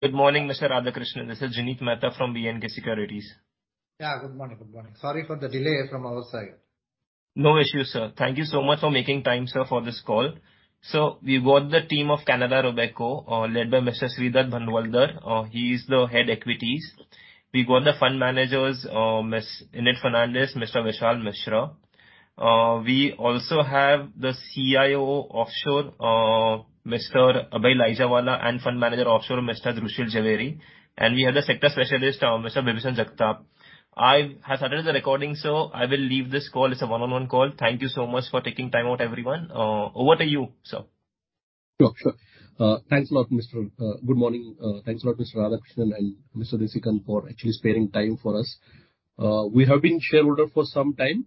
Good morning, Mr. Radhakrishnan. This is Jinit Mehta from B&K Securities. Yeah, good morning. Good morning. Sorry for the delay from our side. No issue, sir. Thank you so much for making time, sir, for this call. We've got the team of Canara Robeco, led by Mr. Shridatta Bhandwaldar. He is the Head Equities. We've got the fund managers, Miss Enid Fernandes, Mr. Vishal Mishra. We also have the CIO offshore, Mr. Abhay Laijawala, and Fund Manager offshore, Mr. Dhrushil Jhaveri, and we have the sector specialist, Mr. Bibhishan Jagtap. I have started the recording, so I will leave this call. It's a one-on-one call. Thank you so much for taking time out, everyone. Over to you, sir. Sure. Thanks a lot. Good morning. Thanks a lot, Mr. Radhakrishnan and Mr. Desikan for actually sparing time for us. We have been shareholder for some time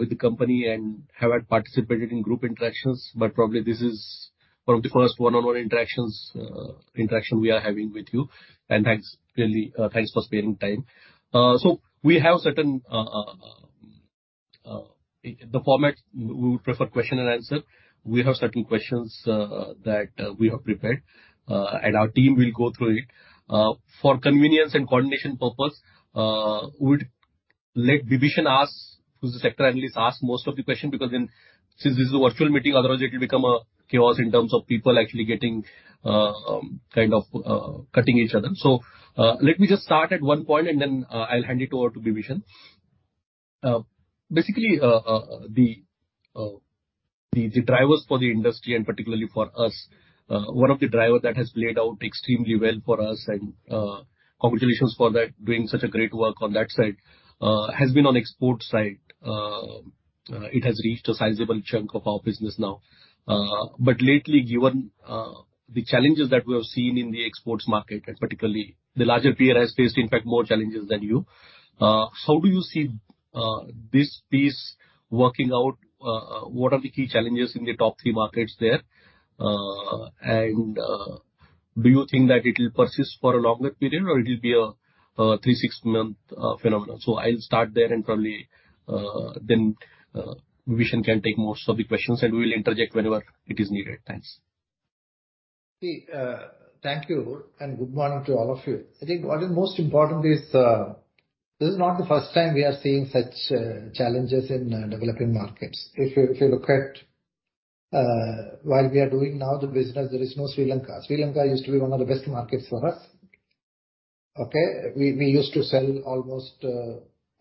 with the company and have participated in group interactions, but probably this is one of the first one-on-one interactions we are having with you. Thanks, really, thanks for sparing time. We have certain questions that we have prepared, and our team will go through it. For convenience and coordination purpose, we'd let Bibhishan ask, who's the sector analyst, ask most of the question because then since this is a virtual meeting, otherwise it will become a chaos in terms of people actually getting, kind of, cutting each other. Let me just start at one point, and then, I'll hand it over to Bibhishan. Basically, the drivers for the industry and particularly for us, one of the drivers that has played out extremely well for us, and congratulations for that, doing such a great work on that side, has been on export side. It has reached a sizable chunk of our business now. Lately, given the challenges that we have seen in the exports market, and particularly the larger peer has faced, in fact, more challenges than you, how do you see this piece working out? What are the key challenges in the top three markets there? Do you think that it'll persist for a longer period or it'll be a three-six-month phenomenon? I'll start there and probably then Bibhishan can take most of the questions and we'll interject whenever it is needed. Thanks. See, thank you and good morning to all of you. I think what is most important is this is not the first time we are seeing such challenges in developing markets. If you look at while we are doing now the business, there is no Sri Lanka. Sri Lanka used to be one of the best markets for us. Okay? We used to sell almost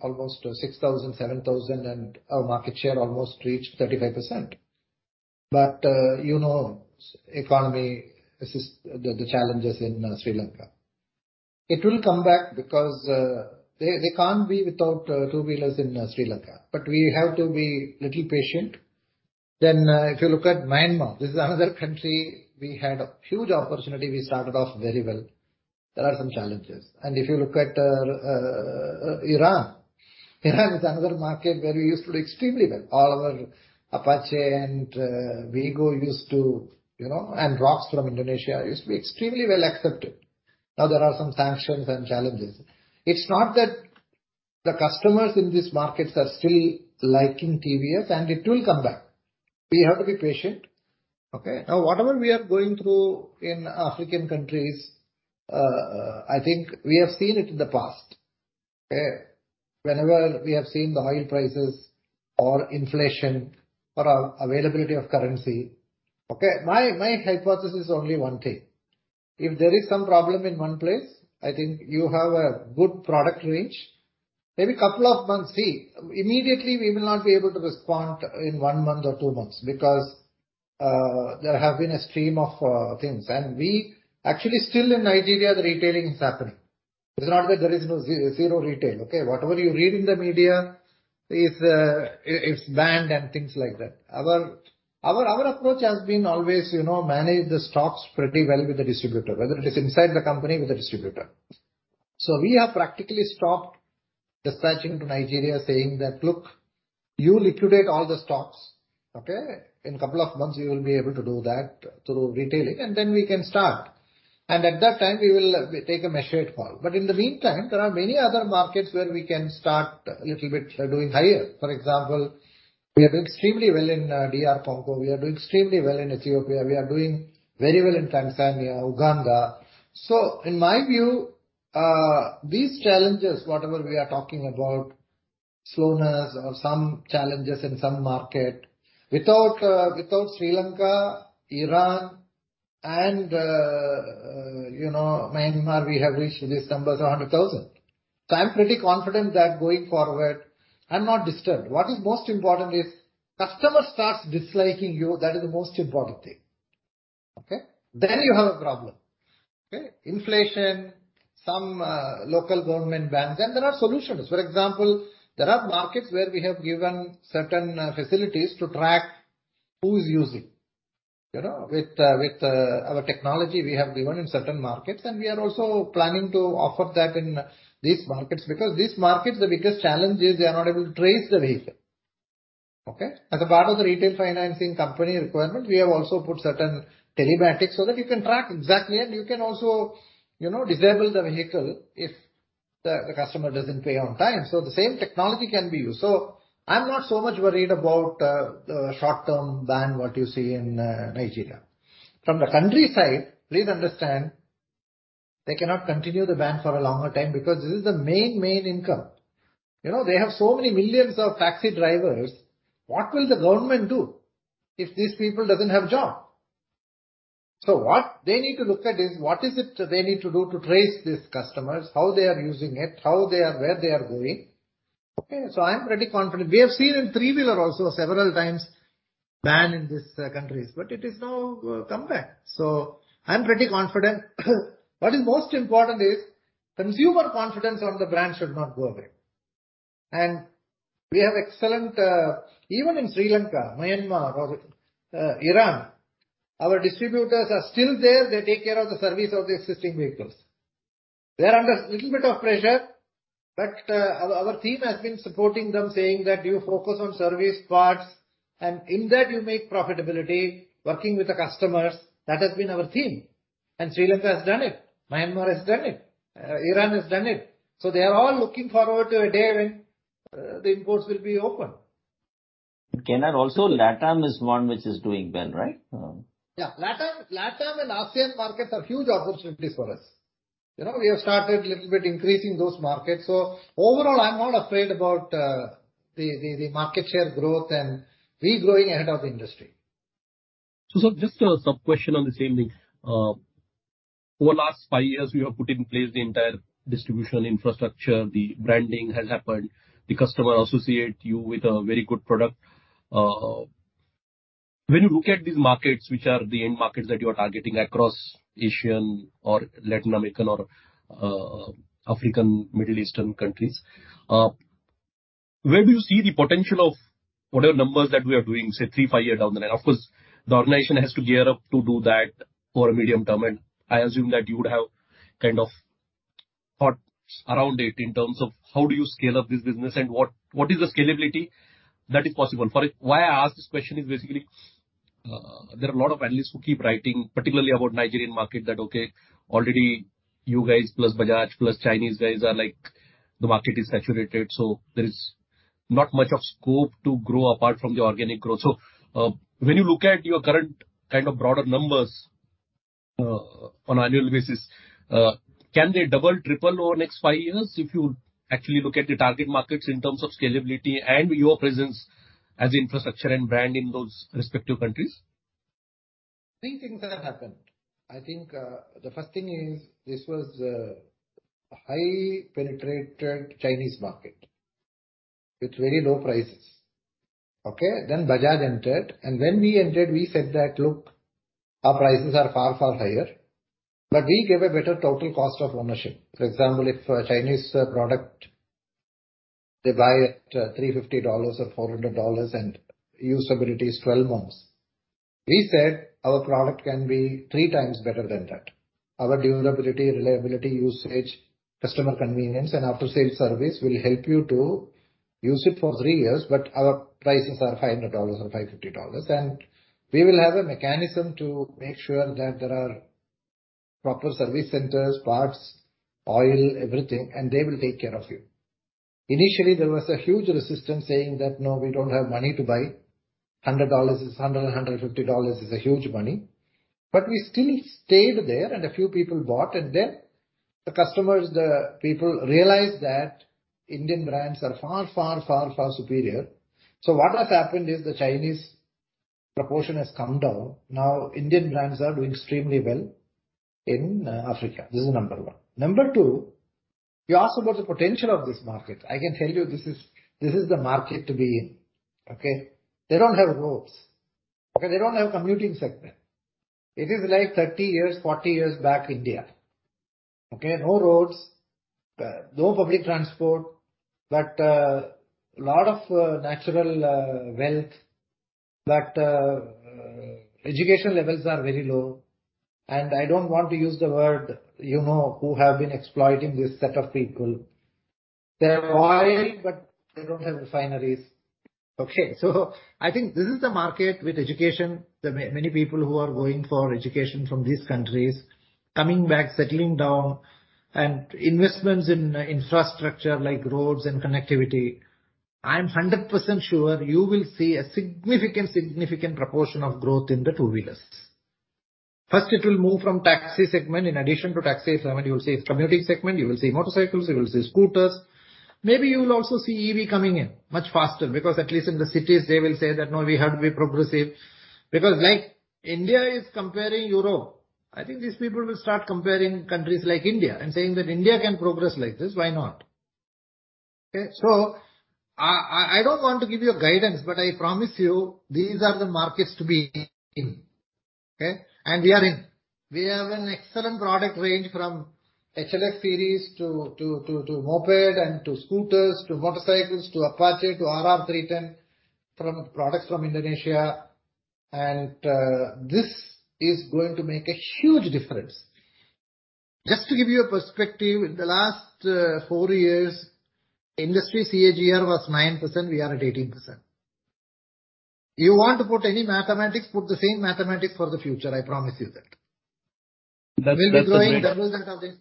6,000-7,000 and our market share almost reached 35%. You know, economy, this is the challenges in Sri Lanka. It will come back because they can't be without two-wheelers in Sri Lanka. We have to be little patient. If you look at Myanmar, this is another country we had a huge opportunity. We started off very well. There are some challenges. If you look at Iran. Iran is another market where we used to do extremely well. All our Apache and Victor used to, you know, and Rockz from Indonesia used to be extremely well accepted. Now there are some sanctions and challenges. It's not that the customers in these markets are still liking TVS, and it will come back. We have to be patient. Okay. Now, whatever we are going through in African countries, I think we have seen it in the past. Okay. Whenever we have seen the oil prices or inflation or availability of currency. Okay. My hypothesis is only one thing. If there is some problem in one place, I think you have a good product range, maybe couple of months see. Immediately, we will not be able to respond in one month or two months because there have been a stream of things. We actually still in Nigeria, the retailing is happening. It's not that there is no zero retail, okay? Whatever you read in the media is banned and things like that. Our approach has been always, you know, manage the stocks pretty well with the distributor, whether it is inside the company with the distributor. We have practically stopped dispatching to Nigeria saying that, "Look, you liquidate all the stocks, okay? In a couple of months you will be able to do that through retailing and then we can start." At that time we will take a measured call. In the meantime, there are many other markets where we can start a little bit doing higher. For example, we are doing extremely well in DR Congo. We are doing extremely well in Ethiopia. We are doing very well in Tanzania, Uganda. In my view, these challenges, whatever we are talking about, slowness or some challenges in some market, without Sri Lanka, Iran and, you know, Myanmar, we have reached these numbers of 100,000. I'm pretty confident that going forward, I'm not disturbed. What is most important is customer starts disliking you, that is the most important thing. Okay. Then you have a problem. Okay. Inflation, some local government bans, and there are solutions. For example, there are markets where we have given certain facilities to track who is using. You know, with our technology we have given in certain markets, and we are also planning to offer that in these markets. Because these markets, the biggest challenge is they are not able to trace the vehicle. Okay? As a part of the retail financing company requirement, we have also put certain telematics so that you can track exactly and you can also, you know, disable the vehicle if the customer doesn't pay on time, so the same technology can be used. I'm not so much worried about the short-term ban what you see in Nigeria. From the countryside, please understand, they cannot continue the ban for a longer time because this is the main income. You know, they have so many millions of taxi drivers. What will the government do if these people doesn't have job? What they need to look at is what is it they need to do to trace these customers, how they are using it, how they are. Where they are going. Okay, I'm pretty confident. We have seen in three-wheeler also several times banned in these countries but it is now come back. I'm pretty confident. What is most important is consumer confidence on the brand should not go away. We have excellent even in Sri Lanka, Myanmar, Iran, our distributors are still there. They take care of the service of the existing vehicles. They're under little bit of pressure, but our team has been supporting them, saying that you focus on service parts, and in that you make profitability working with the customers. That has been our theme. Sri Lanka has done it. Myanmar has done it. Iran has done it. They are all looking forward to a day when the imports will be open. K.N., also Latam is one which is doing well, right? Yeah. Latam and ASEAN markets are huge opportunities for us. You know, we have started little bit increasing those markets. Overall, I'm not afraid about the market share growth, and we're growing ahead of the industry. Sir, just a sub-question on the same thing. Over last five years you have put in place the entire distribution infrastructure. The branding has happened. The customer associate you with a very good product. When you look at these markets, which are the end markets that you are targeting across Asian or Latin American or African, Middle Eastern countries, where do you see the potential of whatever numbers that we are doing, say, three-five years down the line? Of course, the organization has to gear up to do that over a medium term, and I assume that you would have kind of thoughts around it in terms of how do you scale up this business and what is the scalability that is possible? For Why I ask this question is basically, there are a lot of analysts who keep writing particularly about Nigerian market, that, okay, already you guys plus Bajaj plus Chinese guys are like, the market is saturated, so there is not much of scope to grow apart from the organic growth. When you look at your current kind of broader numbers, on annual basis, can they double, triple over next five years if you actually look at the target markets in terms of scalability and your presence as infrastructure and brand in those respective countries? Three things have happened. I think, the first thing is this was a highly penetrated Chinese market with very low prices. Okay? Bajaj entered, and when we entered, we said that, "Look, our prices are far, far higher, but we give a better total cost of ownership." For example, if a Chinese, product, they buy at, $350 or $400 and usability is 12 months. We said, "Our product can be 3x better than that. Our durability, reliability, usage, customer convenience, and after-sale service will help you to use it for three years, but our prices are $500 or $550. We will have a mechanism to make sure that there are proper service centers, parts, oil, everything, and they will take care of you. Initially, there was a huge resistance saying that, "No, we don't have money to buy. $100 is a huge money. $150 is a huge money." We still stayed there, and a few people bought, and then the customers, the people realized that Indian brands are far, far, far, far superior. What has happened is the Chinese proportion has come down. Now Indian brands are doing extremely well in Africa. This is number one. Number two, you asked about the potential of this market. I can tell you this is the market to be in. Okay. They don't have roads. Okay. They don't have commuting segment. It is like 30 years, 40 years back in India. Okay. No roads, no public transport, but lot of natural wealth, but education levels are very low. I don't want to use the word, you know, who have been exploiting this set of people. They have oil, but they don't have refineries. Okay. I think this is the market with education. Many people who are going for education from these countries, coming back, settling down, and investments in infrastructure like roads and connectivity. I'm 100% sure you will see a significant proportion of growth in the two-wheelers. First it will move from taxi segment. In addition to taxi segment, you will see commuting segment, you will see motorcycles, you will see scooters. Maybe you will also see EV coming in much faster because at least in the cities, they will say that, "No, we have to be progressive." Because like India is comparing Europe, I think these people will start comparing countries like India and saying that India can progress like this, why not? Okay. I don't want to give you a guidance, but I promise you these are the markets to be in. Okay? We are in. We have an excellent product range from HLX series to moped and to scooters, to motorcycles, to Apache, to RR 310, from products from Indonesia and this is going to make a huge difference. Just to give you a perspective, in the last four years, industry CAGR was 9%, we are at 18%. You want to put any mathematics, put the same mathematics for the future, I promise you that. That's a great. We'll be growing double that of this.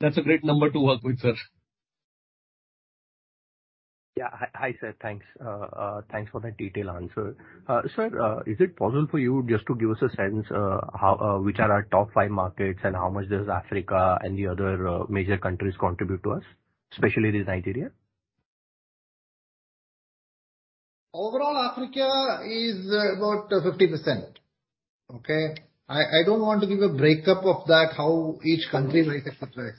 That's a great number to work with, sir. Yeah. Hi, sir. Thanks for that detailed answer. Sir, is it possible for you just to give us a sense, which are our top five markets and how much does Africa and the other major countries contribute to us, especially Nigeria? Overall, Africa is about 50%. Okay. I don't want to give a break-up of that, how each country makes it, et cetera.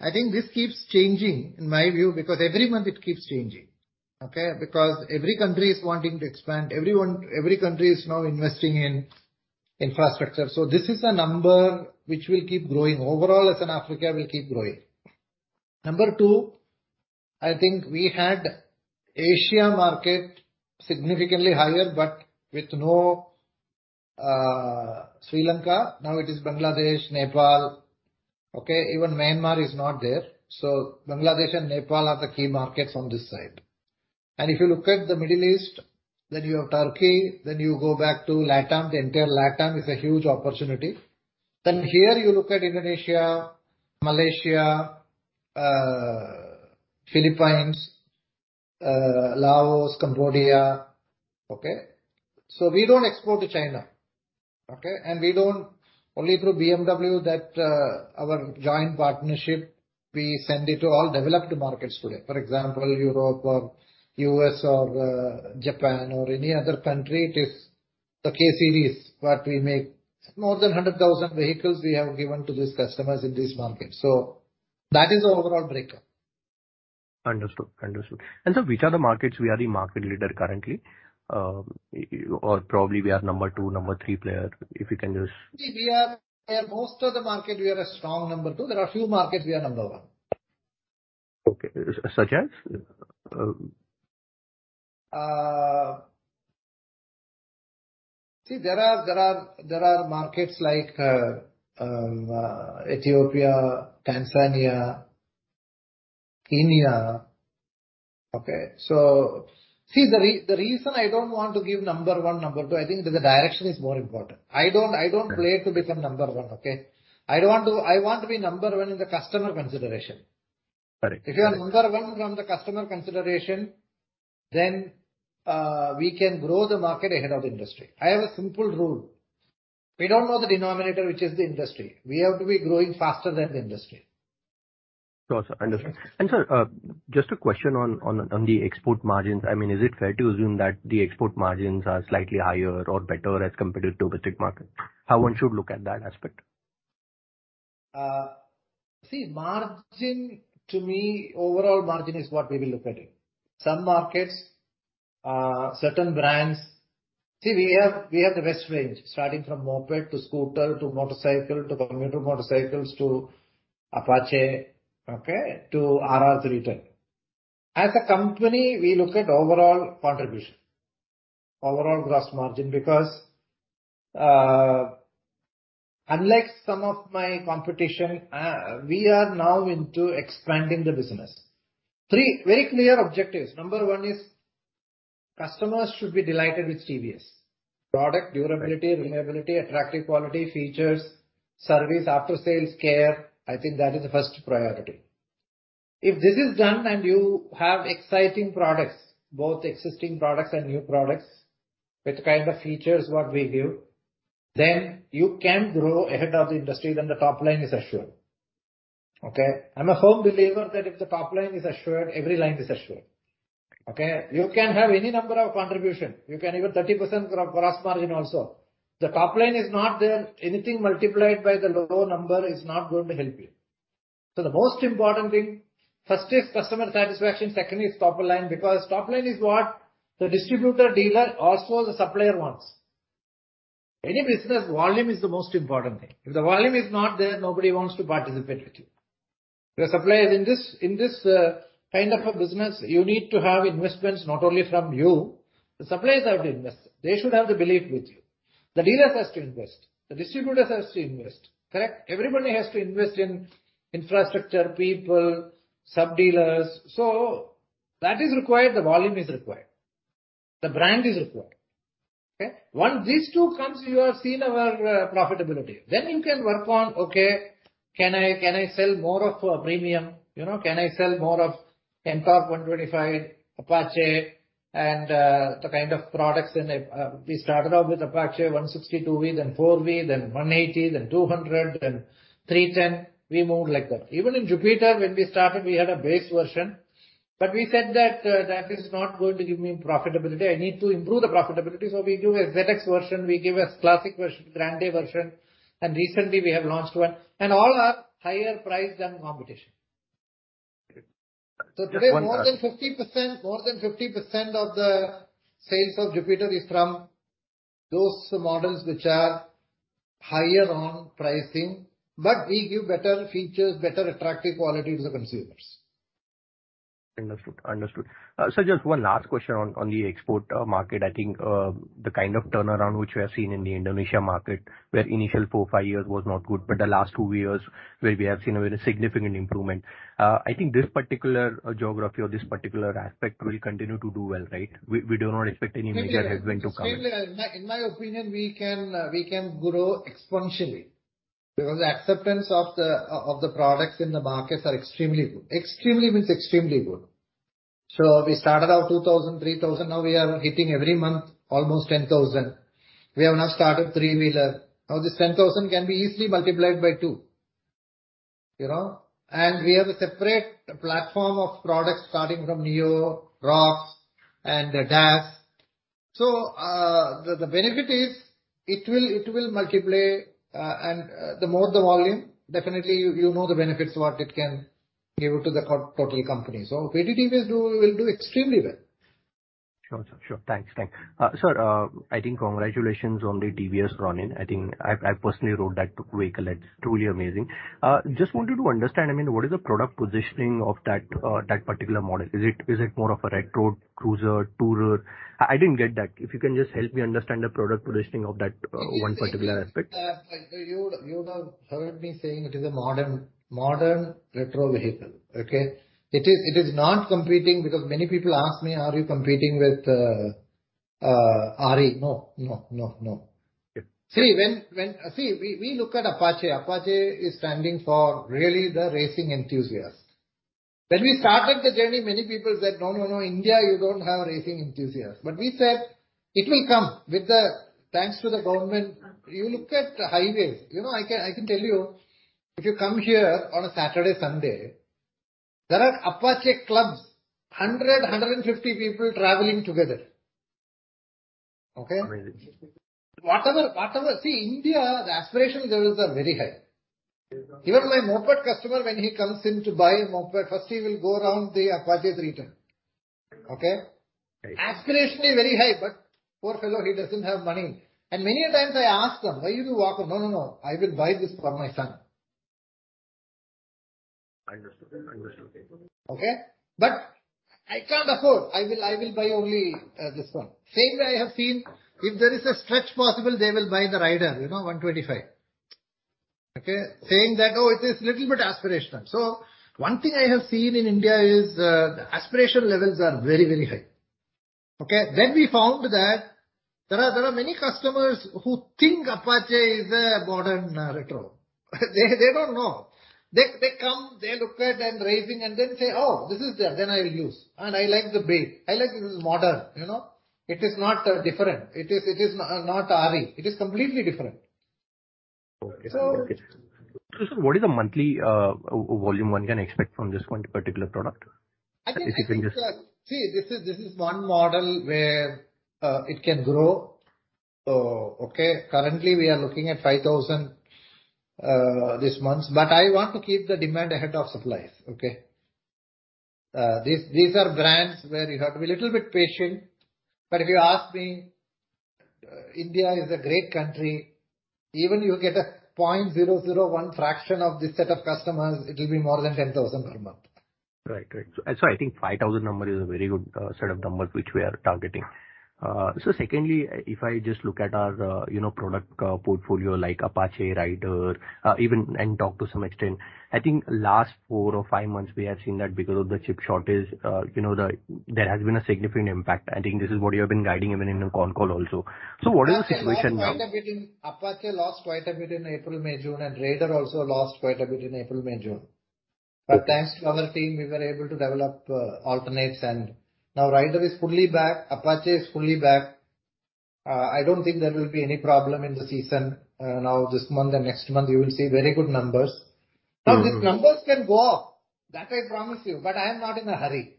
I think this keeps changing, in my view, because every month it keeps changing. Okay. Because every country is wanting to expand, every country is now investing in infrastructure. This is a number which will keep growing. Overall, as in Africa, will keep growing. Number two, I think we had Asia market significantly higher, but with no, Sri Lanka. Now it is Bangladesh, Nepal, okay. Even Myanmar is not there. Bangladesh and Nepal are the key markets on this side. If you look at the Middle East, then you have Turkey, then you go back to LATAM. The entire LATAM is a huge opportunity. Then here you look at Indonesia, Malaysia, Philippines, Laos, Cambodia. Okay. We don't export to China. Okay? Only through BMW that, our joint partnership, we send it to all developed markets today. For example, Europe or U.S. or Japan or any other country, it is the K series what we make. More than 100,000 vehicles we have given to these customers in this market. That is the overall breakup. Understood. Sir, which are the markets we are the market leader currently? Or probably we are number two, number three player, if you can just- See, we are, in most of the market we are a strong number two. There are a few markets we are number one. Okay. Such as? There are markets like Ethiopia, Tanzania, Kenya. Okay? The reason I don't want to give number one, number two, I think the direction is more important. I don't play to become number one, okay? I don't want to. I want to be number one in the customer consideration. Correct. If you are number one from the customer consideration, then, we can grow the market ahead of industry. I have a simple rule. We don't know the denominator, which is the industry. We have to be growing faster than the industry. Sure, sir. Understood. Yes. Sir, just a question on the export margins. I mean, is it fair to assume that the export margins are slightly higher or better as compared to domestic market? How one should look at that aspect? Margin to me, overall margin is what we will look at it. Some markets, certain brands. We have the best range, starting from moped to scooter to motorcycle to commuter motorcycles to Apache, okay? To RR 310. As a company, we look at overall contribution, overall gross margin, because, unlike some of my competition, we are now into expanding the business. Three very clear objectives. Number one is customers should be delighted with TVS. Product durability, reliability, attractive quality, features, service, after-sales care, I think that is the first priority. If this is done and you have exciting products, both existing products and new products, with the kind of features what we give, then you can grow ahead of the industry, then the top line is assured. Okay? I'm a firm believer that if the top line is assured, every line is assured. Okay? You can have any number of contribution. You can even 30% gross margin also. The top line is not there, anything multiplied by the low number is not going to help you. The most important thing, first is customer satisfaction, second is top line, because top line is what the distributor, dealer, also the supplier wants. Any business, volume is the most important thing. If the volume is not there, nobody wants to participate with you. The suppliers, in this kind of a business, you need to have investments not only from you, the suppliers have to invest. They should have the belief with you. The dealers has to invest. The distributors has to invest. Correct? Everybody has to invest in infrastructure, people, sub-dealers. That is required. The volume is required. The brand is required. Okay? Once these two comes, you have seen our profitability. Then you can work on, okay, can I sell more of a premium? You know, can I sell more of Ntorq 125, Apache, and the kind of products in a. We started off with Apache 162 V, then 4 V, then 180, then 200, then 310. We moved like that. Even in Jupiter, when we started, we had a base version. We said that that is not going to give me profitability. I need to improve the profitability. We do a ZX version, we give a classic version, Grande version, and recently we have launched one. All are higher priced than competition. Great. Just one last- Today more than 50% of the sales of Jupiter is from those models which are higher on pricing, but we give better features, better attractive quality to the consumers. Understood. Just one last question on the export market. I think the kind of turnaround which we have seen in the Indonesia market, where initial four or five years was not good, but the last two years where we have seen a very significant improvement. I think this particular geography or this particular aspect will continue to do well, right? We do not expect any major headwind to come in. In my opinion, we can grow exponentially because the acceptance of the products in the markets are extremely good. Extremely means extremely good. We started out 2,000, 3,000, now we are hitting every month almost 10,000. We have now started three-wheeler. Now this 10,000 can be easily multiplied by two, you know. We have a separate platform of products starting from Neo, Rockz and Dazz. The benefit is it will multiply, and the more the volume, definitely you know the benefits what it can give to the whole company. TVS will do extremely well. Sure. Thanks. Sir, I think congratulations on the TVS Ronin. I think I personally rode that vehicle. It's truly amazing. Just wanted to understand, I mean, what is the product positioning of that particular model? Is it more of a retro cruiser tourer? I didn't get that. If you can just help me understand the product positioning of that one particular aspect. You have heard me saying it is a modern retro vehicle. Okay? It is not competing because many people ask me, "Are you competing with RE?" No. Okay. We look at Apache. Apache is standing for really the racing enthusiast. When we started the journey, many people said, "No, no, India you don't have racing enthusiasts." We said it will come thanks to the government. You look at highways. You know, I can tell you, if you come here on a Saturday, Sunday, there are Apache clubs, 150 people traveling together. Okay? Amazing. Whatever, whatever. See, India, the aspiration levels are very high. Even my moped customer, when he comes in to buy a moped, first he will go around the Apache showroom. Okay? Right. Aspiration is very high, but poor fellow, he doesn't have money. Many a times I ask them, "Why you do walk?" "No, no. I will buy this for my son. I understood. Okay? "But I can't afford. I will buy only this one." Same way I have seen if there is a stretch possible, they will buy the Raider, you know, 125. Okay? Saying that, "Oh, it is little bit aspirational." One thing I have seen in India is the aspiration levels are very, very high. Okay? We found that there are many customers who think Apache is a modern retro. They don't know. They come, they look at and racing and then say, "Oh, this is there, then I'll use. And I like the build. I like it is modern." You know? It is not different. It is not RE. It is completely different. Okay. Okay. So- What is the monthly volume one can expect from this one particular product? I think- If you can just- See, this is one model where it can grow. Okay, currently we are looking at 5,000 this month, but I want to keep the demand ahead of supplies, okay? These are brands where you have to be a little bit patient. If you ask me, India is a great country. Even you get a 0.001 fraction of this set of customers, it will be more than 10,000 per month. I think 5,000 number is a very good set of numbers which we are targeting. Secondly, if I just look at our product portfolio like Apache, Raider, even, and talk to some extent, I think last four or five months we have seen that because of the chip shortage, there has been a significant impact. I think this is what you have been guiding even in the con call also. What is the situation now? Apache lost quite a bit in April, May, June, and Raider also lost quite a bit in April, May, June. Thanks to our team, we were able to develop alternatives and now Raider is fully back, Apache is fully back. I don't think there will be any problem in the season. Now this month and next month you will see very good numbers. Mm-hmm. Now these numbers can go up, that I promise you, but I am not in a hurry.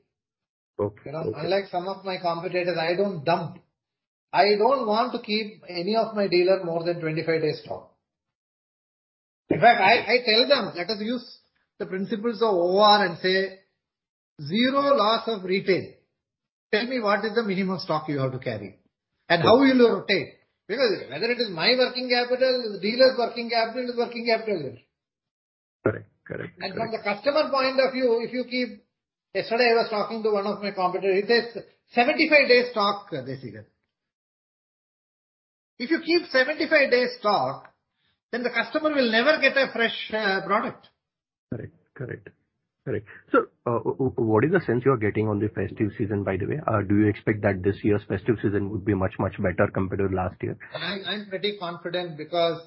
Okay. You know, unlike some of my competitors, I don't dump. I don't want to keep any of my dealer more than 25 days stock. In fact, I tell them, let us use the principles of OR and say, zero loss of retail. Tell me what is the minimum stock you have to carry and how will you rotate? Because whether it is my working capital, dealer's working capital, it's working capital only. Correct. From the customer point of view. Yesterday I was talking to one of my competitor. He takes 75 days stock, Jaisingh. If you keep 75 days stock, then the customer will never get a fresh product. Correct. What is the sense you are getting on the festive season, by the way? Do you expect that this year's festive season would be much, much better compared to last year? I'm pretty confident because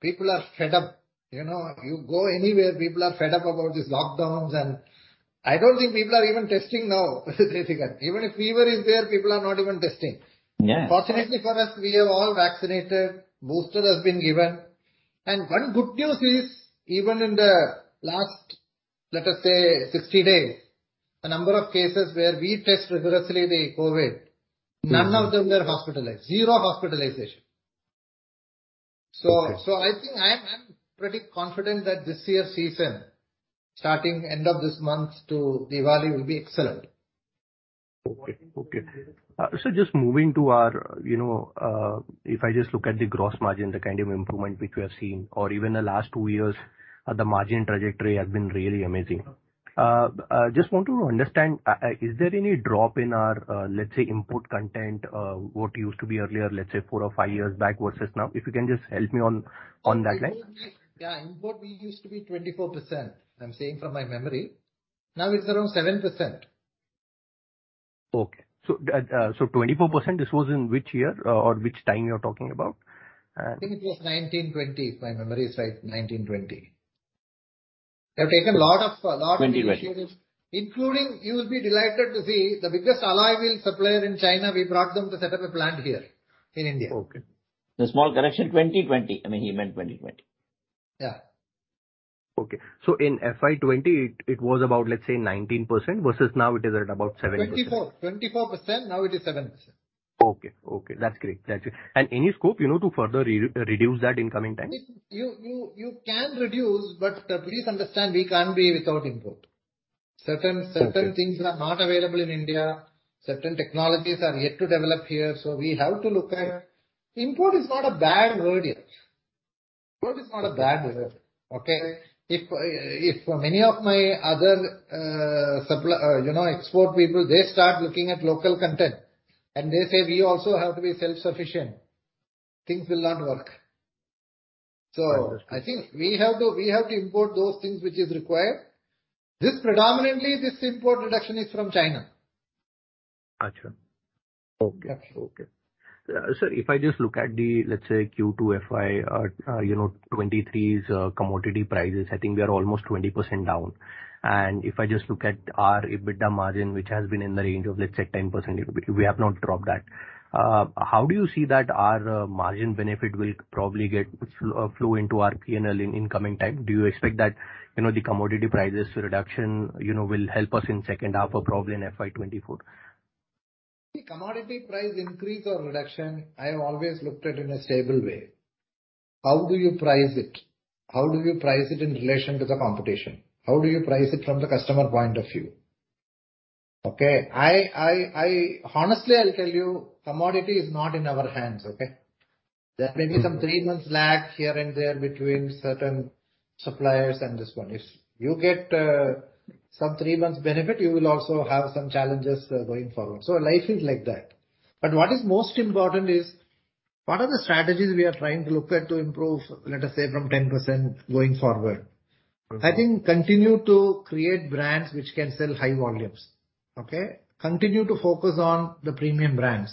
people are fed up. You know, you go anywhere, people are fed up about these lockdowns, and I don't think people are even testing now, Jaisingh. Even if fever is there, people are not even testing. Yeah. Fortunately for us, we are all vaccinated, booster has been given. One good news is, even in the last, let us say 60 days, the number of cases where we test rigorously the COVID- Mm-hmm. None of them were hospitalized. Zero hospitalization. Okay. I think I'm pretty confident that this year's season, starting end of this month to Diwali will be excellent. Okay. Just moving to our, you know, if I just look at the gross margin, the kind of improvement which we have seen over even the last two years, the margin trajectory has been really amazing. Just want to understand, is there any drop in our, let's say input cost, what used to be earlier, let's say four or five years back versus now? If you can just help me on that line. Yeah, input we used to be 24%, I'm saying from my memory. Now it's around 7%. 24%, this was in which year or which time you're talking about? I think it was 1920, if my memory is right. 1920. We have taken a lot of initiatives. Twenty-twenty. Including, you will be delighted to see the biggest alloy wheel supplier in China. We brought them to set up a plant here in India. Okay. A small correction. 2020. I mean, he meant 2020. Yeah. Okay. In FY 2010, it was about, let's say 19% versus now it is at about 7%. 24%. 24%, now it is 7%. Okay, that's great. Any scope, you know, to further reduce that in coming time? You can reduce, but please understand we can't be without input. Okay. Certain things are not available in India. Certain technologies are yet to develop here, so we have to look at import. Import is not a bad word yet. Import is not a bad word, okay? If many of my other supplier, you know, export people, they start looking at local content and they say, "We also have to be self-sufficient," things will not work. I understand. I think we have to import those things which is required. This predominantly import reduction is from China. Got you. Okay. Sir, if I just look at the, let's say Q2 FY 2023's commodity prices, I think we are almost 20% down. If I just look at our EBITDA margin, which has been in the range of, let's say 10%, we have not dropped that. How do you see that our margin benefit will probably get flow into our P&L in coming time? Do you expect that, you know, the commodity prices reduction, you know, will help us in second half or probably in FY 2024? The commodity price increase or reduction, I have always looked at in a stable way. How do you price it? How do you price it in relation to the competition? How do you price it from the customer point of view? Okay. I honestly, I'll tell you, commodity is not in our hands, okay? Mm-hmm. There may be some three months lag here and there between certain suppliers and this one. If you get some three months benefit, you will also have some challenges going forward. Life is like that. What is most important is what are the strategies we are trying to look at to improve, let us say from 10% going forward? I think continue to create brands which can sell high volumes. Okay? Continue to focus on the premium brands.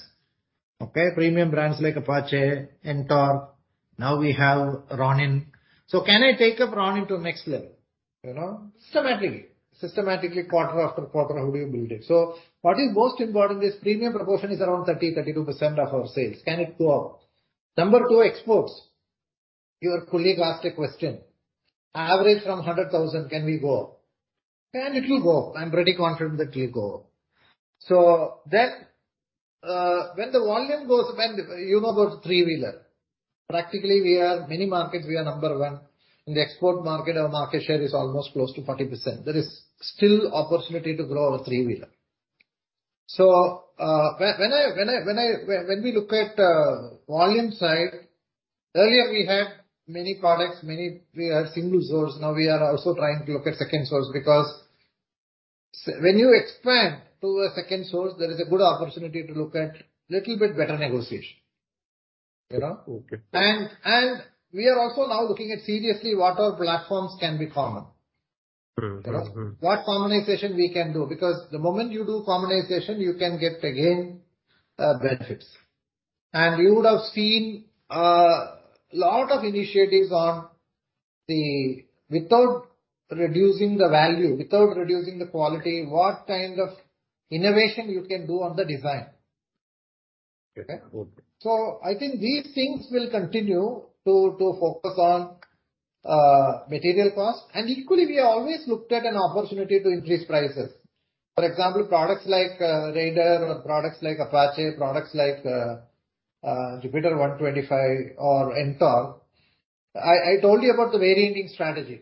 Okay? Premium brands like Apache, Ntorq. Now we have Ronin. Can I take up Ronin to next level? You know, systematically. Systematically, quarter-after-quarter, how do you build it? What is most important is premium proportion is around 30%-32% of our sales. Can it go up? Number two, exports. Your colleague asked a question. Average from 100,000, can we go up? Can it will go up. I'm pretty confident that it will go up. When the volume goes, you know about three-wheeler. Practically we are, many markets we are number one. In the export market our market share is almost close to 40%. There is still opportunity to grow our three-wheeler. When we look at volume side, earlier we had many products, many we had single source. Now we are also trying to look at second source because when you expand to a second source, there is a good opportunity to look at little bit better negotiation. You know? Okay. We are also now looking seriously at what our platforms can be common. Mm-hmm. Mm-hmm. You know? What commonization we can do. Because the moment you do commonization, you can get again, benefits. You would have seen, lot of initiatives on the, without reducing the value, without reducing the quality, what kind of innovation you can do on the design. Okay? Mm. I think these things will continue to focus on material costs. Equally, we have always looked at an opportunity to increase prices. For example, products like Raider or products like Apache, products like Jupiter 125 or Ntorq. I told you about the varianting strategy.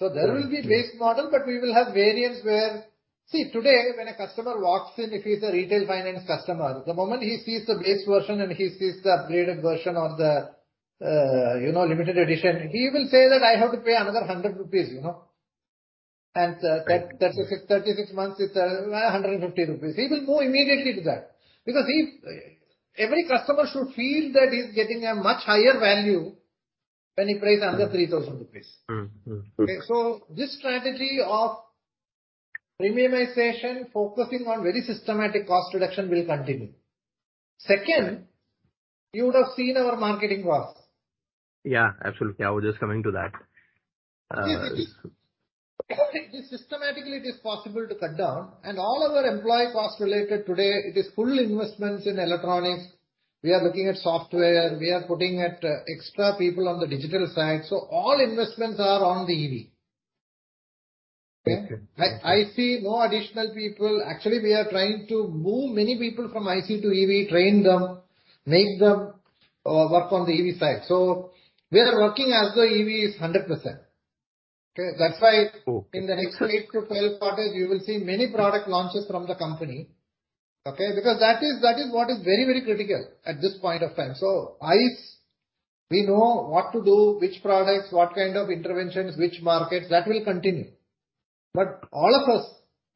Right. There will be base model, but we will have variants where. See, today, when a customer walks in, if he's a retail finance customer, the moment he sees the base version and he sees the upgraded version or the, you know, limited edition, he will say that I have to pay another 100 rupees, you know. 36 months is 150 rupees. He will go immediately to that. Because every customer should feel that he's getting a much higher value when he pays another 3,000 rupees. Okay. This strategy of premiumization, focusing on very systematic cost reduction will continue. Second, you would have seen our marketing costs. Yeah, absolutely. I was just coming to that. Yes. It is. Systematically it is possible to cut down. All other employee costs related today, it is full investments in electronics. We are looking at software. We are putting at extra people on the digital side. All investments are on the EV. Okay? Okay. I see no additional people. Actually, we are trying to move many people from IC to EV, train them, make them work on the EV side. We are working as though EV is 100%. Okay. That's why in the next eight to 12 quarters, you will see many product launches from the company, okay? Because that is what is very critical at this point of time. We know what to do, which products, what kind of interventions, which markets, that will continue. All of us,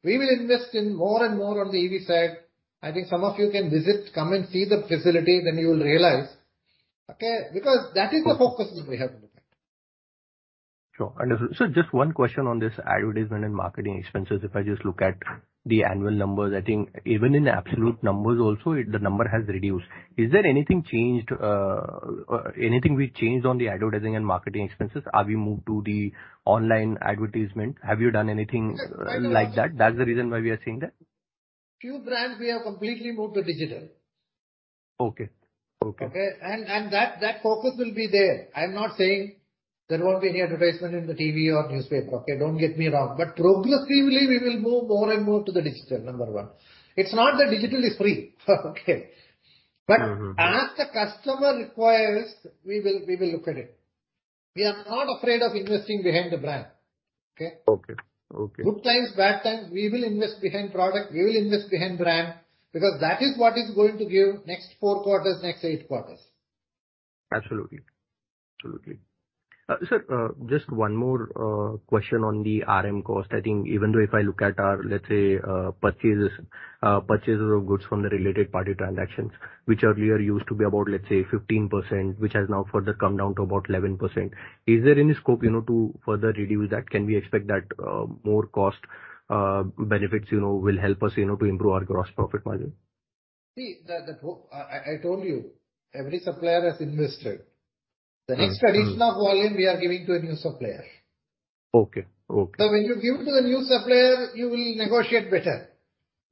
we will invest in more and more on the EV side. I think some of you can visit, come and see the facility, then you will realize, okay. Because that is the focus we have in effect. Sure. Understood. Sir, just one question on this advertisement and marketing expenses. If I just look at the annual numbers, I think even in absolute numbers also, it, the number has reduced. Is there anything changed, anything we changed on the advertising and marketing expenses? Are we moved to the online advertisement? Have you done anything like that? That's the reason why we are seeing that. Few brands we have completely moved to digital. Okay. Okay. Okay? That focus will be there. I'm not saying there won't be any advertisement in the TV or newspaper, okay? Don't get me wrong. Progressively we will move more and more to the digital, number one. It's not that digital is free, okay. Mm-hmm. As the customer requires, we will look at it. We are not afraid of investing behind the brand. Okay. Okay. Okay. Good times, bad times, we will invest behind product, we will invest behind brand, because that is what is going to give next four quarters, next eight quarters. Absolutely. Sir, just one more question on the RM cost. I think even though if I look at our, let's say, purchases of goods from the related party transactions, which earlier used to be about, let's say, 15%, which has now further come down to about 11%. Is there any scope, you know, to further reduce that? Can we expect that more cost benefits, you know, will help us, you know, to improve our gross profit margin? See, I told you, every supplier has invested. Mm-hmm. The next addition of volume we are giving to a new supplier. Okay. Okay. When you give to the new supplier, you will negotiate better.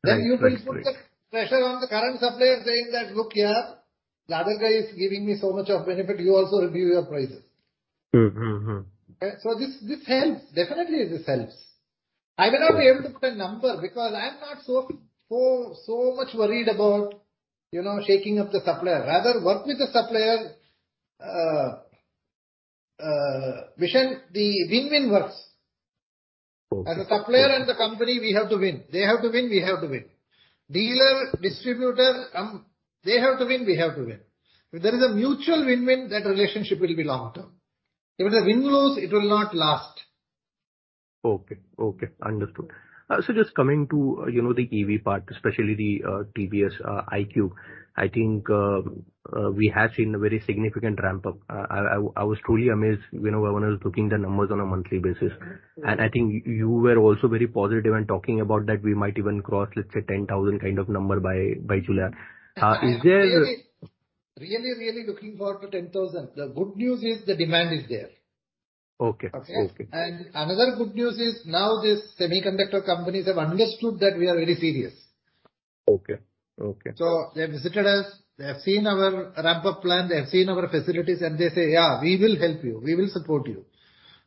Right. Right. You will put the pressure on the current supplier saying that, "Look here, the other guy is giving me so much of benefit, you also review your prices. Mm-hmm. Mm-hmm. This helps. Definitely this helps. I will not be able to put a number because I'm not so much worried about, you know, shaking up the supplier. Rather work with the supplier, which then the win-win works. Okay. As a supplier and the company we have to win. They have to win, we have to win. Dealer, distributor, they have to win, we have to win. If there is a mutual win-win, that relationship will be long-term. If it's a win-lose, it will not last. Okay. Okay. Understood. Just coming to, you know, the EV part, especially the TVS iQube. I think we have seen a very significant ramp up. I was truly amazed, you know, when I was looking at the numbers on a monthly basis. I think you were also very positive in talking about that we might even cross, let's say, 10,000 kind of number by July. Is there? I am really looking forward to 10,000. The good news is the demand is there. Okay. Okay. Okay? Another good news is now these semiconductor companies have understood that we are very serious. Okay. They have visited us, they have seen our ramp-up plan, they have seen our facilities, and they say, "Yeah, we will help you. We will support you."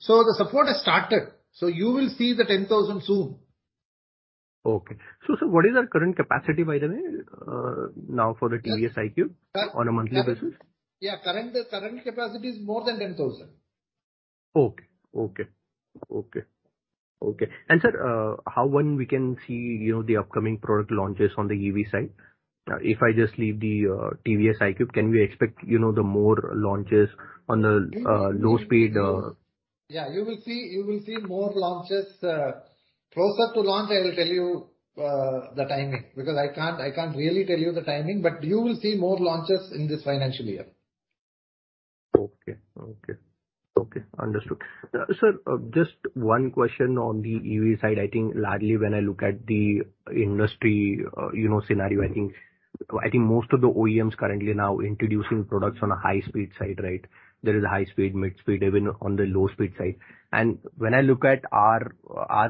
The support has started, so you will see the 10,000 soon. Sir, what is our current capacity, by the way, now for the TVS iQube on a monthly basis? Yeah. Current capacity is more than 10,000. Okay. Sir, how, when can we see, you know, the upcoming product launches on the EV side? If I just leave the TVS iQube, can we expect, you know, the more launches on the low speed, You will see more launches closer to launch. I will tell you the timing, because I can't really tell you the timing, but you will see more launches in this financial year. Understood. Sir, just one question on the EV side. I think largely when I look at the industry, you know, scenario, I think most of the OEMs currently are now introducing products on a high speed side, right? There is a high speed, mid speed, even on the low speed side. When I look at our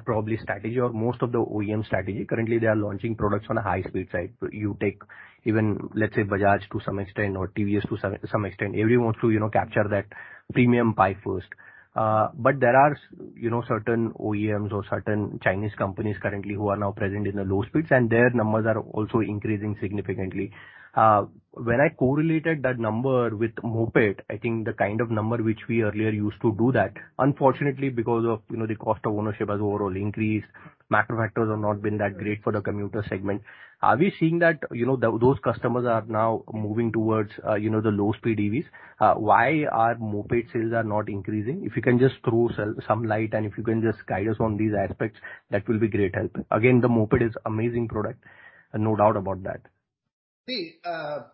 probably strategy or most of the OEM strategy, currently they are launching products on a high speed side. You take even, let's say, Bajaj to some extent, or TVS to some extent, everyone wants to, you know, capture that premium pie first. But there are you know, certain OEMs or certain Chinese companies currently who are now present in the low speeds, and their numbers are also increasing significantly. When I correlated that number with moped, I think the kind of number which we earlier used to do that, unfortunately because of, you know, the cost of ownership has overall increased, macro factors have not been that great for the commuter segment. Are we seeing that, you know, those customers are now moving towards, you know, the low-speed EVs? Why are moped sales are not increasing? If you can just throw some light, and if you can just guide us on these aspects, that will be great help. Again, the moped is amazing product, no doubt about that. See, there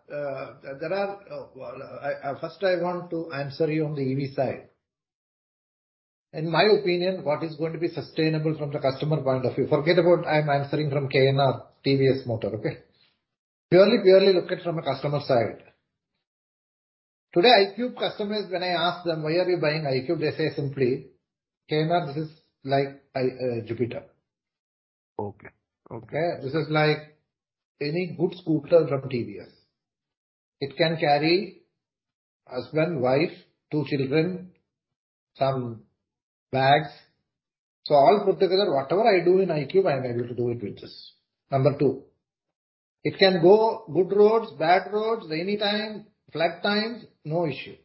are. First I want to answer you on the EV side. In my opinion, what is going to be sustainable from the customer point of view. Forget about I'm answering from KNR TVS Motor, okay? Purely look at from a customer side. Today, iQube customers, when I ask them: "Why are you buying iQube?" They say simply, "KNR, this is like Jupiter. Okay. Okay. This is like any good scooter from TVS. It can carry husband, wife, two children, some bags. All put together, whatever I do in iQube, I am able to do it with this. Number two. It can go good roads, bad roads, anytime, flood times, no issue.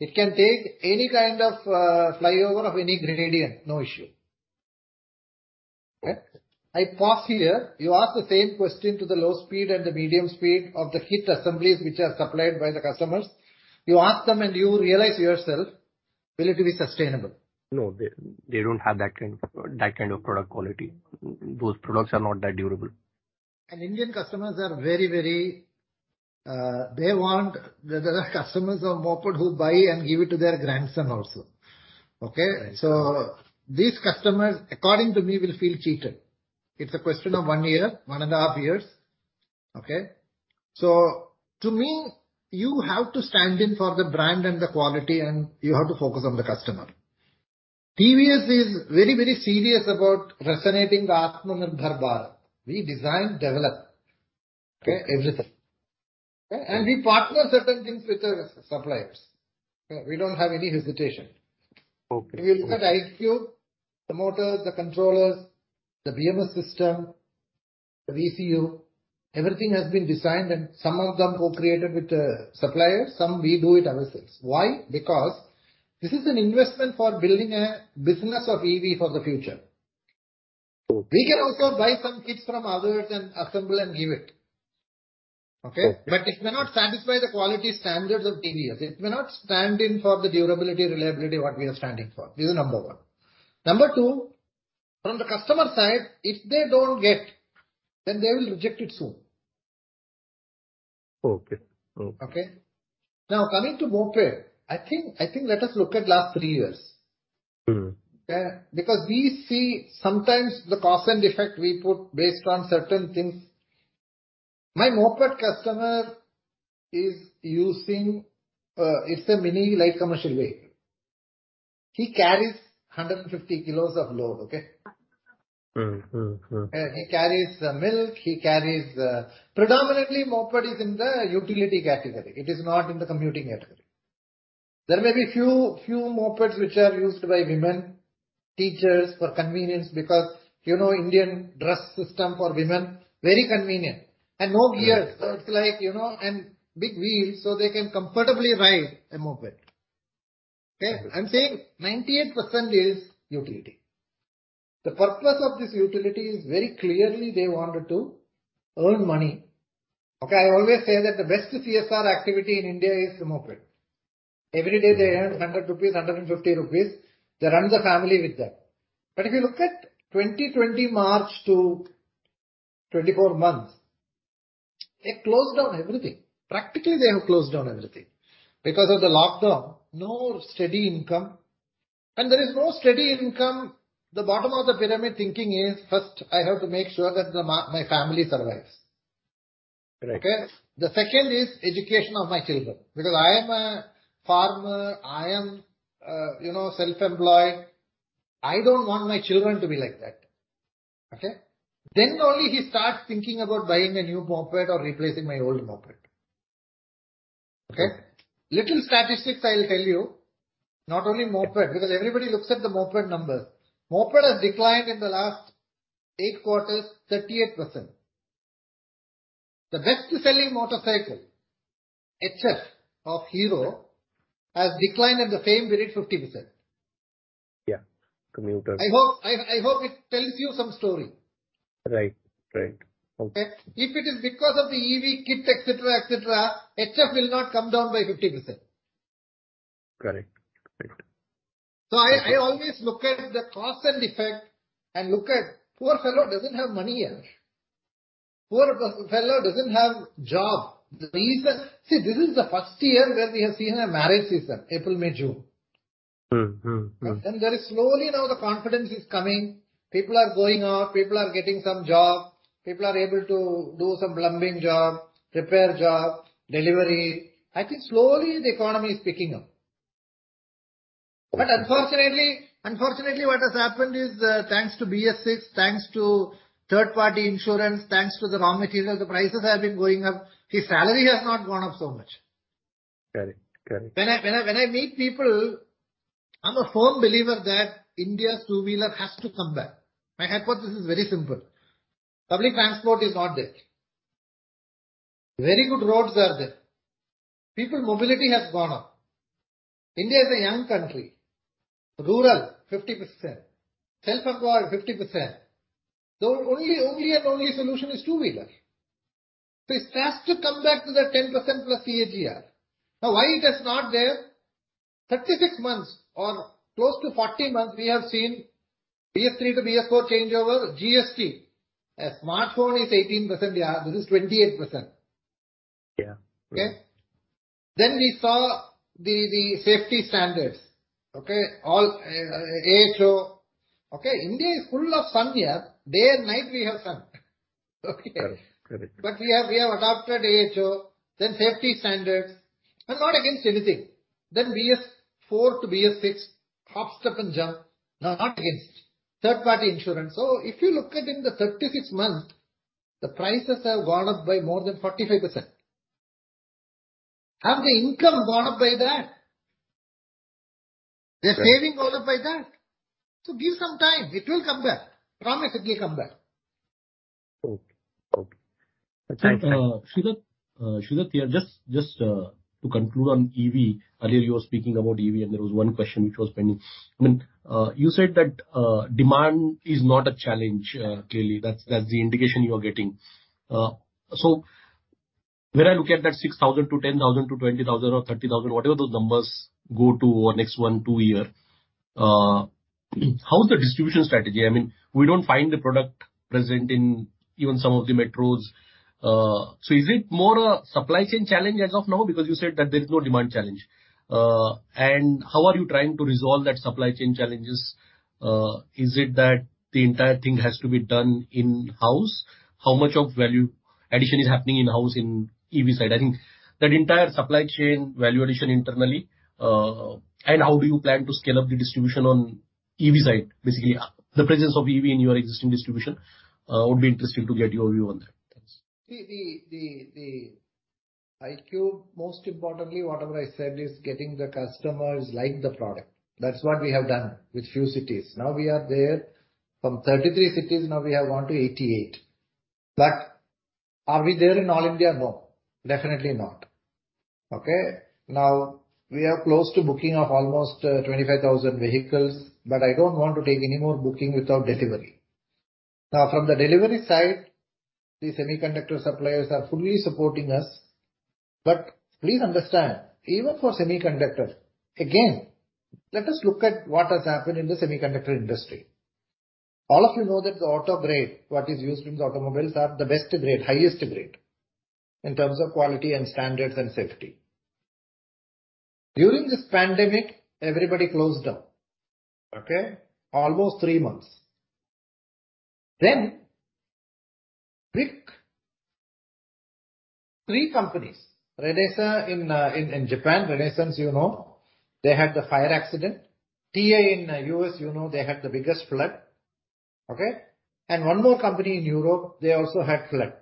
It can take any kind of flyover of any gradient, no issue. Okay? I pause here. You ask the same question to the low speed and the medium speed of the kit assemblies which are supplied by the customers. You ask them and you realize yourself, will it be sustainable? No, they don't have that kind of product quality. Those products are not that durable. There are customers of moped who buy and give it to their grandson also. Okay? Right. These customers, according to me, will feel cheated. It's a question of one year, one and a half years. Okay? To me, you have to stand in for the brand and the quality, and you have to focus on the customer. TVS is very, very serious about resonating the Atmanirbhar Bharat. We design, develop, okay, everything. Okay? We partner certain things with the suppliers. Okay, we don't have any hesitation. Okay. If you look at iQube, the motors, the controllers, the BMS system, the VCU, everything has been designed and some of them co-created with the suppliers, some we do it ourselves. Why? Because this is an investment for building a business of EV for the future. Okay. We can also buy some kits from others and assemble and give it. Okay? Okay. It may not satisfy the quality standards of TVS. It may not stand in for the durability, reliability, what we are standing for. This is number one. Number two, from the customer side, if they don't get, then they will reject it soon. Okay. Okay? Now, coming to moped, I think let us look at last three years. Mm-hmm. Okay? Because we see sometimes the cause and effect we put based on certain things. My moped customer is using, it's a mini light commercial vehicle. He carries 150 kilos of load, okay? Mm-hmm. Mm-hmm. Mm-hmm. He carries milk, he carries. Predominantly, moped is in the utility category. It is not in the commuting category. There may be few mopeds which are used by women teachers for convenience, because, you know, Indian dress system for women, very convenient. No gears. Yes. It's like, you know, and big wheels, so they can comfortably ride a moped. Okay? Okay. I'm saying 98% is utility. The purpose of this utility is very clearly they wanted to earn money. Okay, I always say that the best CSR activity in India is the moped. Every day they earn 100 rupees, 150 rupees, they run the family with that. If you look at 2020 March to 24 months, they've closed down everything. Practically, they have closed down everything. Because of the lockdown, no steady income. When there is no steady income, the bottom of the pyramid thinking is, first I have to make sure that my family survives. Correct. Okay? The second is education of my children, because I am a farmer, I am, you know, self-employed. I don't want my children to be like that. Okay? Then only he starts thinking about buying a new moped or replacing my old moped. Okay? Little statistics I will tell you, not only moped, because everybody looks at the moped number. Moped has declined in the last eight quarters, 38%. The best-selling motorcycle, HF Deluxe of Hero, has declined at the same rate, 50%. Yeah. Commuter. I hope it tells you some story. Right. Okay. If it is because of the EV kit et cetera, et cetera, HF will not come down by 50%. Correct. I always look at the cause and effect, and look at poor fellow doesn't have money yet. Poor fellow doesn't have job. The reason. See, this is the first year where we have seen a marriage season, April, May, June. Mm-hmm. There is slowly now the confidence is coming. People are going out, people are getting some job. People are able to do some plumbing job, repair job, delivery. I think slowly the economy is picking up. Unfortunately, what has happened is, thanks to BS-VI, thanks to third-party insurance, thanks to the raw material, the prices have been going up. His salary has not gone up so much. Correct. When I meet people, I'm a firm believer that India's two-wheeler has to come back. My hypothesis is very simple. Public transport is not there. Very good roads are there. People mobility has gone up. India is a young country. Rural, 50%. Self-employed, 50%. The only solution is two-wheeler. It has to come back to that 10%+ CAGR. Now, why it is not there? 36 months or close to 40 months we have seen BS-III to BS-IV changeover, GST. A smartphone is 18%, yeah, this is 28%. Yeah. Okay? We saw the safety standards. Okay? All AHO. Okay? India is full of sun here. Day and night we have sun. Okay? Correct. We have adopted AHO, then safety standards. I'm not against anything. BS-IV to BS-VI, hop, step, and jump. Now, not against third-party insurance. If you look at in the 36 months, the prices have gone up by more than 45%. Have the income gone up by that? They're scaling all up like that. Give some time. It will come back. Promise it will come back. Okay. Okay. Sridhar, just to conclude on EV. Earlier you were speaking about EV, and there was one question which was pending. I mean, you said that demand is not a challenge, clearly. That's the indication you are getting. So when I look at that 6,000 to 10,000 to 20,000 or 30,000, whatever those numbers go to over the next one, two years, how's the distribution strategy? I mean, we don't find the product present in even some of the metros. So is it more a supply chain challenge as of now? Because you said that there's no demand challenge. And how are you trying to resolve that supply chain challenges? Is it that the entire thing has to be done in-house? How much of value addition is happening in-house in EV side? I think that entire supply chain value addition internally, and how do you plan to scale up the distribution on EV side? Basically, the presence of EV in your existing distribution would be interesting to get your view on that. Thanks. The iQube most importantly, whatever I said, is getting the customers like the product. That's what we have done with few cities. Now we are there from 33 cities, now we have gone to 88. Are we there in all India? No. Definitely not. Okay? Now, we are close to booking of almost 25,000 vehicles, but I don't want to take any more booking without delivery. Now, from the delivery side, the semiconductor suppliers are fully supporting us. Please understand, even for semiconductors, again, let us look at what has happened in the semiconductor industry. All of you know that the auto grade, what is used in the automobiles, are the best grade, highest grade in terms of quality and standards and safety. During this pandemic, everybody closed down, okay? Almost three months. Then pick three companies. Renesas in Japan. Renesas, you know. They had the fire accident. TI in U.S., you know, they had the biggest flood. Okay? One more company in Europe, they also had flood.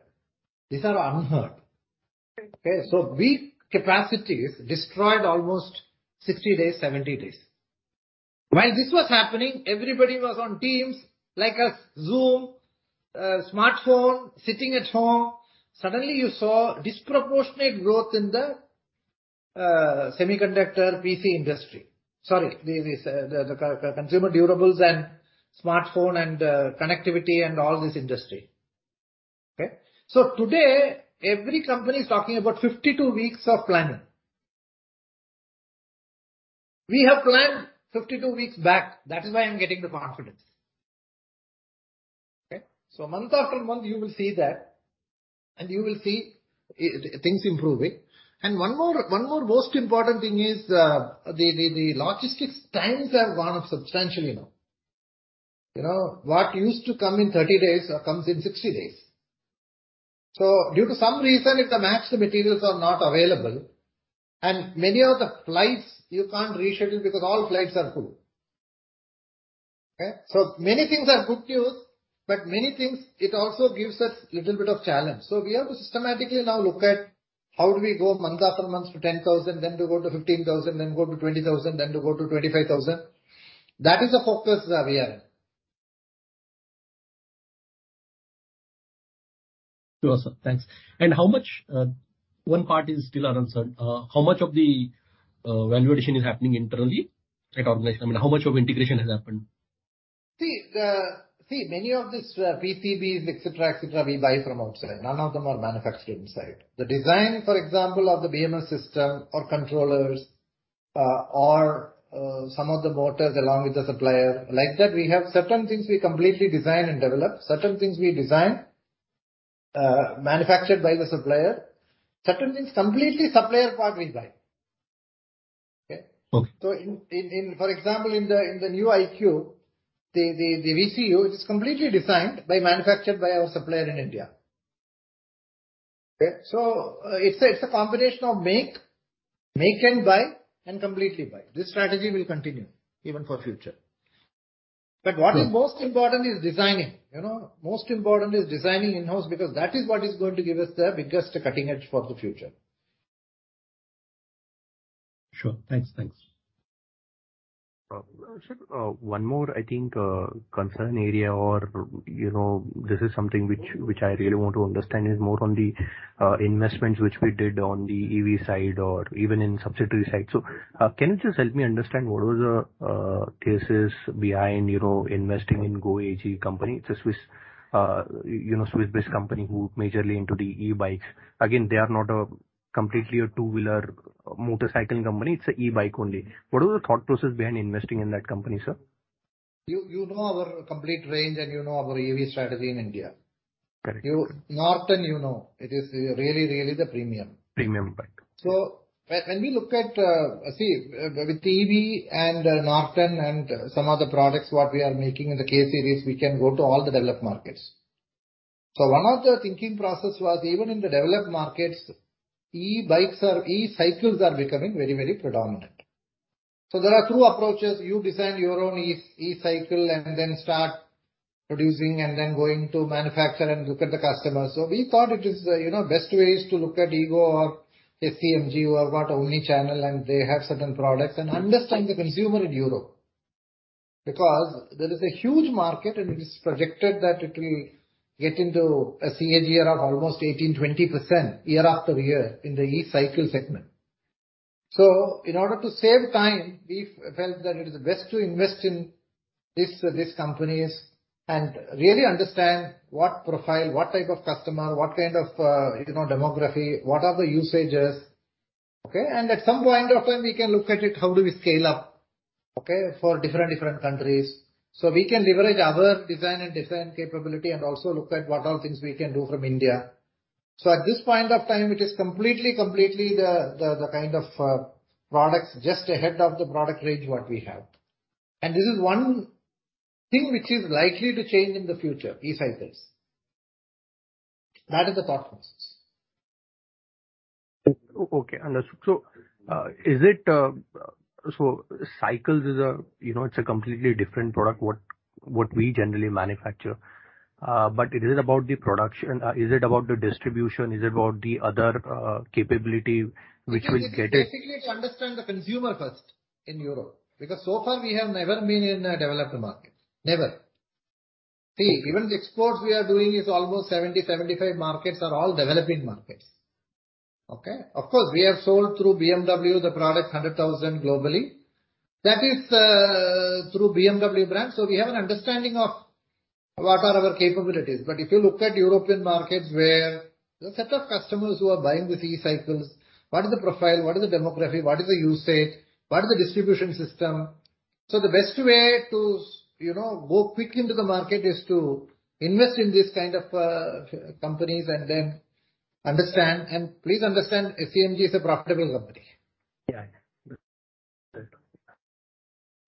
These are unheard. Okay. Okay? Weak capacities destroyed almost 60 days-70 days. While this was happening, everybody was on Teams, like us, Zoom, smartphone, sitting at home. Suddenly you saw disproportionate growth in the semiconductor PC industry. Sorry, the consumer durables and smartphone and connectivity and all this industry. Okay? Today, every company is talking about 52 weeks of planning. We have planned 52 weeks back. That is why I'm getting the confidence. Okay? Month after month you will see that, and you will see things improving. One more most important thing is, the logistics times have gone up substantially now. You know, what used to come in 30 days comes in 60 days. Due to some reason, if the raw materials are not available, and many of the flights you can't reschedule because all flights are full. Okay? Many things are good news, but many things it also gives us little bit of challenge. We have to systematically now look at how do we go month after month to 10,000, then to go to 15,000, then go to 20,000, then to go to 25,000. That is the focus that we are in. Sure, sir. Thanks. How much, one part is still unanswered. How much of the value addition is happening internally at organization? I mean, how much of integration has happened? Many of these PCBs, et cetera, we buy from outside. None of them are manufactured inside. The design, for example, of the BMS system or controllers, or some of the motors along with the supplier, like that we have certain things we completely design and develop. Certain things we design, manufactured by the supplier. Certain things completely supplier part we buy. Okay? Okay. For example, in the new iQube, the VCU is completely designed by, manufactured by our supplier in India. Okay. It's a combination of make and buy, and completely buy. This strategy will continue even for future. Okay. What is most important is designing. You know? Most important is designing in-house because that is what is going to give us the biggest cutting edge for the future. Sure. Thanks. Thanks. Sir, one more I think, concern area or, you know, this is something which I really want to understand is more on the investments which we did on the EV side or even in subsidiary side. Can you just help me understand what was the thesis behind, you know, investing in EGO Movement? It's a Swiss, you know, Swiss-based company who majorly into the e-bikes. Again, they are not completely a two-wheeler motorcycle company, it's a e-bike only. What was the thought process behind investing in that company, sir? You know our complete range and you know our EV strategy in India. Correct. You know, Norton, you know. It is really the premium. Premium bike. When we look at EV and Norton and some other products what we are making in the K series, we can go to all the developed markets. One of the thinking process was even in the developed markets, e-bikes or e-cycles are becoming very predominant. There are two approaches. You design your own e-cycle and then start producing and then going to manufacture and look at the customer. We thought it is, you know, best way is to look at EGO or SEMG, who have got omni-channel, and they have certain products, and understand the consumer in Europe. Because there is a huge market, and it is projected that it will get into a CAGR of almost 18%-20% year after year in the e-cycle segment. In order to save time, we felt that it is best to invest in these companies and really understand what profile, what type of customer, what kind of, you know, demography, what are the usages, okay? At some point of time, we can look at it, how do we scale up, okay, for different countries. We can leverage our design and different capability and also look at what are things we can do from India. At this point of time, it is completely the kind of products just ahead of the product range what we have. This is one thing which is likely to change in the future, e-cycles. That is the thought process. Is it? So cycles is a, you know, it's a completely different product what we generally manufacture. But it is about the production. Is it about the distribution? Is it about the other capability which will get it? Basically it's understand the consumer first in Europe. We have never been in a developed market. Never. Even the exports we are doing is almost 70-75 markets are all developing markets. Okay. We have sold through BMW the product 100,000 globally. That is, through BMW brand, we have an understanding of what are our capabilities. If you look at European markets where the set of customers who are buying the e-cycles, what is the profile, what is the demography, what is the usage, what is the distribution system. The best way to, you know, go quick into the market is to invest in this kind of companies and then understand. Please understand, SEMG is a profitable company. Yeah.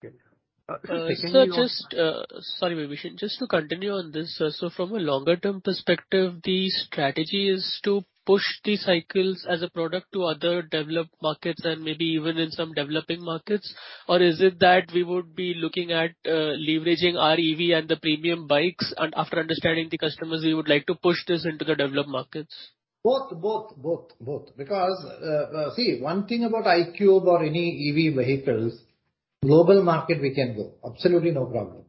Good. Secondly on- Sorry, Vivek, just to continue on this. From a longer-term perspective, the strategy is to push the cycles as a product to other developed markets and maybe even in some developing markets? Or is it that we would be looking at, leveraging our EV and the premium bikes and after understanding the customers, we would like to push this into the developed markets? Both. Because, see, one thing about iQube or any EV vehicles, global market we can go. Absolutely, no problem.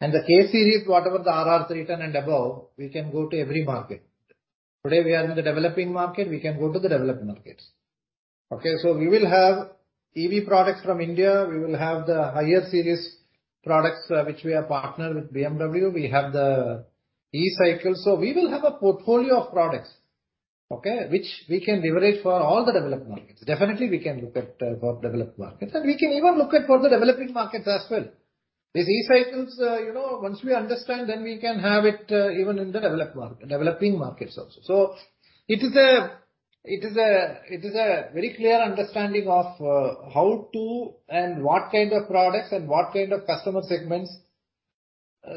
The K Series, whatever the RR 310 and above, we can go to every market. Today, we are in the developing market, we can go to the developed markets. Okay? We will have EV products from India. We will have the higher series products, which we are partnered with BMW. We have the e-cycle. We will have a portfolio of products, okay, which we can leverage for all the developed markets. Definitely, we can look at for developed markets. We can even look at for the developing markets as well. These e-cycles, you know, once we understand, then we can have it, even in the developed market, developing markets also. It is a very clear understanding of how to and what kind of products and what kind of customer segments.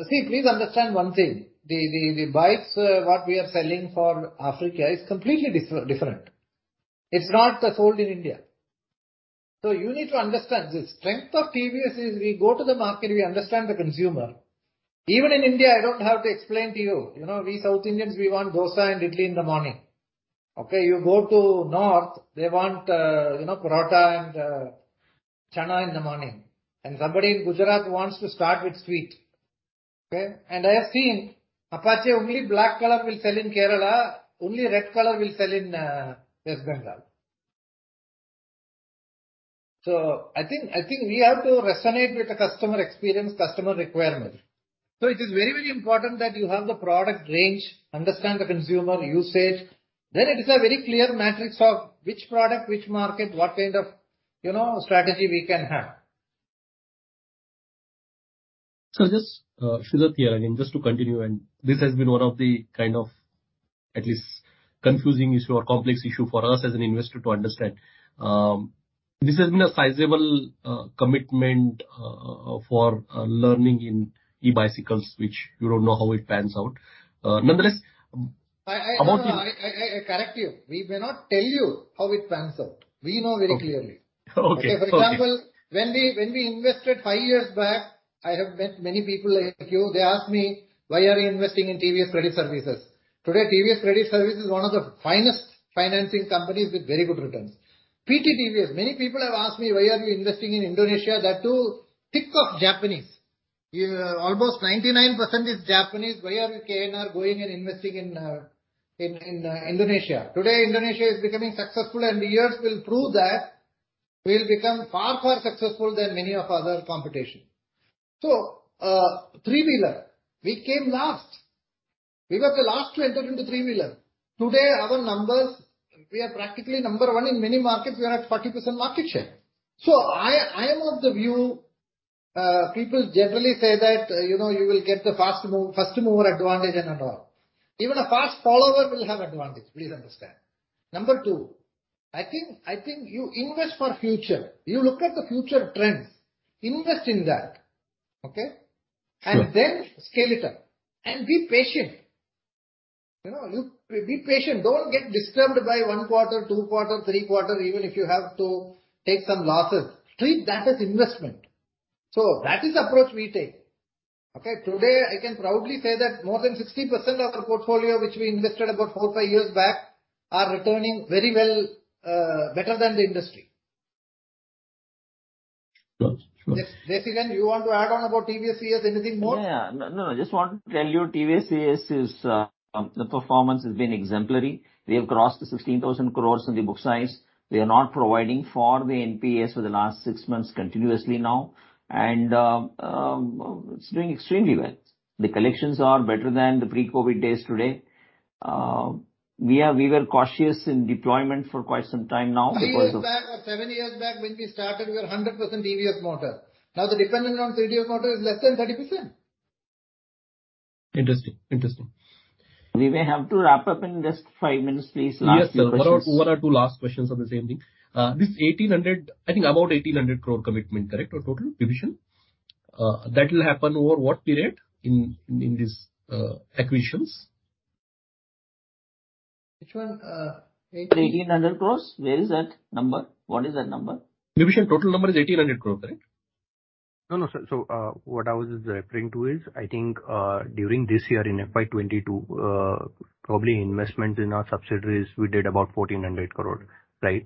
See, please understand one thing. The bikes what we are selling for Africa is completely different. It's not sold in India. You need to understand. The strength of TVS is we go to the market, we understand the consumer. Even in India, I don't have to explain to you. You know, we South Indians, we want dosa and idli in the morning. Okay, you go to North, they want, you know, paratha and chana in the morning. Somebody in Gujarat wants to start with sweet. Okay. I have seen Apache, only black color will sell in Kerala, only red color will sell in West Bengal. I think we have to resonate with the customer experience, customer requirement. It is very, very important that you have the product range, understand the consumer usage. It is a very clear matrix of which product, which market, what kind of, you know, strategy we can have. Just, Sidharth here. I mean, just to continue, this has been one of the kind of at least confusing issue or complex issue for us as an investor to understand. This has been a sizable commitment for learning in e-bicycles, which you don't know how it pans out. Nonetheless, about the- I correct you. We may not tell you how it pans out. We know very clearly. Okay. For example, when we invested five years back, I have met many people like you. They asked me, "Why are you investing in TVS Credit Services?" Today, TVS Credit Services is one of the finest financing companies with very good returns. PT TVS, many people have asked me, "Why are you investing in Indonesia?" That too, think of Japanese. Almost 99% is Japanese. Why are we KNR going and investing in Indonesia? Today, Indonesia is becoming successful, and years will prove that we'll become far, far successful than many of other competition. Three-wheeler, we came last. We were the last to enter into three-wheeler. Today, our numbers, we are practically number one in many markets. We are at 40% market share. I am of the view, people generally say that, you know, you will get the first mover advantage and all. Even a fast follower will have advantage, please understand. Number two, I think you invest for future. You look at the future trends, invest in that. Okay? Sure. Scale it up. Be patient. You know, you be patient. Don't get disturbed by one quarter, two quarter, three quarter, even if you have to take some losses. Treat that as investment. That is the approach we take. Okay, today I can proudly say that more than 60% of our portfolio, which we invested about four-five years back, are returning very well, better than the industry. Sure, sure. Jeswanth, you want to add on about TVS or anything more? Yeah. No, no, I just want to tell you, TVS's performance has been exemplary. We have crossed 16,000 crore in the book size. We are not providing for the NPAs for the last six months continuously now. It's doing extremely well. The collections are better than the pre-COVID days today. We were cautious in deployment for quite some time now because of Three years back or seven years back when we started, we were 100% TVS Motor. Now, the dependency on TVS Motor is less than 30%. Interesting. Interesting. We may have to wrap up in just five minutes, please, last few questions. Yes, sir. One or two last questions on the same thing. This 1,800 crore commitment, correct, or total division? That will happen over what period in this acquisitions? Which one? The 1,800 crore. Where is that number? What is that number? Division total number is 1,800 crore, correct? No, no, sir. What I was referring to is, I think, during this year in FY 2022, probably investment in our subsidiaries, we did about 1,400 crore, right?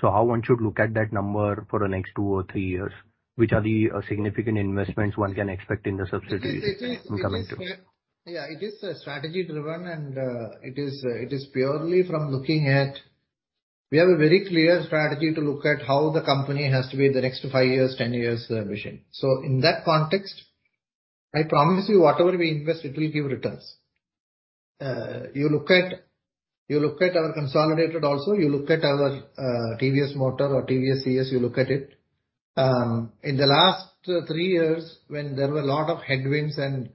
How one should look at that number for the next two or three years? Which are the significant investments one can expect in the subsidiaries? It is strategy driven, and it is purely from looking at. We have a very clear strategy to look at how the company has to be in the next five years, 10 years vision. In that context, I promise you, whatever we invest, it will give returns. You look at our consolidated also, you look at our TVS Motor or TVS AS, you look at it. In the last three years, when there were a lot of headwinds, and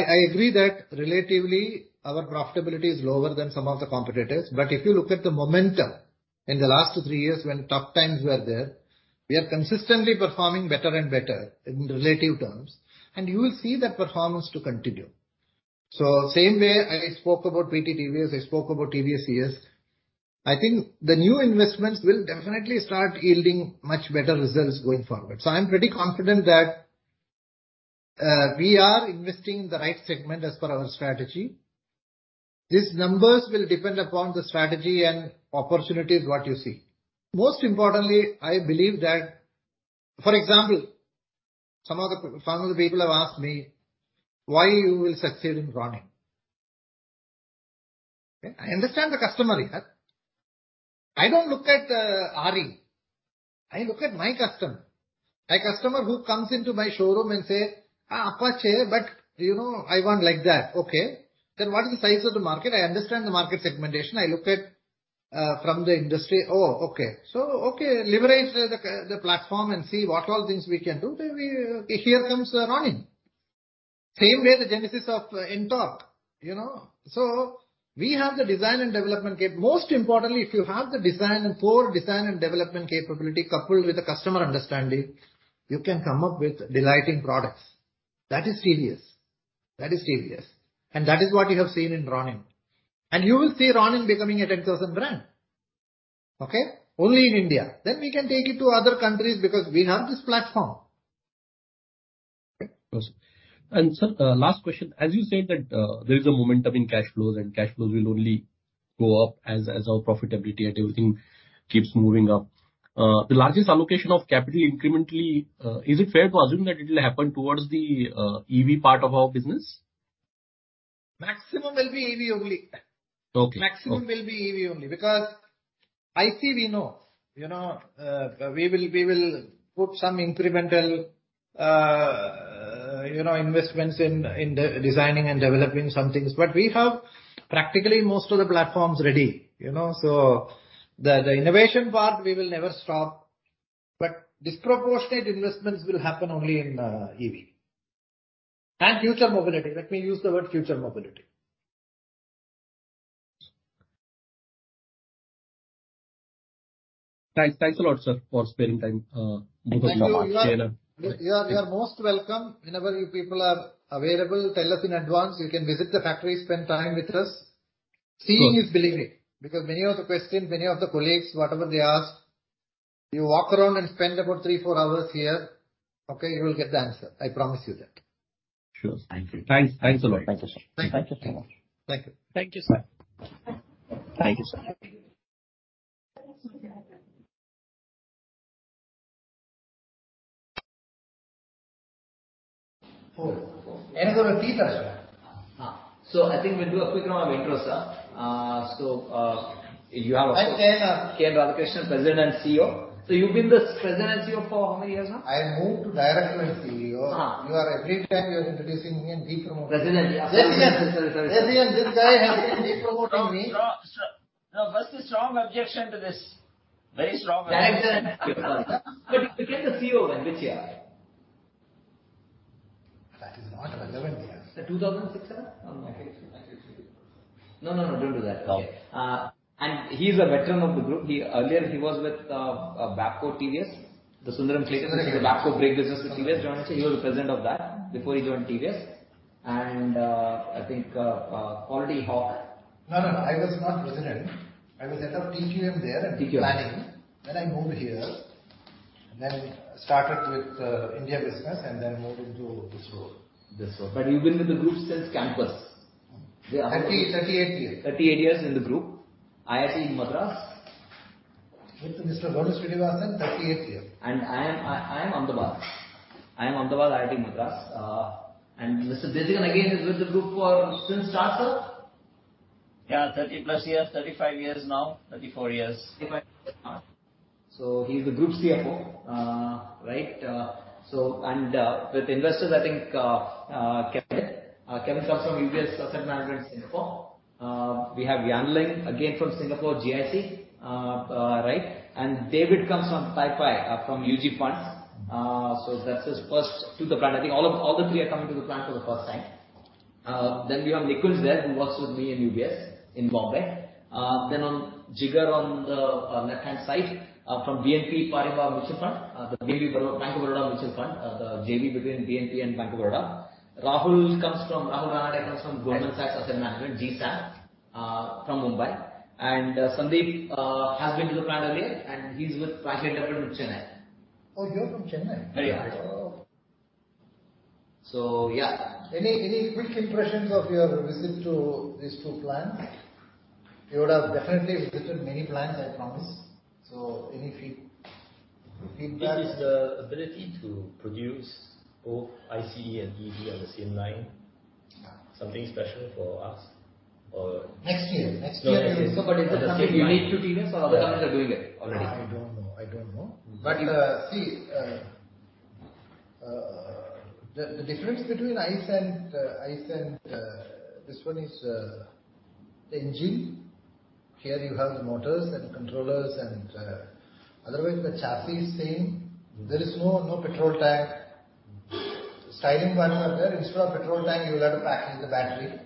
I agree that relatively our profitability is lower than some of the competitors. If you look at the momentum in the last three years when tough times were there, we are consistently performing better and better in relative terms, and you will see that performance to continue. Same way I spoke about PT TVS, I spoke about TVS AS. I think the new investments will definitely start yielding much better results going forward. I'm pretty confident that we are investing in the right segment as per our strategy. These numbers will depend upon the strategy and opportunities, what you see. Most importantly, I believe that, for example, some of the people have asked me, "Why you will succeed in Ronin?" I understand the customer here. I don't look at the RE. I look at my customer. A customer who comes into my showroom and say, "Apache, but, you know, I want like that." Okay. Then what is the size of the market? I understand the market segmentation. I look at from the industry. Okay, leverage the platform and see what all things we can do. Here comes Ronin. Same way, the genesis of Ntorq, you know. We have the design and development capability. Most importantly, if you have the design and core design and development capability coupled with the customer understanding, you can come up with delighting products. That is serious. That is what you have seen in Ronin. You will see Ronin becoming a 10,000 brand. Okay? Only in India. We can take it to other countries because we have this platform. Okay. Sir, last question. As you said that there is a momentum in cash flows, and cash flows will only go up as our profitability and everything keeps moving up. The largest allocation of capital incrementally, is it fair to assume that it will happen towards the EV part of our business? Maximum will be EV only. Okay. Maximum will be EV only. Because ICE we know, you know, we will put some incremental, you know, investments in the designing and developing some things. We have practically most of the platforms ready, you know. The innovation part we will never stop. Disproportionate investments will happen only in EV. Future mobility. Let me use the word future mobility. Thanks. Thanks a lot, sir, for sparing time. Thank you. You are most welcome. Whenever you people are available, tell us in advance. You can visit the factory, spend time with us. Sure. Seeing is believing. Because many of the questions, many of the colleagues, whatever they ask, you walk around and spend about three-four hours here, okay, you will get the answer. I promise you that. Sure. Thank you. Thanks. Thanks a lot. Thank you, sir. Thank you. Thank you so much. Thank you. Thank you, sir. Thank you. Thank you, sir. Four. Four. It was a tea session. I think we'll do a quick round of intros, sir. I'm K. N. Radhakrishnan, President and CEO. You've been the President and CEO for how many years now? I moved to Director and CEO. Uh. You are, every time you are introducing me and demoting me. President. Jeswanth, this guy has been de-promoting me. No, sir. No, that's a strong objection to this. Very strong objection. You became the CEO in which year? That is not relevant here. Is that 2006, sir? Or no? I think it should be. No, no. Don't do that. Okay. He's a veteran of the group. He earlier was with Brakes India. The Sundaram-Clayton, the brake business with TVS, John, he was the president of that before he joined TVS. I think, Quality Hawk- No, no, I was not president. I was head of TQM there. TQM and planning. I moved here, then started with India business and then moved into this role. This role. You've been with the group since campus. 38 years. 38 years in the group. IIT Madras. With Mr. Ganesh Srinivasan, 38 years. IIM Ahmedabad, IIT Madras. Mr. Desigan again is with the group from the start, sir? Yeah, 30+ years. 35 years now. 34 years. He's the group CFO. Right. With investors, I think, Kevin. Kevin comes from UBS Asset Management Singapore. We have Yanling, again from Singapore, GIC. Right. David comes from Taipei, from UG Funds. That's his first to the plant. I think the three are coming to the plant for the first time. Then we have Nikunj there, who was with me in UBS in Bombay. Then, Jigar on the left-hand side, from Baroda BNP Paribas Mutual Fund. The Baroda BNP Paribas Mutual Fund. The JV between BNP and Bank of Baroda. Rahul comes from Goldman Sachs Asset Management, GSAM, from Mumbai. Sandeep has been to the plant earlier, and he's with Franklin Templeton in Chennai. Oh, you're from Chennai? Yeah. Oh. Yeah. Any quick impressions of your visit to these two plants? You would have definitely visited many plants, I promise. Any feedback? Is the ability to produce both ICE and EV on the same line? Yeah Something special for us or. Next year. No, next year. Is it something unique to TVS or other companies are doing it already? I don't know. I don't know. See, the difference between ICE and this one is engine. Here you have the motors and controllers and otherwise, the chassis is same. There is no petrol tank. Styling parts are there. Instead of petrol tank, you will have to package the battery.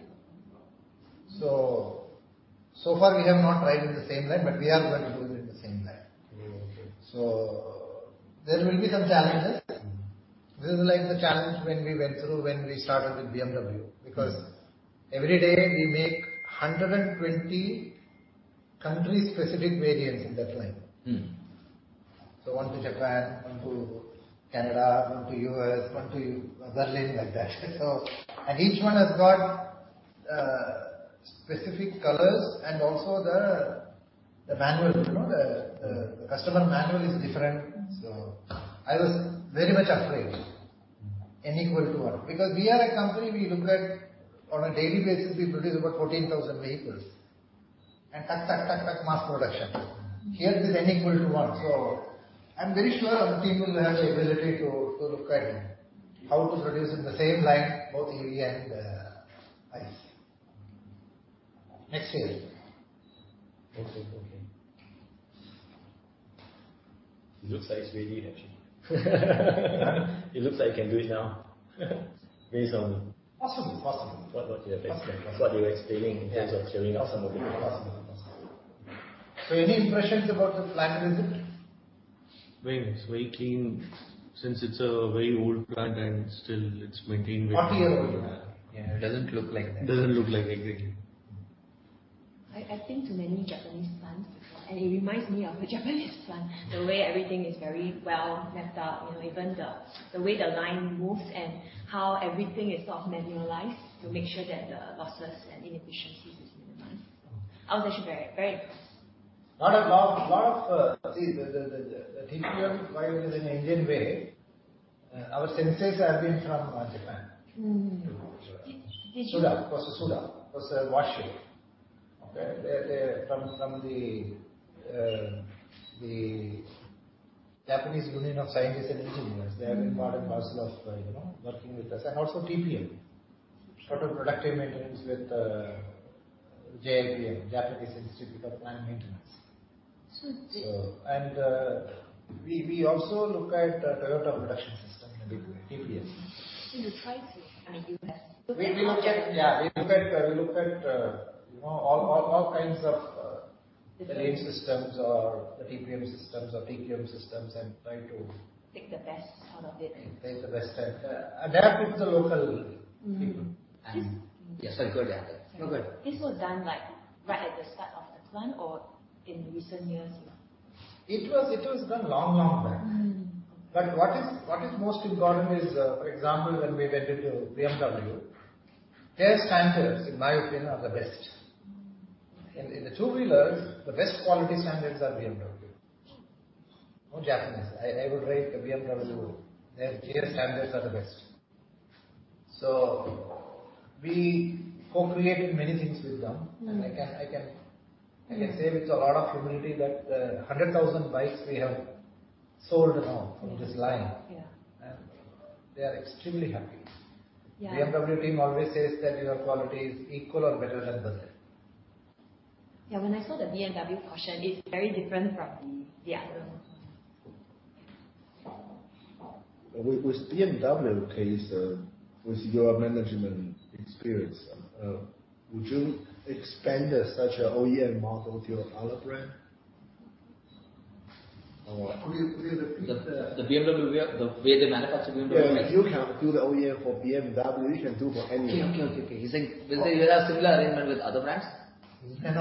So far we have not tried with the same line, but we are going to do it in the same line. Mm-hmm. Okay. There will be some challenges. Mm-hmm. This is like the challenge when we went through when we started with BMW. Mm-hmm Every day we make 120 country-specific variants in that line. Mm-hmm. One to Japan, one to Canada, one to U.S., one to Berlin, like that. Each one has got specific colors and also the manual, you know, the customer manual is different. Mm-hmm. I was very much afraid. Mm-hmm. N = 1, because we are a company we look at on a daily basis. We produce about 14,000 vehicles and that's mass production. Mm-hmm. Here it is, N = 1. Mm-hmm. I'm very sure our people have the ability to look at how to produce in the same line, both EV and ICE. Next year. Okay. It looks like it's ready, actually. It looks like you can do it now. Possibly. What you have explained. Possibly. What you were explaining. Yeah In terms of scaling up some of it. Possibly. Any impressions about the plant visit? Very nice. Very clean. Since it's a very old plant and still it's maintained very well. 40 years old. Yeah. It doesn't look like that. Doesn't look like it. I think I've been to many Japanese plants, and it reminds me of a Japanese plant. The way everything is very well mapped out. You know, even the way the line moves and how everything is sort of manualized to make sure that the losses and inefficiencies is minimized. I was actually very, very impressed. Lot of see the TQM vibe is an Indian way. Our sensei have been from Japan. Mm-hmm. Suda. It was Suda. It was Washio. Okay. They from the Japanese Union of Scientists and Engineers. They have been part and parcel of, you know, working with us. Also TPM, total productive maintenance with JIPM, Japanese Institute of Plant Maintenance. So- We also look at Toyota Production System in a big way, TPS. In the pricing and the U.S. We look at, you know, all kinds of. Different- lean systems or the TPM systems or TQM systems and try to. Take the best out of it. Take the best and adapt it to the local. Mm-hmm ...people. Just- Yes, sorry, go ahead, Yanling. No, go ahead. This was done, like, right at the start of this plant or in recent years, you know? It was done long back. Mm-hmm. What is most important is, for example, when we went into BMW, their standards, in my opinion, are the best. In the two-wheelers, the best quality standards are BMW. Mm-hmm. No Japanese. I would rate BMW's good. Their standards are the best. We co-create many things with them. Mm-hmm. I can say with a lot of humility that 100,000 bikes we have sold now from this line. Yeah. They are extremely happy. Yeah. BMW team always says that your quality is equal or better than the best. Yeah, when I saw the BMW portion, it's very different from the other portions. With BMW case, with your management experience, would you expand such an OEM model to your other brand? Could you repeat the- The BMW, the way they manufacture BMW. Yeah. You can do the OEM for BMW, you can do for anyone. Okay. He's saying, will there be a similar arrangement with other brands? The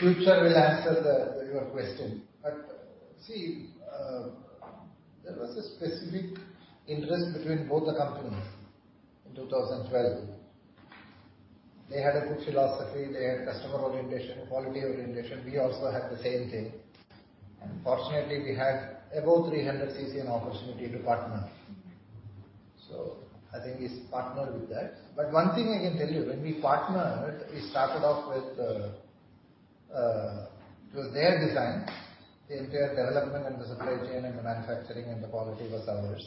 future will answer your question. See, there was a specific interest between both the companies in 2012. They had a good philosophy. They had customer orientation, quality orientation. We also had the same thing. Fortunately, we had above 300 cc, an opportunity to partner. I think it's partner with that. One thing I can tell you, when we partnered, we started off with, it was their design, the entire development and the supply chain and the manufacturing and the quality was ours.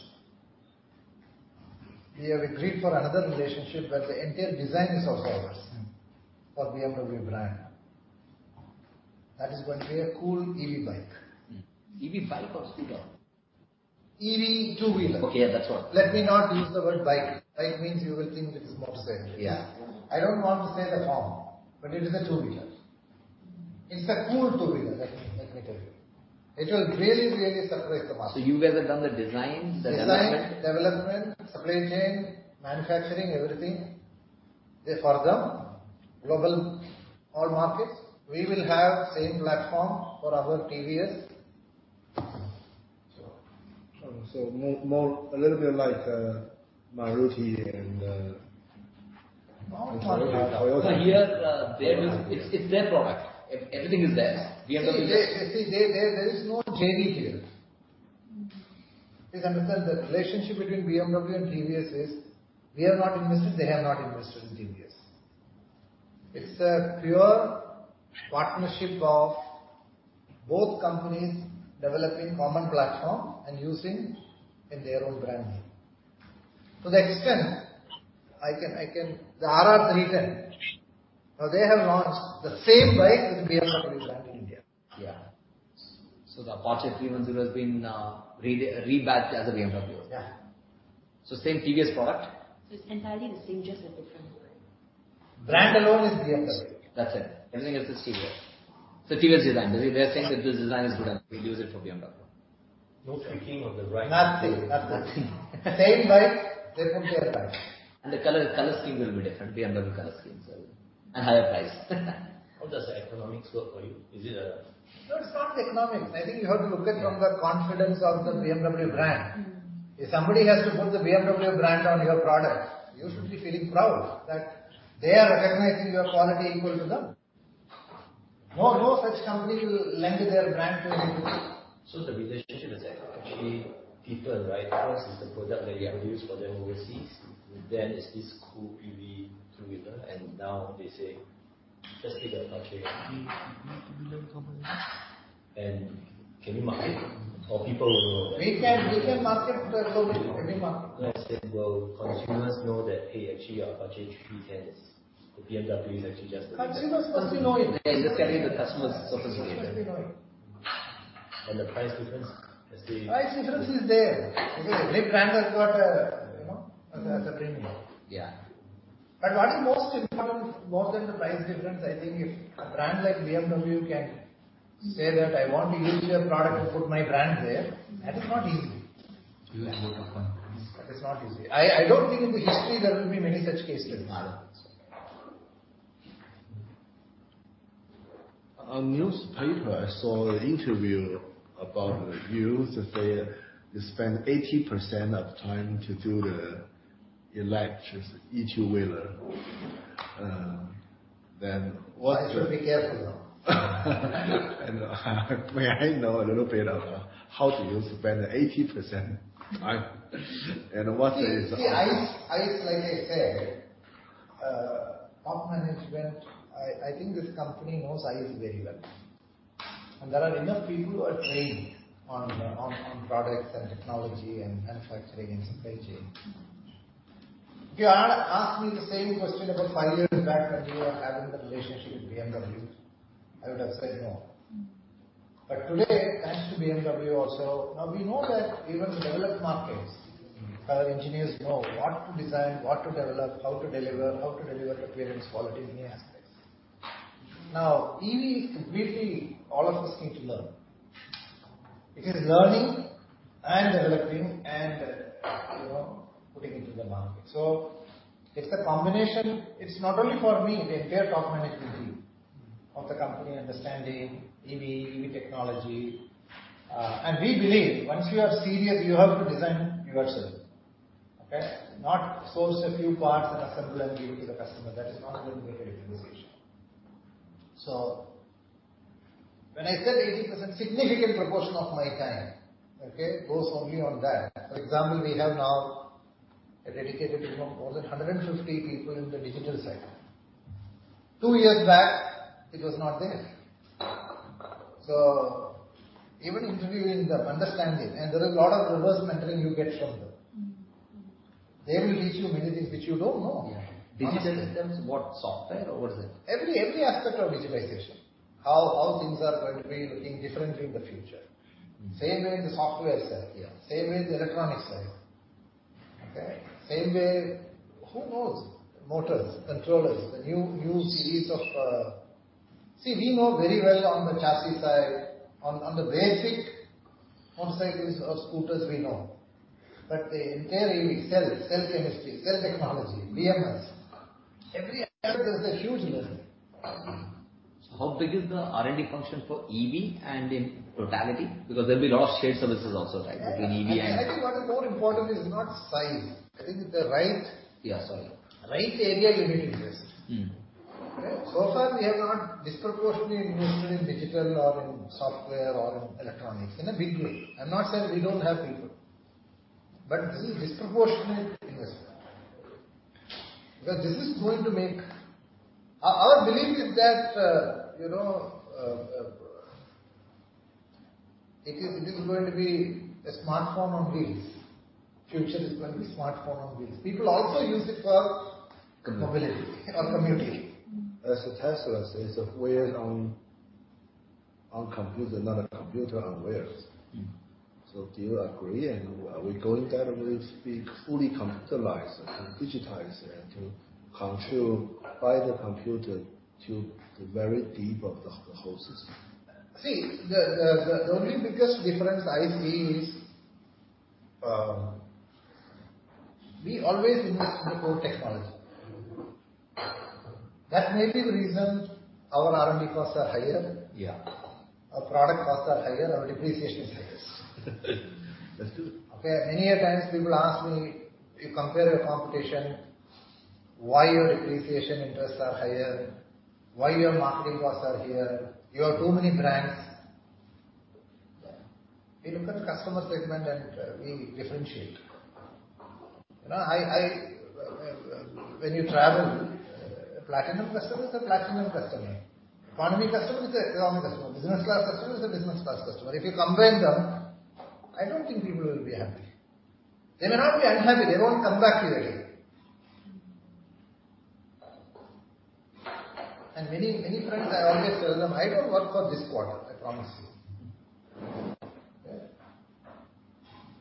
We have agreed for another relationship that the entire design is also ours. Mm-hmm. For BMW brand. That is going to be a cool EV bike. EV bike or scooter? EV two-wheeler. Okay. Yeah, that's what. Let me not use the word bike. Bike means you will think it is motorcycle. Yeah. I don't want to say the form, but it is a two-wheeler. It's a cool two-wheeler, let me tell you. It will really, really surprise the market. You guys have done the designs, the development. Design, development, supply chain, manufacturing, everything is for them. Global, all markets. We will have same platform for our TVS. More a little bit like Maruti and No, not Maruti. Toyota. Here, their product. Everything is theirs. BMW- See, there is no JV here. Please understand, the relationship between BMW and TVS is. We have not invested, they have not invested in TVS. It's a pure partnership of both companies developing common platform and using in their own brand name. To that extent, I can. The RR 310. Now they have launched the same bike with BMW brand in India. The Apache 310 has been rebadged as a BMW. Yeah. Same TVS product. It's entirely the same, just a different brand. Brand alone is BMW. That's it. Everything else is TVS. TVS design. They're saying that this design is good and we'll use it for BMW. No tweaking of the brake. Nothing. Nothing. Nothing. Same bike, different airtime. The color scheme will be different. BMW color schemes and higher price. How does the economics work for you? Is it, No, it's not the economics. I think you have to look at from the confidence of the BMW brand. Mm-hmm. If somebody has to put the BMW brand on your product, you should be feeling proud that they are recognizing your quality equal to them. No, no such company will lend their brand to anybody. The relationship is actually different, right? First, it's the product that you have used for them overseas. Then it's this cool EV two-wheeler and now they say, "Just take the Apache." Can we market or people will know that. We can market globally. We can market. Let's say, will consumers know that, "Hey, actually our Apache RR310 has. The BMW is actually just the. Consumers must be knowing. Yeah, it's getting the customers sophisticated. Consumers must be knowing. The price difference is. Price difference is there. Because a big brand has got a, you know, a premium. Yeah. What is most important more than the price difference, I think if a brand like BMW can say that, "I want to use your product and put my brand there," that is not easy. You have a lot of confidence. That is not easy. I don't think in the history there will be many such cases. Oh, okay. In the newspaper, I saw an interview about you. They say you spend 80% of time to do the electric two-wheeler. Well, I should be careful, no? I know. May I know a little bit about how do you spend 80%? What is- See, like I said, top management, I think this company knows it is very well. There are enough people who are trained on products and technology and manufacturing and supply chain. If you had asked me the same question about five years back when we were having the relationship with BMW, I would have said no. Mm-hmm. Today, thanks to BMW also. Now we know that even developed markets. Mm-hmm. Our engineers know what to design, what to develop, how to deliver to appearance, quality, many aspects. Now, EV completely all of us need to learn. It is learning and developing and, you know, putting into the market. It's the combination. It's not only for me, the entire top management team. Mm-hmm. Of the company understanding EV technology. We believe once you are serious, you have to design yourself. Okay? Not source a few parts and assemble and give to the customer. That is not going to make a difference usually. When I said 80%, significant proportion of my time, okay, goes only on that. For example, we have now a dedicated, you know, more than 150 people in the digital side. Two years back, it was not there. Even interviewing them, understanding, and there is a lot of reverse mentoring you get from them. They will teach you many things which you don't know. Yeah. Digital systems, what software or what is it? Every aspect of digitization. How things are going to be looking differently in the future. Mm-hmm. Same way the software side. Yeah. Same way the electronic side. Okay? Same way, who knows, motors, controllers, the new series of. See, we know very well on the chassis side, on the basic motorcycles or scooters we know. But the entire EV cell chemistry, cell technology, BMS, every area there's a huge learning. How big is the R&D function for EV and in totality? Because there'll be a lot of shared services also, right? Yeah between EV and I think what is more important is not size. I think the right. Yeah, sorry. Right area you need to invest. Mm-hmm. Right? So far we have not disproportionately invested in digital or in software or in electronics in a big way. I'm not saying we don't have people, but this is disproportionate investment. Because this is going to make our belief is that it is going to be a smartphone on wheels. Future is going to be smartphone on wheels. People also use it for mobility or commuting. As Tesla says, "A wheel on computer, not a computer on wheels. Mm-hmm. Do you agree? Are we going that way to be fully computerized and digitized and to control by the computer to the very depths of the whole system? See, the only biggest difference I see is, we always invest in the core technology. That may be the reason our R&D costs are higher. Yeah. Our product costs are higher. Our depreciation is higher. That's true. Okay. Many a times people ask me, "You compare your competition, why your depreciation interests are higher? Why your marketing costs are higher? You have too many brands. Yeah. We look at the customer segment and we differentiate. When you travel, a platinum customer is a platinum customer. Economy customer is a economy customer. Business class customer is a business class customer. If you combine them, I don't think people will be happy. They may not be unhappy, they won't come back to you again. Many friends, I always tell them, "I don't work for this quarter, I promise you."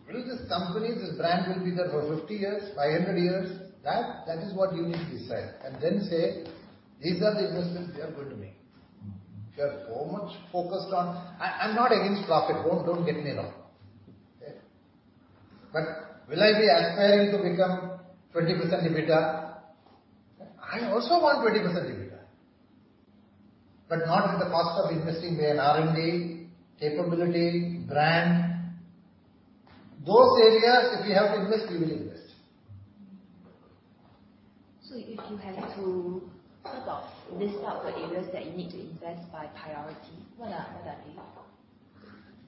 Will this company, this brand will be there for 50 years, 500 years? That is what you need to decide and then say, "These are the investments we are going to make." We are so much focused on. I'm not against profit. Don't get me wrong. But will I be aspiring to become 20% EBITDA? I also want 20% EBITDA, but not at the cost of investing where R&D, capability, brand. Those areas, if we have to invest, we will invest. If you had to sort of list out the areas that you need to invest by priority, what are they?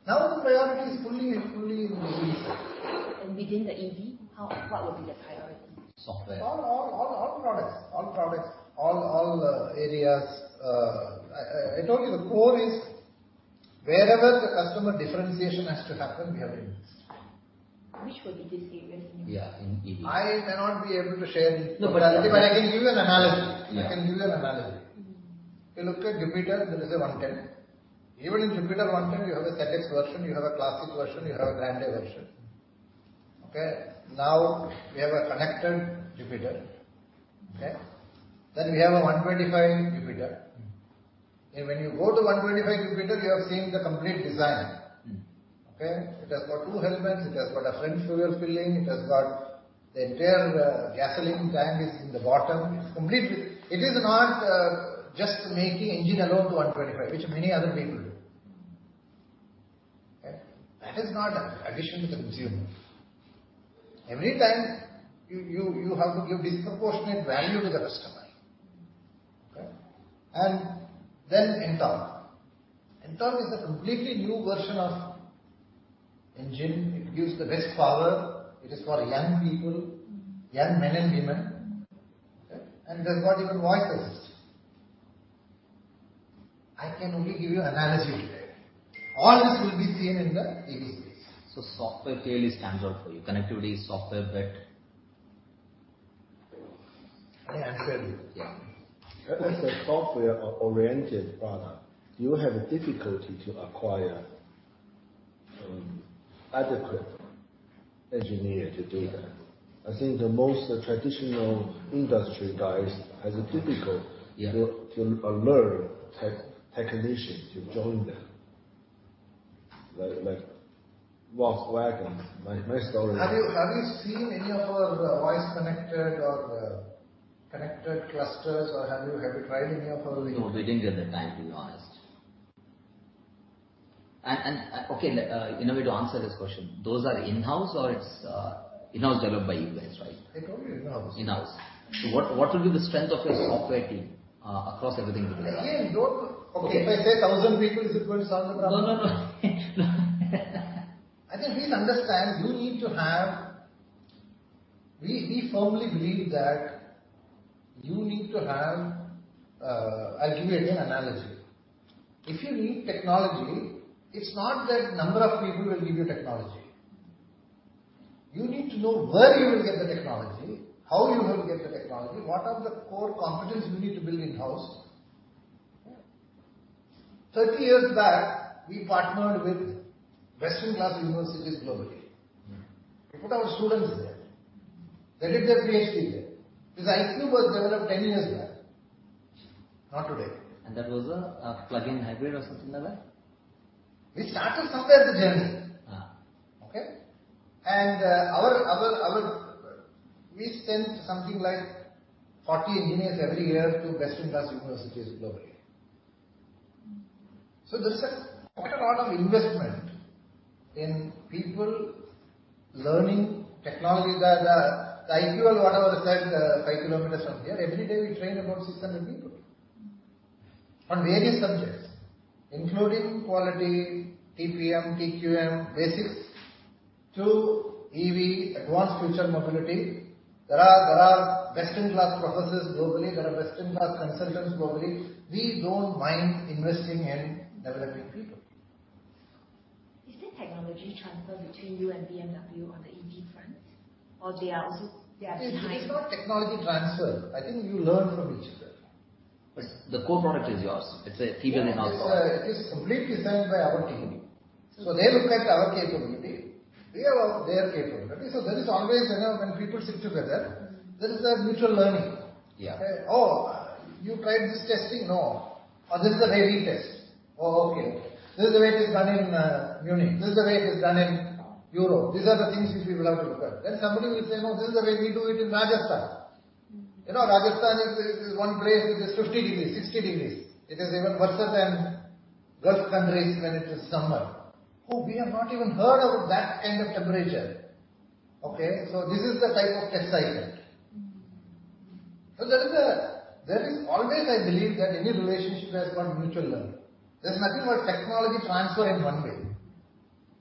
Now the priority is fully EV. Within the EV, what will be the priority? Software. All products, all areas. I told you the core is wherever the customer differentiation has to happen, we have to invest. Which would be these areas? Yeah, in EV. I may not be able to share this. No, but I'll. I can give you an analogy. Yeah. I can give you an analogy. You look at Jupiter, there is a 110. Even in Jupiter 110, you have a ZX version, you have a classic version, you have a Grande version. Okay? Now we have a connected Jupiter. Okay? Then we have a 125 Jupiter. Mm-hmm. When you go to 125 Jupiter, you have seen the complete design. Mm-hmm. Okay? It has got two helmets, it has got a front fuel filling, it has got the entire gasoline tank is in the bottom. It is not just making engine alone to 125, which many other people do. Okay? That is not an addition to the consumer. Every time you have to give disproportionate value to the customer. Okay? Then Ntorq. Ntorq is a completely new version of engine. It gives the best power. It is for young people. Young men and women. Okay? It has got even voice assist. I can only give you analogy today. All this will be seen in the EV space. Software clearly stands out for you. Connectivity is software led. May I answer you? Yeah. As a software-oriented product, you have a difficulty to acquire adequate engineer to do that. Yeah. I think the most traditional industry guys has a difficult. Yeah To allure tech technicians to join them. Like Volkswagen. My story. Have you seen any of our voice connected or connected clusters or have you tried any of our- No, we didn't get the time, to be honest. Okay, in a way to answer this question, those are in-house or it's, in-house developed by you guys, right? They're totally in-house. In-house. What will be the strength of your software team across everything put together? Again, don't- Okay. If I say 1,000 people, is it going to solve the problem? No, no. I think we understand you need to have. We firmly believe that you need to have. I'll give you an analogy. If you need technology, it's not that number of people will give you technology. You need to know where you will get the technology, how you will get the technology, what are the core competence you need to build in-house. 30 years back, we partnered with best-in-class universities globally. We put our students there. They did their Ph.D. there. This iQube was developed 10 years back, not today. That was a plug-in hybrid or something like that? We started somewhere, the journey. Ah. Okay? We send something like 40 engineers every year to best-in-class universities globally. There's quite a lot of investment in people learning technology. The iQube Lab that was set 5 km from here, every day we train about 600 people. Mm-hmm. on various subjects, including quality, TPM, TQM, basics to EV, advanced future mobility. There are best-in-class professors globally. There are best-in-class consultants globally. We don't mind investing in developing people. Is there technology transfer between you and BMW on the EV front? Are they also behind? It's not technology transfer. I think you learn from each other. The core product is yours. It's a TVS- It is completely designed by our team. Mm-hmm. They look at our capability. We have their capability. There is always, you know, when people sit together, there is a mutual learning. Yeah. Oh, you tried this testing? No. Or this is the rating test. Oh, okay. This is the way it is done in Munich. This is the way it is done in Europe. These are the things which we will have to look at. Then somebody will say, "No, this is the way we do it in Rajasthan." You know, Rajasthan is one place, it is 50 degrees, 60 degrees. It is even worse than Gulf countries when it is summer. Oh, we have not even heard about that kind of temperature. Okay? This is the type of excitement. Mm-hmm. There is always, I believe, that any relationship has got mutual learning. There's nothing but technology transfer in one way.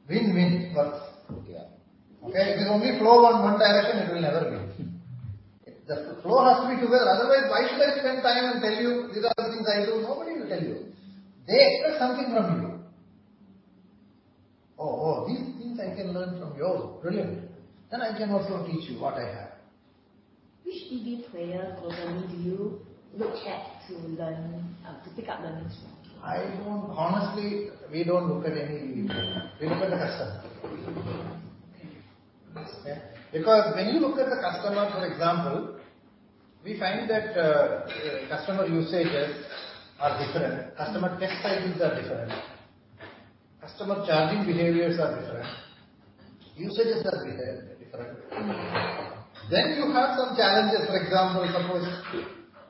Win-win works. Yeah. Okay? If it only flows one direction, it will never win. Mm-hmm. The flow has to be together, otherwise why should I spend time and tell you these are the things I do? Nobody will tell you. They expect something from you. Oh, oh, these things I can learn from you. Brilliant. Then I can also teach you what I have. Which EV player globally do you look at to learn, to pick up learnings from? Honestly, we don't look at any EV player. We look at the customer. Okay. Yeah. Because when you look at the customer, for example, we find that customer usages are different, customer test cycles are different, customer charging behaviors are different, usages are different. Then you have some challenges. For example, suppose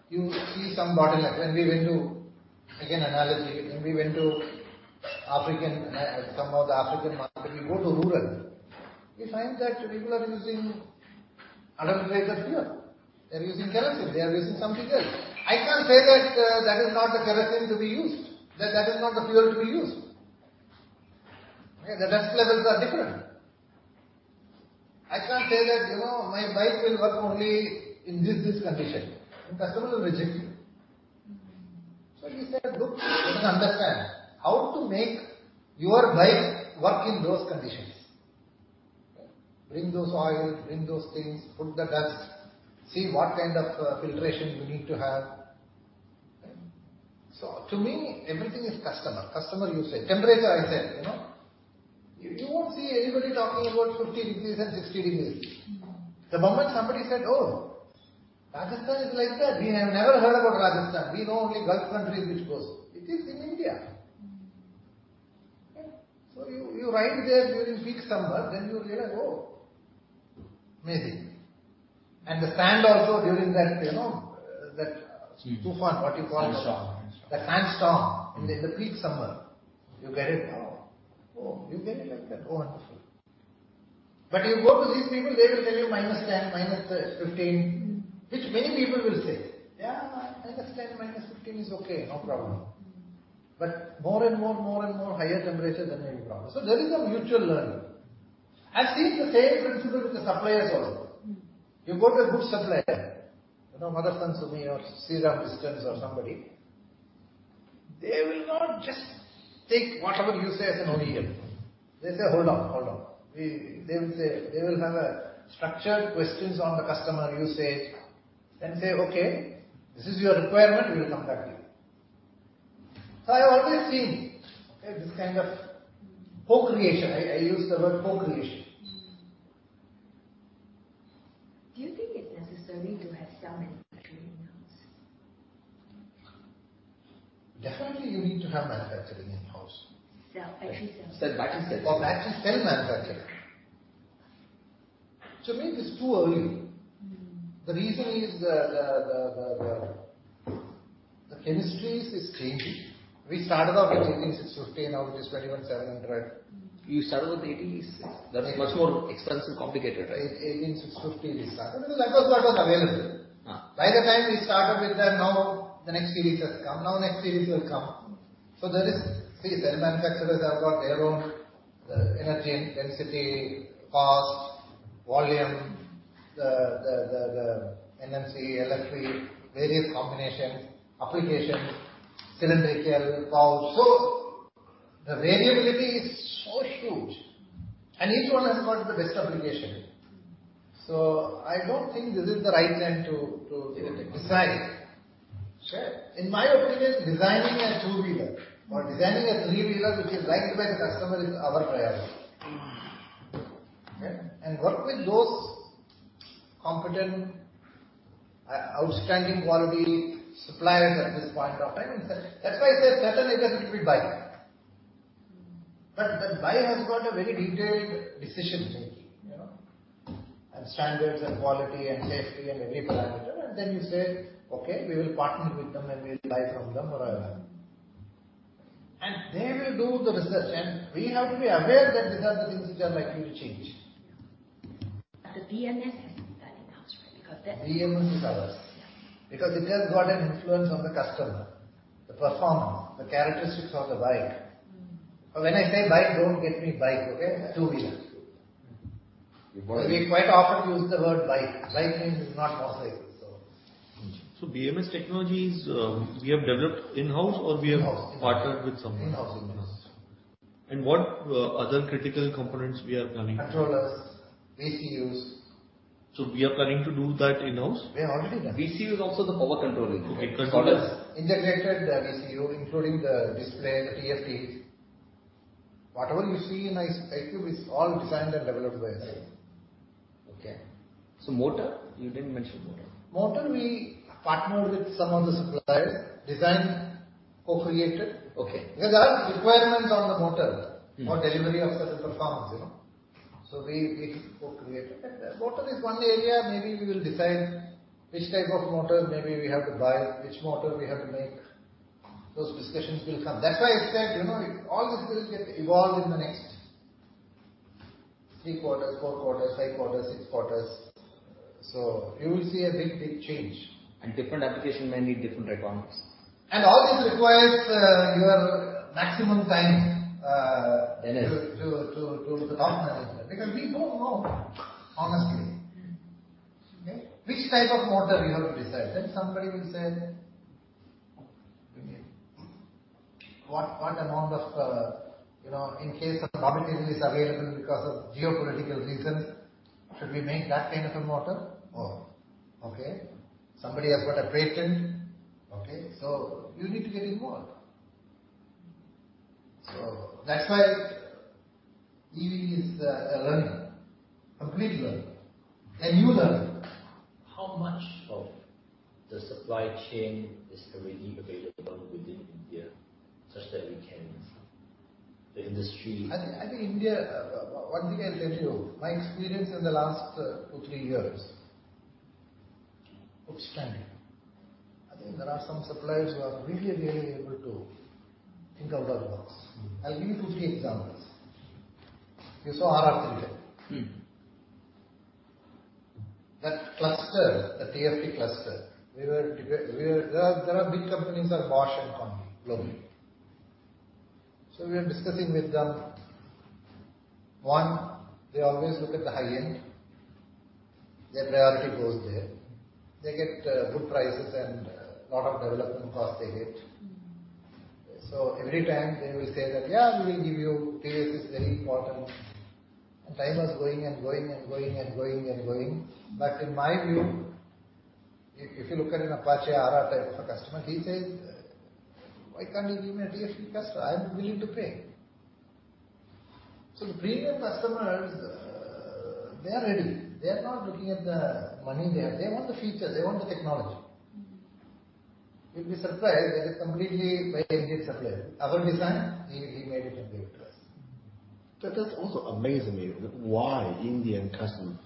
you see some bottleneck. Again, analogy. When we went to Africa, some of the African market, we go to rural. We find that people are using adulterated fuel. They're using kerosene. They're using something else. I can't say that that is not the kerosene to be used. That is not the fuel to be used. Okay? The dust levels are different. I can't say that, you know, my bike will work only in this condition, and customer will reject you. Mm-hmm. We said, "Look, you must understand how to make your bike work in those conditions." Bring those oil, bring those things, put the dust. See what kind of filtration you need to have. Right? To me, everything is customer. Customer usage. Generator, I said, you know. You won't see anybody talking about 50 degrees and 60 degrees. Mm-hmm. The moment somebody said, "Oh, Radhakrishnan is like that." We have never heard about Rajasthan. We know only Gulf countries which goes. It is in India. Mm-hmm. You ride there during peak summer, then you realize, oh, amazing. The sand also during that, you know. Sand- -tufan, what you call- Sandstorm. The sandstorm in the peak summer. You get it. Oh, you get it like that. Oh, wonderful. You go to these people, they will tell you -10%, -15%. Mm-hmm. Which many people will say. Yeah, -10%, -15% is okay, no problem. Mm-hmm. More and more higher temperature, then there will be a problem. There is a mutual learning. I've seen the same principle with the suppliers also. Mm-hmm. You go to a good supplier, you know, Motherson Sumi or Sona Comstar or somebody. They will not just take whatever you say as an OEM. They'll say, "Hold on, hold on." They will say. They will have structured questions on the customer usage, then say, "Okay, this is your requirement. We will come back to you." I have always seen, okay, this kind of co-creation. I use the word co-creation. Mm-hmm. Do you think it's necessary to have cell manufacturing in-house? Definitely you need to have manufacturing in-house. Battery cell manufacturing. Battery cell manufacturing. To me, it's too early. Mm-hmm. The reason is the chemistries is changing. We started off with 18,650. Now it is 21,700. You started with 1,860. That's much more expensive, complicated, right? 18,650 we started with. That was what was available. Ah. The next series has come. Now next series will come. There is. See, the manufacturers have got their own energy and density, cost, volume, the NMC, LFP, various combinations, applications, cylindrical, pouch. The variability is so huge, and each one has got the best application. I don't think this is the right time to Make a decision. -decide. Sure. In my opinion, designing a two-wheeler or designing a three-wheeler which is liked by the customer is our priority. Mm-hmm. Okay? Work with those competent, outstanding quality suppliers at this point of time. That's why I say certainly it has to be right. The buyer has got a very detailed decision-making, you know. Standards and quality and safety and every parameter, and then you say, "Okay, we will partner with them, and we'll buy from them or whatever." They will do the research, and we have to be aware that these are the things which are likely to change. The BMS has to be done in-house, right? BMS is ours. Yeah. Because it has got an influence on the customer, the performance, the characteristics of the bike. Mm-hmm. When I say bike, don't get me wrong, okay? A two-wheeler. Two-wheeler. We quite often use the word bike. Bike means it's not motorcycle, so. BMS technologies, we have developed in-house. In-house. Partnered with someone? In-house. What other critical components we are planning? Controllers, VCUs. We are planning to do that in-house? We have already done. VCU is also the power control unit. Controllers. Integrated VCU, including the display, the TFT. Whatever you see in iQube is all designed and developed by us. Okay. Motor, you didn't mention motor. Motor. We partnered with some of the suppliers, design co-created. Okay. Because there are requirements on the motor. Mm-hmm. For delivery of certain performance, you know. We co-created. Motor is one area maybe we will decide which type of motor maybe we have to buy, which motor we have to make. Those discussions will come. That's why I expect, you know, all these things get evolved in the next three quarters, four quarters, five quarters, six quarters. You will see a big change. Different application may need different economics. All this requires your maximum time. Yes. to the top management. Because we don't know, honestly. Mm-hmm. Which type of motor we have to decide. Somebody will say, "What amount of, you know, in case a commodity is available because of geopolitical reasons, should we make that kind of a motor?" Oh, okay. Somebody has got a patent. Okay. You need to get involved. That's why EV is a learner, a great learner, a new learner. How much of the supply chain is already available within India such that we can. I think in India, one thing I'll tell you. My experience in the last two, three years, outstanding. I think there are some suppliers who are really, really able to think out of the box. Mm-hmm. I'll give you two, three examples. You saw RR today. Mm-hmm. That cluster, the TFT cluster. There are big companies, Bosch and company, globally. We are discussing with them. One, they always look at the high end. Their priority goes there. They get good prices and lot of development costs they get. Mm-hmm. Every time they will say that, "Yeah, we will give you. TFT is very important." Time was going. In my view, if you look at an Apache RR type of a customer, he says, "Why can't you give me a TFT cluster? I'm willing to pay." The premium customers, they are ready. They are not looking at the money there. They want the features. They want the technology. You'll be surprised that it's completely by Indian supplier. Our design. He made it in big class. That also amazed me why Indian customers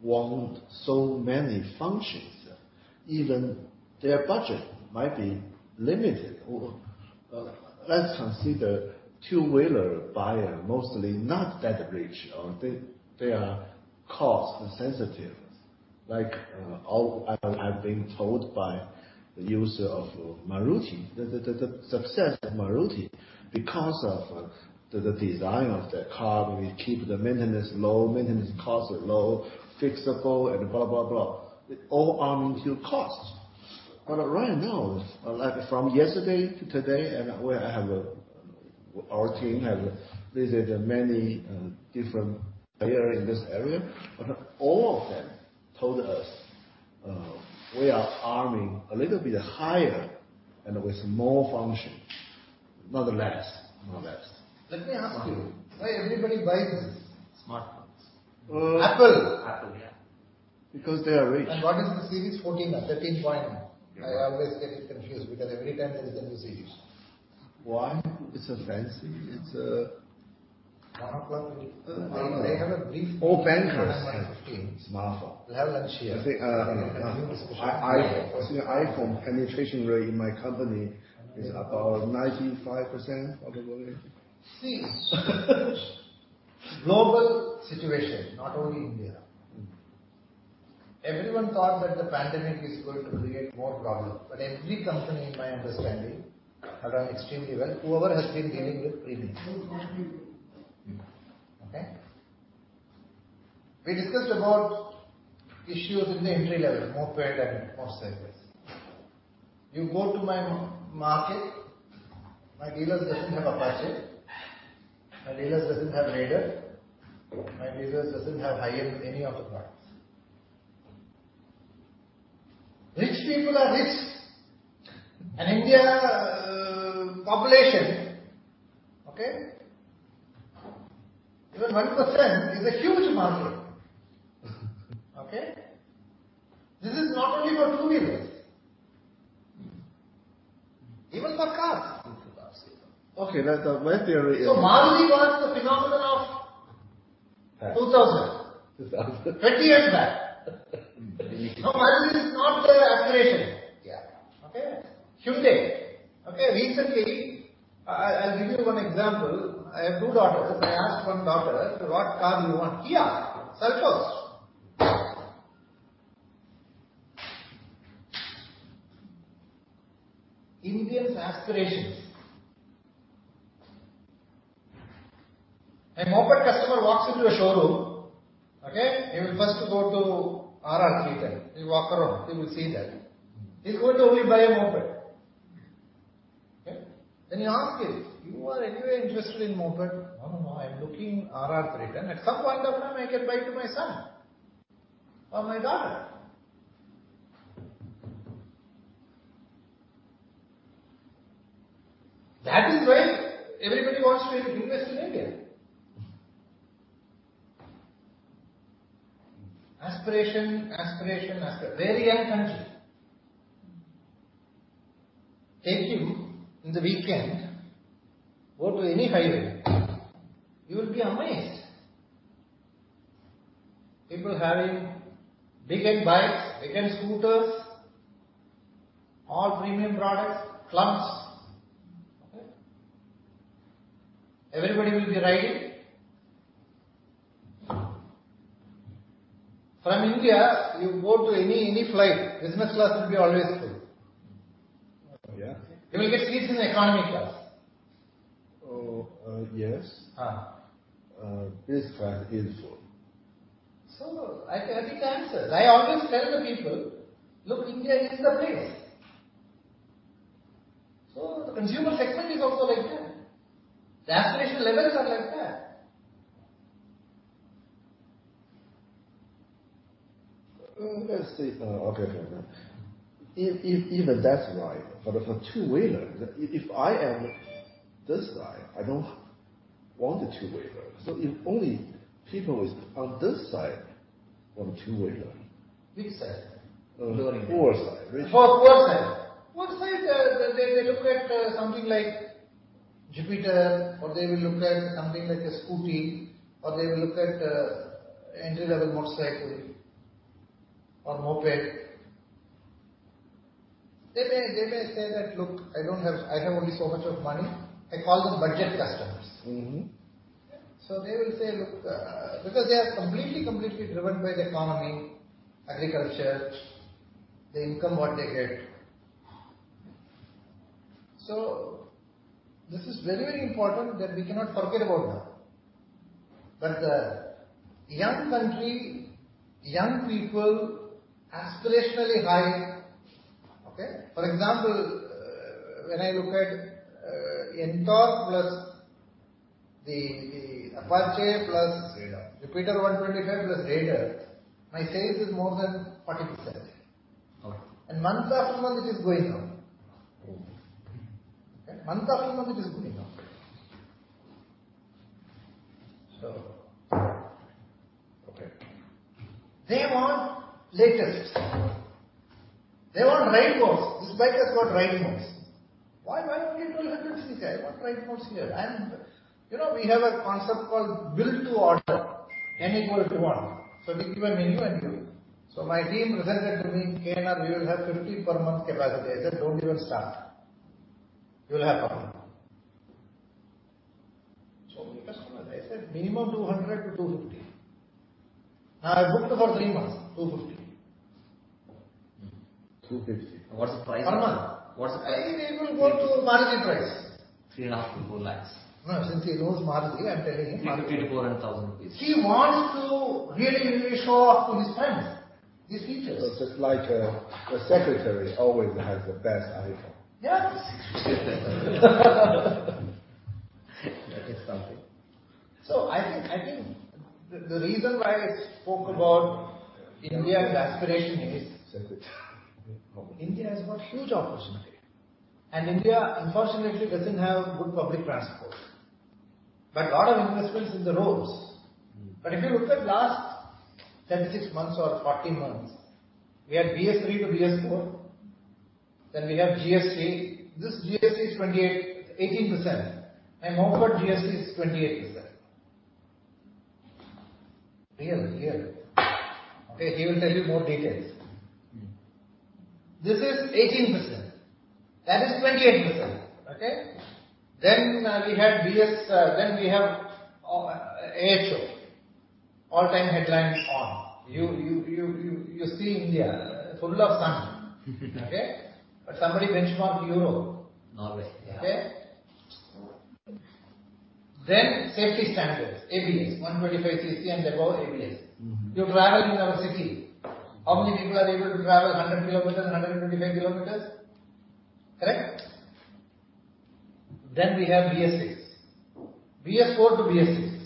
want so many functions. Even their budget might be limited. Let's consider two-wheeler buyer mostly not that rich or they are cost sensitive. Like, all I've been told by the users of Maruti. The success of Maruti, because of the design of the car, we keep the maintenance low, maintenance cost low, fixable and blah, blah. It all adds into cost. Right now, like from yesterday to today. Our team have visited many different players in this area. All of them told us, "We are aiming a little bit higher and with more functions." Not less. Let me ask you. Why everybody buys? Smartphones. -Apple? Apple, yeah. Because they are rich. What is the series? 14 or 13 point? I always get it confused because every time there is a new series. Why? It's a fancy. Monocle. They have a brief- All bankers have. Smartphones. They have large share. I think, iPhone. You see iPhone penetration rate in my company is about 95% of the workers. The global situation, not only in India. Everyone thought that the pandemic is going to create more problems, but every company, in my understanding, have done extremely well, whoever has been dealing with premiums. Most people. Okay. We discussed about issues in the entry-level, moped and motorcycles. You go to my market, my dealers doesn't have Apache, my dealers doesn't have Raider, my dealers doesn't have high end, any of the products. Rich people are rich. India, population, okay? Even 1% is a huge market. Okay? This is not only for two-wheelers. Even for cars. Okay, that's my theory. Maruti was the pinnacle of 2,000. 2,000. 20 years back. Now Maruti is not their aspiration. Yeah. Okay? Hyundai. Okay, recently, I'll give you one example. I have two daughters. I asked one daughter, "So what car do you want?" "Kia Seltos." Indians' aspirations. A moped customer walks into a showroom, okay? He will first go to RR310. He'll walk around. He will see that. He's going to only buy a moped. Okay? Then you ask him, "You are anyway interested in moped?" "No, no. I'm looking RR310. At some point of time, I can buy to my son or my daughter." That is why everybody wants to invest in India. Aspiration. Very young country. Take you in the weekend, go to any highway, you will be amazed. People having big end bikes, big end scooters, all premium products, clubs. Okay? Everybody will be riding. From India, you go to any flight, business class will be always full. Yeah. You will get seats in economy class. Oh, yes. Uh. This fact is so. I think that's the answer. I always tell the people, "Look, India is the place." The consumer segment is also like that. The aspirational levels are like that. Let's see. Okay. Now, if that's right, but for two-wheeler, if I am this side, I don't want a two-wheeler. If only people is on this side want two-wheeler. Which side? Poor side. Poor side. They look at something like Jupiter, or they will look at something like a Scooty, or they will look at entry-level motorcycle or moped. They may say that, "Look, I don't have I have only so much of money." I call them budget customers. Mm-hmm. They will say, "Look..." Because they are completely driven by the economy, agriculture, the income what they get. This is very important that we cannot forget about that. The young country, young people, aspirationally high. Okay? For example, when I look at Ntorq plus the Apache plus- Raider. Jupiter 125 plus Raider, my sales is more than 40%. Okay. Month after month it is going up. Mm-hmm. Okay? Month after month it is going up. Okay. They want latest. They want ride modes. This bike has got ride modes. Why, why only 1,200 cc? I want ride modes here. You know, we have a concept called build to order. Any model you want. We give a menu and build. My team presented to me, "KNR, we will have 50 per month capacity." I said, "Don't even start. You will have 100." "So many customers." I said, "Minimum 200-250." Now I booked for three months, 250. 250. What's the price? Per month. What's the price? It will go to Maruti price. three and a half to four lakhs. No, since he knows Maruti, I'm telling him. INR 350 thousand-INR 400 thousand. He wants to really, really show off to his friends, his features. Just like, the secretary always has the best iPhone. Yes. That is something. I think the reason why I spoke about India's aspiration is. Secret. India has got huge opportunity, and India, unfortunately, doesn't have good public transport. Lot of investments in the roads. Mm-hmm. If you look at last 36 months or 40 months, we had BS3 to BS4. Then we have GST. This GST is 28%-18%. My moped GST is 28%. Real, real. Okay, he will tell you more details. This is 18%. That is 28%. Okay? Then we had BS, then we have AHO, All Time Headlights On. You see India full of sun. Okay? Somebody benchmarked Europe. Norway. Yeah. Okay? Safety standards, ABS. 125 cc and above, ABS. Mm-hmm. You travel in our city, how many people are able to travel 100 km and 125 km? Correct? We have BS6. BS4-BS6.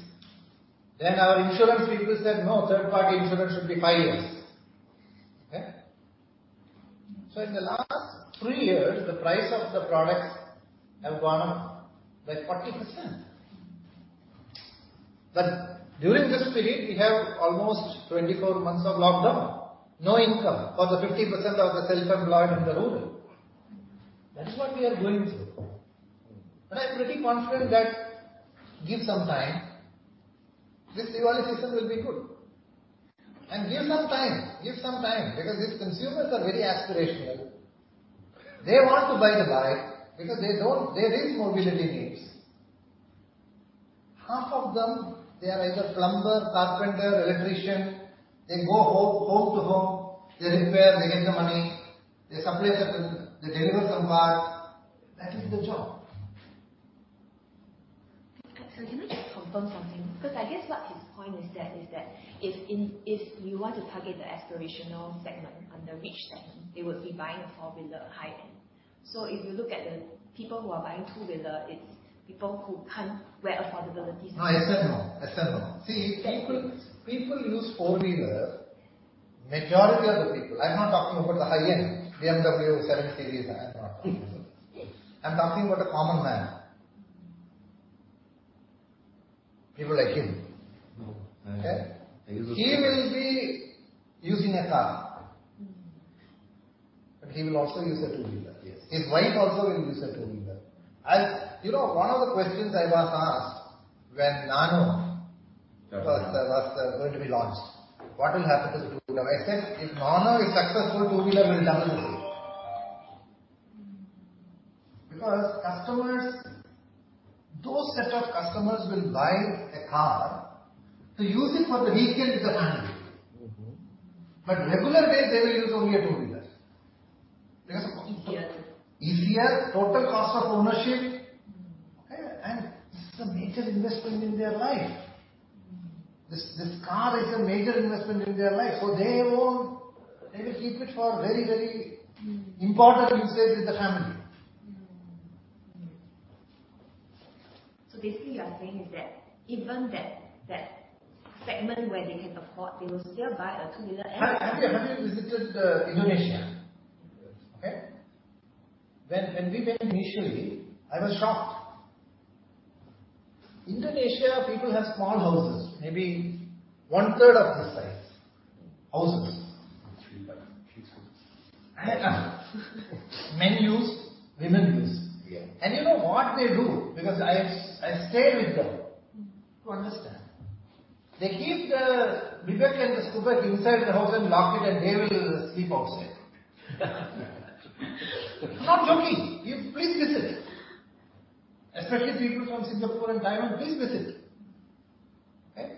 Our insurance people said, "No, third-party insurance should be five years." Okay? In the last three years, the price of the products have gone up by 40%. During this period, we have almost 24 months of lockdown. No income for the 50% of the self-employed in the rural. That is what we are going through. Mm-hmm. I'm pretty confident that given some time, this rural segment will be good. Given some time, because these consumers are very aspirational. They want to buy the bike because they have mobility needs. Half of them, they are either plumber, carpenter, electrician. They go home to home. They repair, they get the money. They supply certain. They deliver some parts. That is the job. Sir, can I just confirm something? 'Cause I guess what his point is that if you want to target the aspirational segment under which that they would be buying a high-end four-wheeler. If you look at the people who are buying two-wheeler, it's people who can't, where affordability. No, it's not normal. People use four-wheeler, majority of the people. I'm not talking about the high-end BMW seven series and so on. Yes. I'm talking about the common man. People like him. He will be using a car. He will also use a two-wheeler. His wife also will use a two-wheeler. You know, one of the questions I was asked when Nano Nano was going to be launched, "What will happen to the two-wheeler?" I said, "If Nano is successful, two-wheeler will double." Because customers, those set of customers will buy a car to use it for the weekend with the family. Regular days they will use only a two-wheeler. Easier Easier, total cost of ownership. Mm-hmm. This is a major investment in their life. Mm-hmm. This car is a major investment in their life. They will keep it for very, very Mm-hmm Important usage with the family. Basically what you are saying is that even that segment where they can afford, they will still buy a two-wheeler. Have you visited Indonesia? Yes. Okay? When we went initially, I was shocked. Indonesia, people have small houses, maybe one-third of this size. Houses. INR 3 crore Men use, women use. Yeah. You know what they do? Because I stayed with them to understand. They keep the bike and the Scooty inside the house and lock it, and they will sleep outside. Not joking. Please, please visit. Especially people from Singapore and Thailand, please visit. Okay?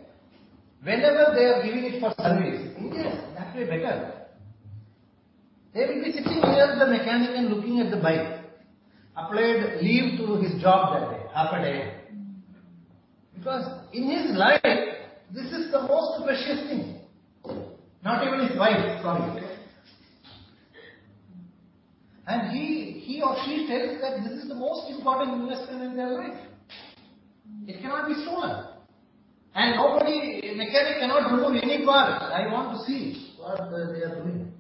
Whenever they are giving it for service, in here, that way better. They will be sitting near the mechanic and looking at the bike. Applied leave to his job that day, half a day. Mm-hmm. Because in his life, this is the most precious thing. Not even his wife. Sorry. He or she tells that this is the most important investment in their life. It cannot be stolen. Nobody, a mechanic cannot remove any part. I want to see what they are doing.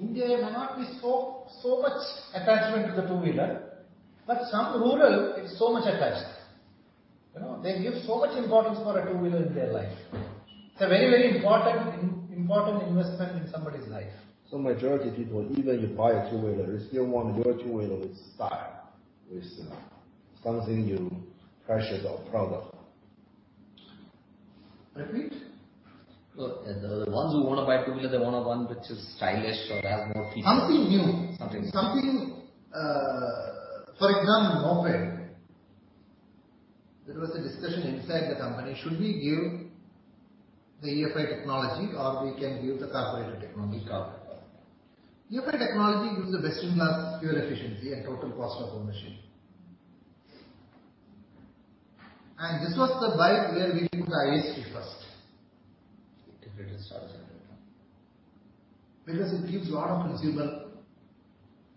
India may not be so much attachment to the two-wheeler, but some rural, it's so much attached. You know, they give so much importance for a two-wheeler in their life. It's a very important investment in somebody's life. Majority people, even you buy a two-wheeler, they still want your two-wheeler with style. With something new, precious or proud of. Repeat. The ones who wanna buy two-wheeler, they want a one which is stylish or has more features. Something new. Something new. For example, moped. There was a discussion inside the company, "Should we give the EFI technology or we can give the carburetor technology?" EFI technology gives the best in class fuel efficiency and total cost of ownership. This was the bike where we put the ISG first. Integrated Starter Generator. It gives a lot of consumer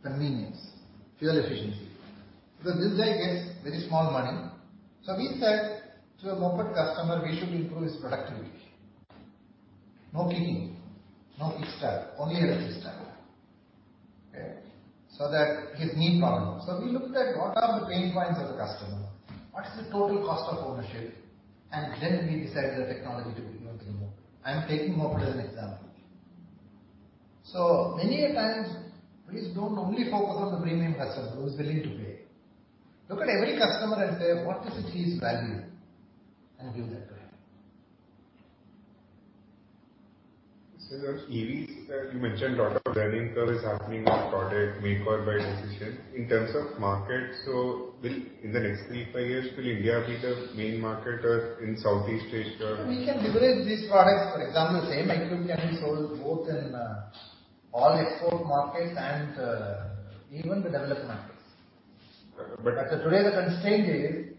convenience, fuel efficiency. This guy gets very small money. We said to a moped customer, we should improve his productivity. No kicking, no kick-start. Only electric start. Okay. That his main problem. We looked at what are the pain points of the customer, what is the total cost of ownership, and then we decided the technology to be used in the moped. I'm taking moped as an example. Many a times, please don't only focus on the premium customer who's willing to pay. Look at every customer and say, "What is it he values?" Give that to him. Sir, on EVs, you mentioned lot of learning curve is happening on product make or buy decision. In terms of markets, will India be the main market or in Southeast Asia in the next three-five years? We can deliver these products. For example, the same equipment can be sold both in all export markets and even the developed markets. But- As of today, the constraint is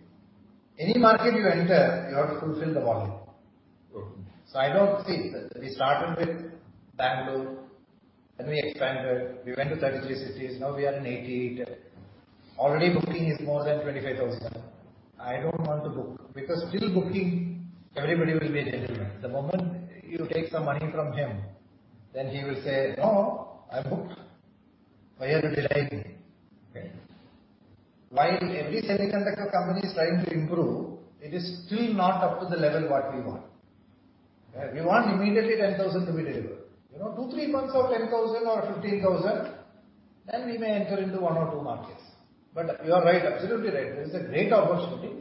any market you enter, you have to fulfill the volume. Okay. We started with Bangalore, then we expanded. We went to 33 cities. Now we are in 88. Already booking is more than 25,000. I don't want to book because till booking, everybody will be a gentleman. The moment you take some money from him, then he will say, "No, I'm booked. Why you are delaying me?" Okay. While every semiconductor company is trying to improve, it is still not up to the level what we want. We want immediately 10,000 to be delivered. You know, two-three months of 10,000 or 15,000, then we may enter into one or two markets. You are right. Absolutely right. There is a great opportunity.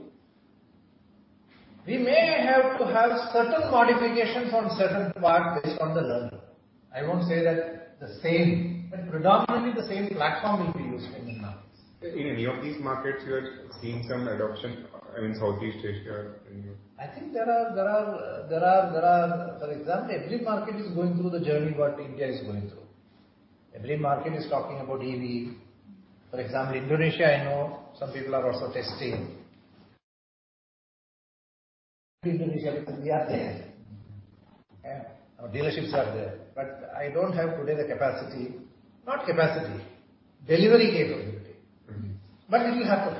We may have to have certain modifications on certain parts based on the learning. I won't say that the same, but predominantly the same platform will be used in these markets. In any of these markets, you are seeing some adoption, in Southeast Asia or anywhere? I think there are. For example, every market is going through the journey what India is going through. Every market is talking about EV. For example, Indonesia, I know some people are also testing. Indonesia, we are there. Mm-hmm. Our dealerships are there, but I don't have today the delivery capability. Mm-hmm. It will happen.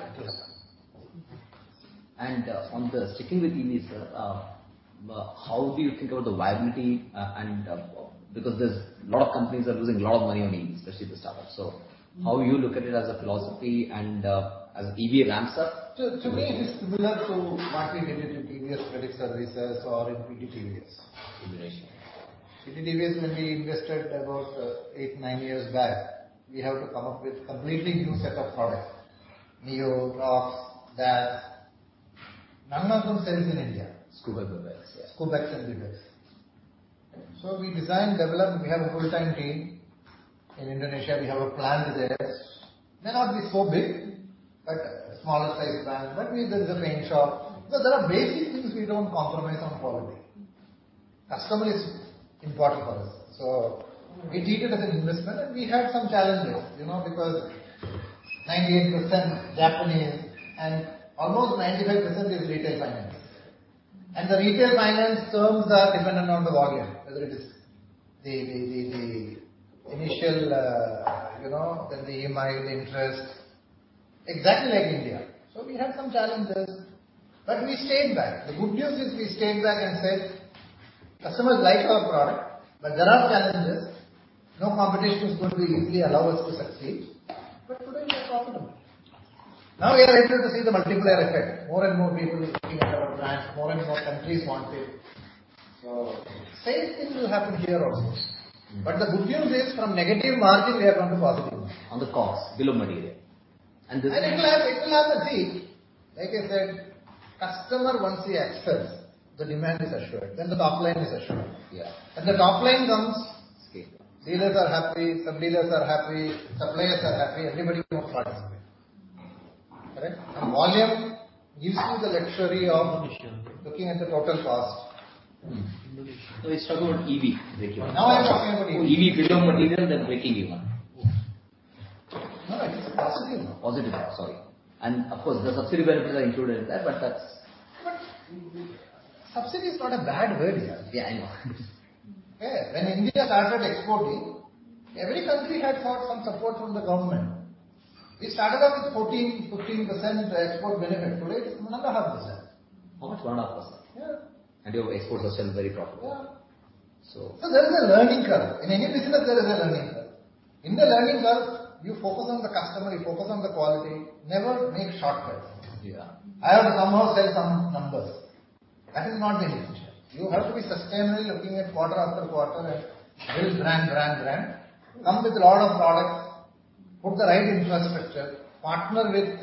Yes. Okay. Sticking with EVs, sir, how do you think about the viability? Because there's a lot of companies are losing a lot of money on EVs, especially the startups. How you look at it as a philosophy and as EV ramps up? To me, it is similar to what we did in previous credit services or in PT TVS. Indonesia. PT TVS, when we invested about eight-nine years back, we have to come up with completely new set of products. Neo, Rockz, Dazz, none of them sold in India. Scuba and the rest, yeah. Scuba and the rest. We design, develop. We have a full-time team. In Indonesia, we have a plant there. May not be so big, but smaller size plant. We have a paint shop. There are basic things we don't compromise on quality. Customer is important for us, so we treat it as an investment. We had some challenges, you know, because 98% Japanese and almost 95% is retail finance. The retail finance terms are dependent on the volume, whether it is the initial, you know, then the EMI, the interest. Exactly like India. We had some challenges, but we stayed back. The good news is we stayed back and said, "Customers like our product, but there are challenges." No competition is going to easily allow us to succeed. Today we are profitable. Now we are entering to see the multiplier effect. More and more people is looking at our brand. More and more countries want it. Same thing will happen here also. Mm-hmm. The good news is from negative margin, we have gone to positive. On the cost, bill of material. It will have a fee. Like I said, customer, once he accepts, the demand is assured, then the top line is assured. Yeah. When the top line comes. Scale Dealers are happy, sub-dealers are happy, suppliers are happy. Everybody wants participate. All right? Volume gives you the luxury of- Competition Looking at the total cost. We struggle with EV break-even. Now we are talking about EV. EV bill of material, then break-even. No, it is positive now. Positive now. Sorry. Of course, the subsidy benefits are included in that. That's. Subsidy is not a bad word, Yash. Yeah, I know. When India started exporting, every country had sought some support from the government. We started off with 14%-15% export benefit. Today it's 1.5%. How much? 1.5%? Yeah. Your exports are still very profitable. Yeah. So- There is a learning curve. In any business, there is a learning curve. In the learning curve, you focus on the customer, you focus on the quality. Never make shortcuts. Yeah. I have to somehow sell some numbers. That is not the intention. You have to be sustainably looking at quarter-after-quarter and build brand, brand. Come with a lot of products. Put the right infrastructure. Partner with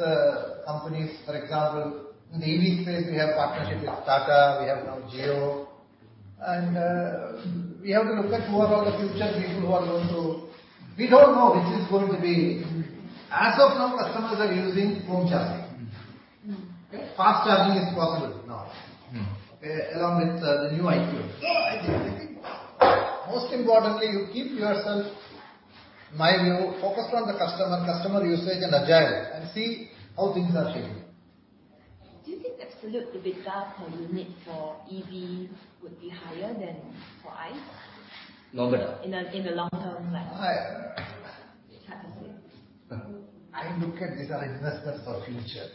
companies. For example, in the EV space, we have partnership with Tata. We have now Jio. We have to look at who are all the future people who are going to. We don't know which is going to be. As of now, customers are using home charging. Mm-hmm. Okay? Fast charging is possible now. Mm-hmm. Along with the new iQube. I think most importantly, you keep yourself, my view, focused on the customer usage and agile and see how things are shaping. Do you think absolute EBITDA per unit for EV would be higher than for ICE? No better. In the long term. I It's hard to say. No. I look at these as investments for future.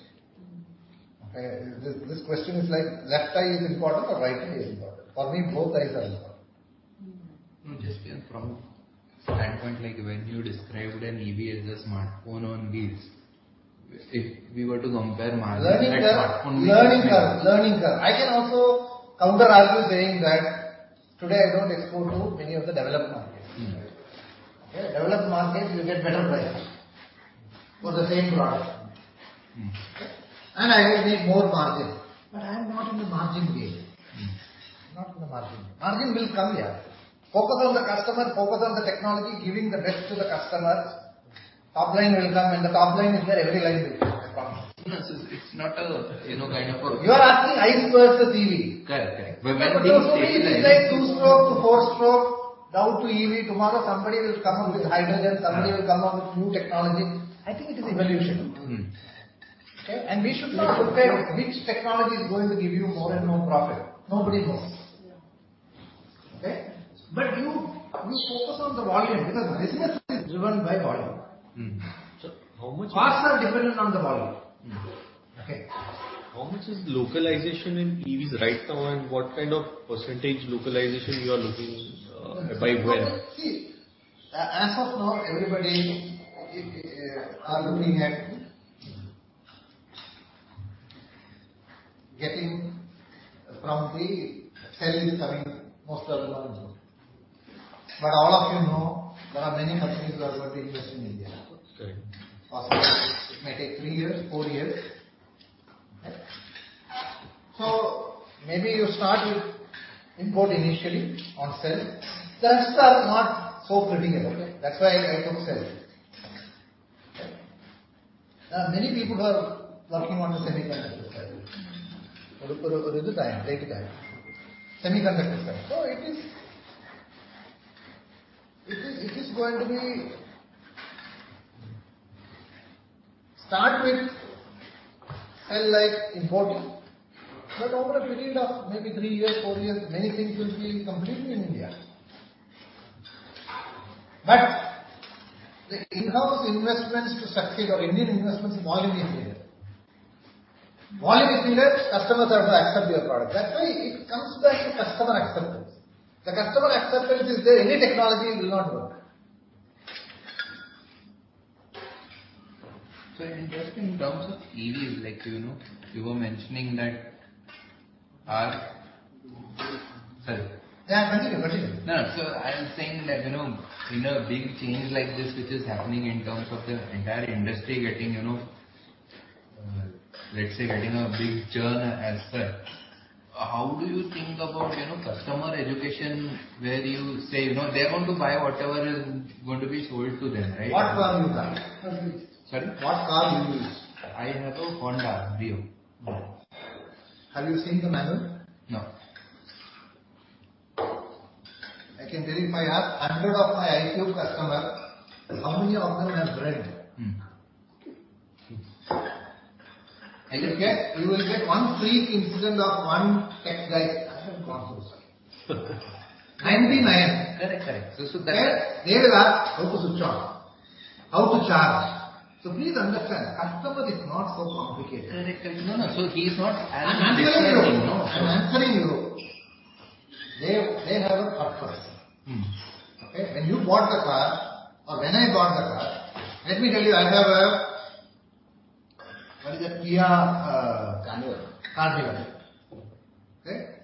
Mm-hmm. Okay? This question is like left eye is important or right eye is important. For me, both eyes are important. Mm-hmm. No, just, yeah, from standpoint, like when you described an EV as a smartphone on wheels, if we were to compare margins at smartphone. Learning curve. I can also counter-argue saying that today I don't export to many of the developed markets. Mm-hmm. Okay? Developed markets, you get better price for the same product. Mm-hmm. I will make more margin, but I am not in the margin game. Mm-hmm. Not in the margin. Margin will come here. Focus on the customer, focus on the technology, giving the best to the customers. Top line will come, and the top line is where every line will come from. It's not a, you know, kind of a. You are asking ICE versus EV. Correct. Also it is like two-stroke to four-stroke, now to EV. Tomorrow, somebody will come up with hydrogen, somebody will come up with new technology. I think it is evolution. Mm-hmm. Okay? We should not look at which technology is going to give you more and more profit. Nobody knows. Yeah. Okay? You focus on the volume, because business is driven by volume. How much- Costs are dependent on the volume. Mm-hmm. Okay? How much is localization in EVs right now, and what kind of percentage localization you are looking by when? See, as of now, everybody are looking at getting from the cells coming most of them. All of you know there are many factories that are going to be placed in India. Correct. Possibly it may take three years, four years. Right? Maybe you start with import initially on cell. That's the not so critical, okay? That's why I put cell. Right? Many people who are working on the semiconductor side. Mm-hmm. Semiconductor side. Start with cell life importing, but over a period of maybe three years, four years, many things will be completely in India. The in-house investments to succeed or Indian investments, volume is needed. Volume is needed, customers have to accept your product. That's why it comes back to customer acceptance. The customer acceptance is there, any technology will not work. In terms of EVs, like, you know, you were mentioning that. Sorry. Yeah. Continue. No. I was saying that, you know, in a big change like this which is happening in terms of the entire industry getting, you know, let's say getting a big churn as such, how do you think about, you know, customer education where you say, you know, they're going to buy whatever is going to be sold to them, right? What car you buy? Sorry? What car you use? I have a Honda Brio. Have you seen the manual? No. I can tell you, if I ask 100 of my iQube customers, how many of them have read? Mm-hmm. You will get one freak incident of one tech guy. I have gone through, sir. 99. Correct. Correct. They'll ask how to switch on, how to charge. Please understand, customer is not so complicated. Correct. No, no. He's not. I'm answering you. They have a purpose. Mm-hmm. Okay? When you bought the car or when I bought the car, let me tell you, I have a. What is it? Kia. Carnival. Carnival. Okay?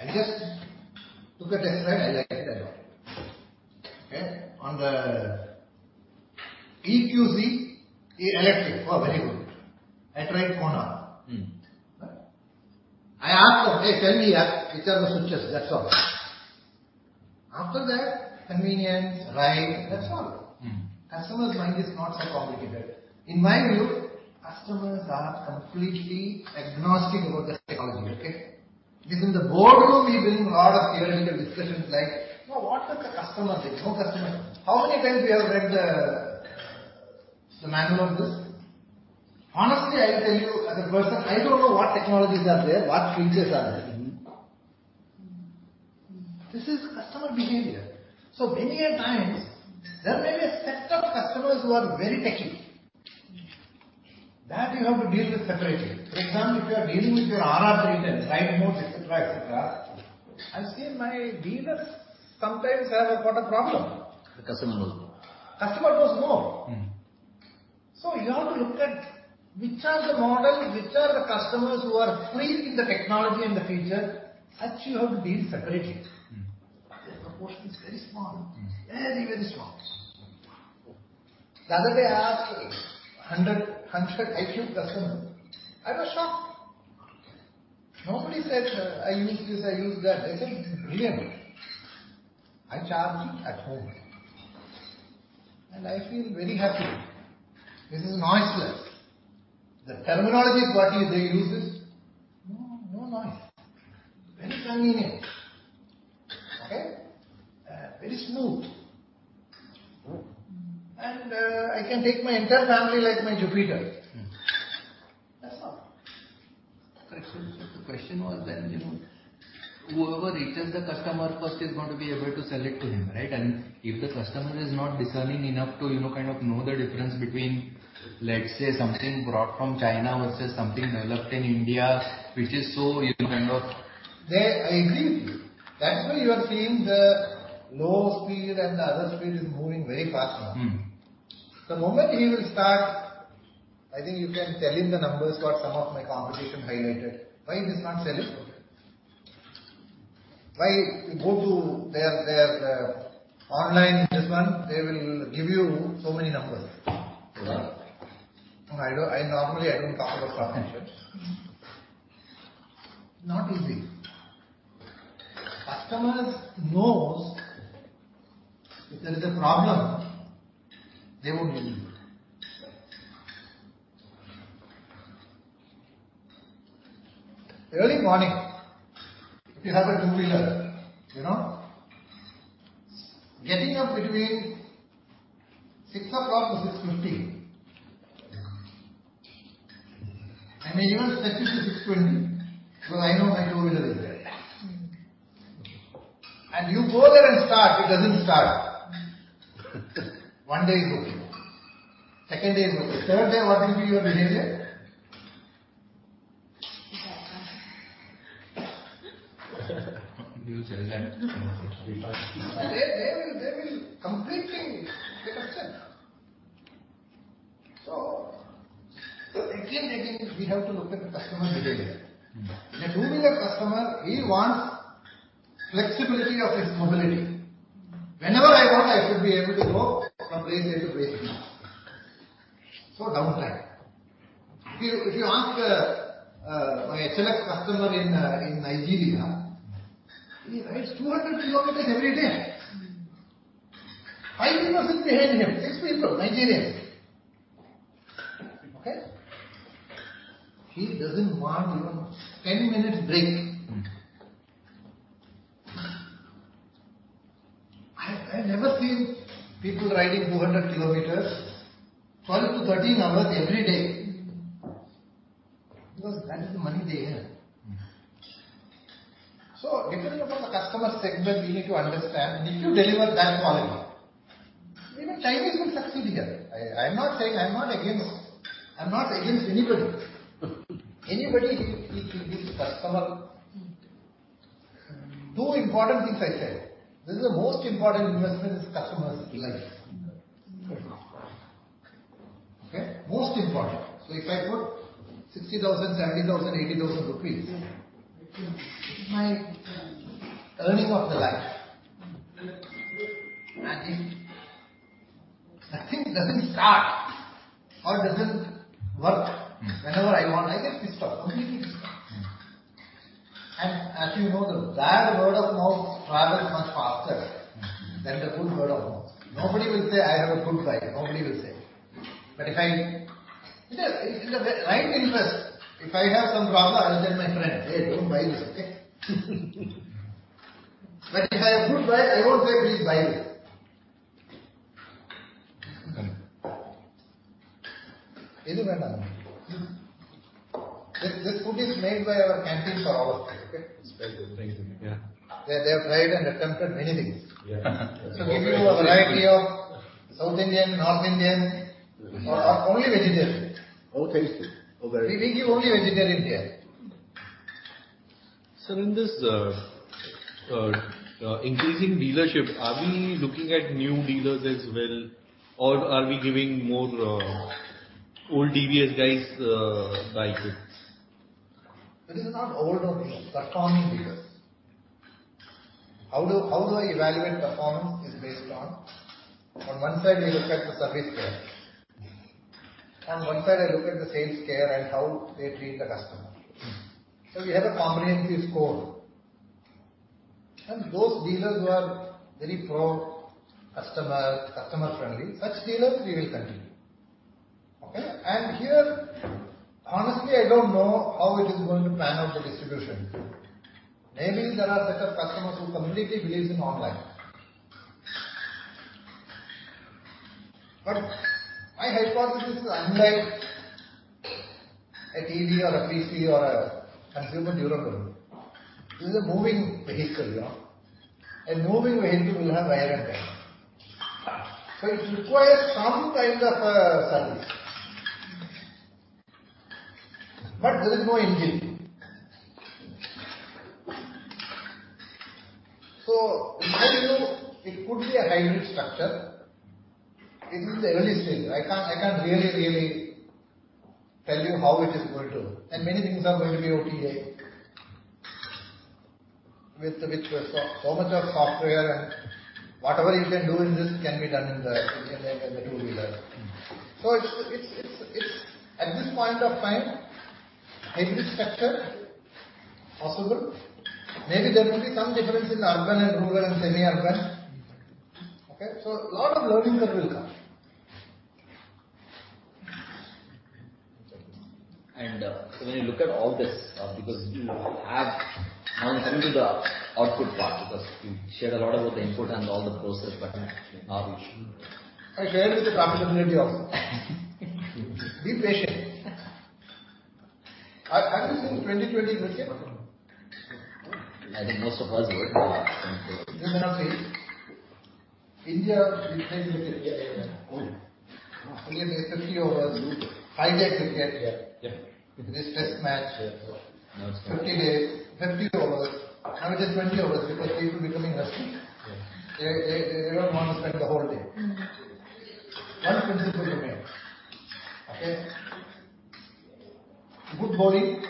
I just took a test drive. I liked it. I bought it. Okay? On the EQC, electric. Oh, very good. I tried Honda. Mm-hmm. I asked them, "Hey, tell me, which are the switches?" That's all. After that, convenience, ride, that's all. Mm-hmm. Customer's mind is not so complicated. In my view, customers are completely agnostic about the technology, okay? Within the boardroom, we bring a lot of theoretical discussions like, "No, what the customer..." You know, how many times we have read the manual of this? Honestly, I'll tell you as a person, I don't know what technologies are there, what features are there. Mm-hmm. This is customer behavior. Many a times there may be a set of customers who are very techie. That you have to deal with separately. For example, if you are dealing with your RR 310, ride modes, et cetera, et cetera. I've seen my dealers sometimes have a lot of problem. The customer knows more. Customer knows more. Mm-hmm. You have to look at which are the models, which are the customers who are free with the technology and the feature, such you have to deal separately. Mm-hmm. Their proportion is very small. Mm-hmm. Very, very small. The other day I asked 100 iQube customers. I was shocked. Nobody said, "I use this, I use that." They said, "Brilliant. I charge it at home, and I feel very happy. This is noiseless." The terminologies what they use is, "No, no noise. Very convenient." Okay? "Very smooth. Mm-hmm. I can take my entire family like my Jupiter. Mm-hmm. That's all. The question, sir, was then, you know, whoever reaches the customer first is going to be able to sell it to him, right? If the customer is not discerning enough to, you know, kind of know the difference between, let's say, something brought from China versus something developed in India, which is so, you know, kind of. I agree with you. That's why you are seeing the low speed and the other speed is moving very fast now. Mm-hmm. The moment he will start, I think you can tell him the numbers what some of my competition highlighted. Why he does not sell it? Try to go to their online this one. They will give you so many numbers. You know? I normally don't talk about partnerships. Not easy. Customer knows if there is a problem, they won't use it. Early morning, if you have a two-wheeler, you know, getting up between 6:00 A.M.-6:15 A.M. I may even stretch it to 6:15 A.M. because I know my two-wheeler is there. You go there and start, it doesn't start. One day is okay. Second day is okay. Third day, what will be your behavior? You will sell that. They will completely get upset. We have to look at the customer behavior. The owner, a customer, he wants flexibility of his mobility. Whenever I want, I should be able to go from place A to place B. Downtime. If you ask my HLX customer in Nigeria, he rides 200 km every day. Five people sitting behind him. He's from Nigeria. Okay. He doesn't want even 10 minutes break. Mm. I've never seen people riding 200 km, 12-13 hours every day, because that is the money they earn. Mm. Depending upon the customer segment, we need to understand, did you deliver that volume? Even Chinese will succeed here. I'm not saying I'm not against anybody. Anybody who gives customer- Mm. 2 important things I tell. This is the most important investment in customer's life. Mm. Mm. Okay? Most important. If I put 60,000, 70,000, 80,000 rupees. Mm. It's my earning of the life. If that thing doesn't start or doesn't work whenever I want, I get pissed off. Completely pissed off. Mm. As you know, the bad word of mouth travels much faster than the good word of mouth. Nobody will say, "I had a good bike." Nobody will say. In a way, nine people, if I have some problem, I'll tell my friend, "Hey, don't buy this, okay?" But if I have good bike, I won't say, "Please buy this." This food is made by our canteen for our staff, okay? It's very good, thank you. Yeah. They have tried and attempted many things. Yeah. We do a variety of South Indian, North Indian or only vegetarian. Oh, tasty. Oh, very. We give only vegetarian here. Sir, in this increasing dealership, are we looking at new dealers as well, or are we giving more old TVS guys bikes in? It is not old or new. Performing dealers. How do I evaluate performance is based on one side we look at the service care. On one side I look at the sales care and how they treat the customer. Mm. We have a competency score. Those dealers who are very pro-customer, customer-friendly, such dealers we will continue. Okay? Here, honestly, I don't know how it is going to pan out the distribution. Namely, there are set of customers who completely believes in online. My hypothesis is unlike a TV or a PC or a consumer durable, this is a moving vehicle, no? A moving vehicle will have wear and tear. It requires some kind of a service. But there is no engine. Right now it could be a hybrid structure. It is the early stage. I can't really tell you how it is going to. Many things are going to be OTA. With so much of software and whatever you can do in this can be done in the two-wheeler. Mm. It's at this point of time, every structure possible. Maybe there will be some difference in urban and rural and semi-urban. Mm-hmm. Okay? Lot of learning curve will come. when you look at all this, because you have now come to the output part because you shared a lot about the input and all the process, but how do you- I share with the profitability also. Be patient. Have you seen twenty twenty cricket? I think most of us were at that time. You may not have seen. India did play cricket. Yeah. Oh. India played 50 overs. Mm. I get to get here. Yeah. This test match. Yeah. 50 days, 50 overs. Now it is 20 hours because people becoming rusty. Yeah. They don't want to spend the whole day. Mm. One principle we made. Okay? Good bowling,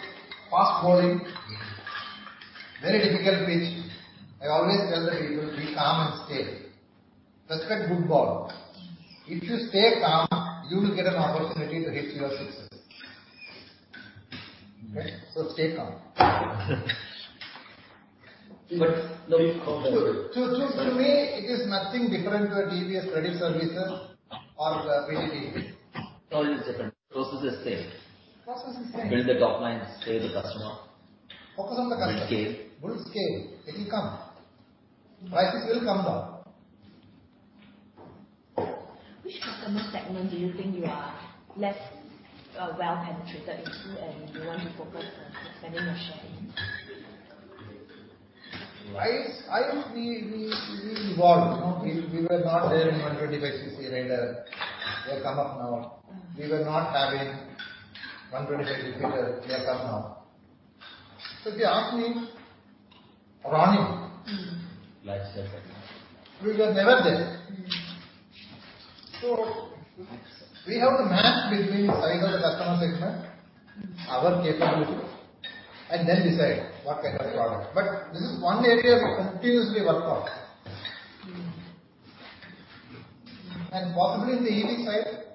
fast bowling in very difficult pitch. I always tell the people, be calm and stay. Respect good ball. If you stay calm, you will get an opportunity to hit your sixes. Okay? Stay calm. No. To me, it is nothing different to a TVS Credit Services or a VTV. No, it is different. Process is same. Process is same. Build the top line, scale the customer. Focus on the customer. Build scale. Build scale. It will come. Prices will come down. Which customer segment do you think you are less well-penetrated into and you want to focus on expanding your share in? I would be involved, no? We were not there in 125 cc Raider. We have come up now. Mm. We were not having 125 defector. We have come now. If you ask me. Mm. Lifestyle segment. We were never there. Mm. We have to match between size of the customer segment, our capability, and then decide what kind of product. This is one area we continuously work on. Mm. Possibly in the EV side,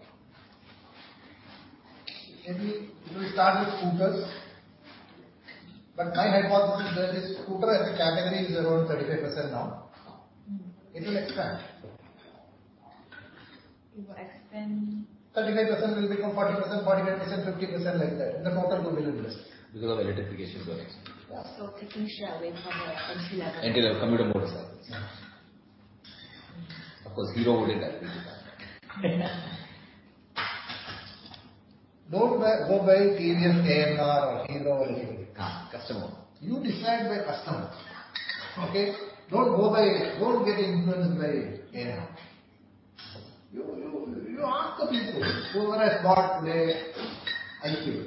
maybe we will start with scooters. My hypothesis is that a scooter as a category is around 35% now. Mm. It will expand. It will expand. 35% will become 40%, 45%, 50%, like that. The total will increase. Because of electrification going. Yeah. Taking share away from a country level. Until a commuter motorcycle. Of course, Hero would interact with that. Don't go by TVS, AMR or Hero or anything. Customer. You decide by customer. Okay? Don't go by. Don't get influenced by AMR. You ask the people who has bought today Activa.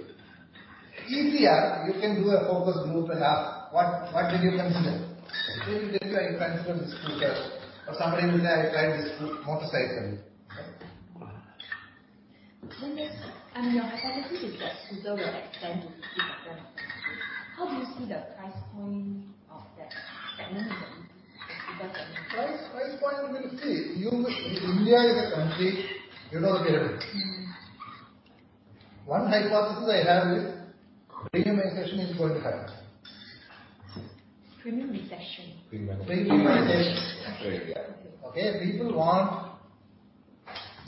Easier, you can do a focus group and ask, "What did you consider?" They will tell you, "I consider the scooter," or somebody will say, "I tried this motorcycle." Right? I mean, your hypothesis is that scooters are expanding to keep up with the population. How do you see the price point of that segment then if you got the? Price point we'll see. India is a country, you know, where Mm. One hypothesis I have is premiumization is going to happen. Premiumization. Premiumization. Premiumization. Very good. Okay? People want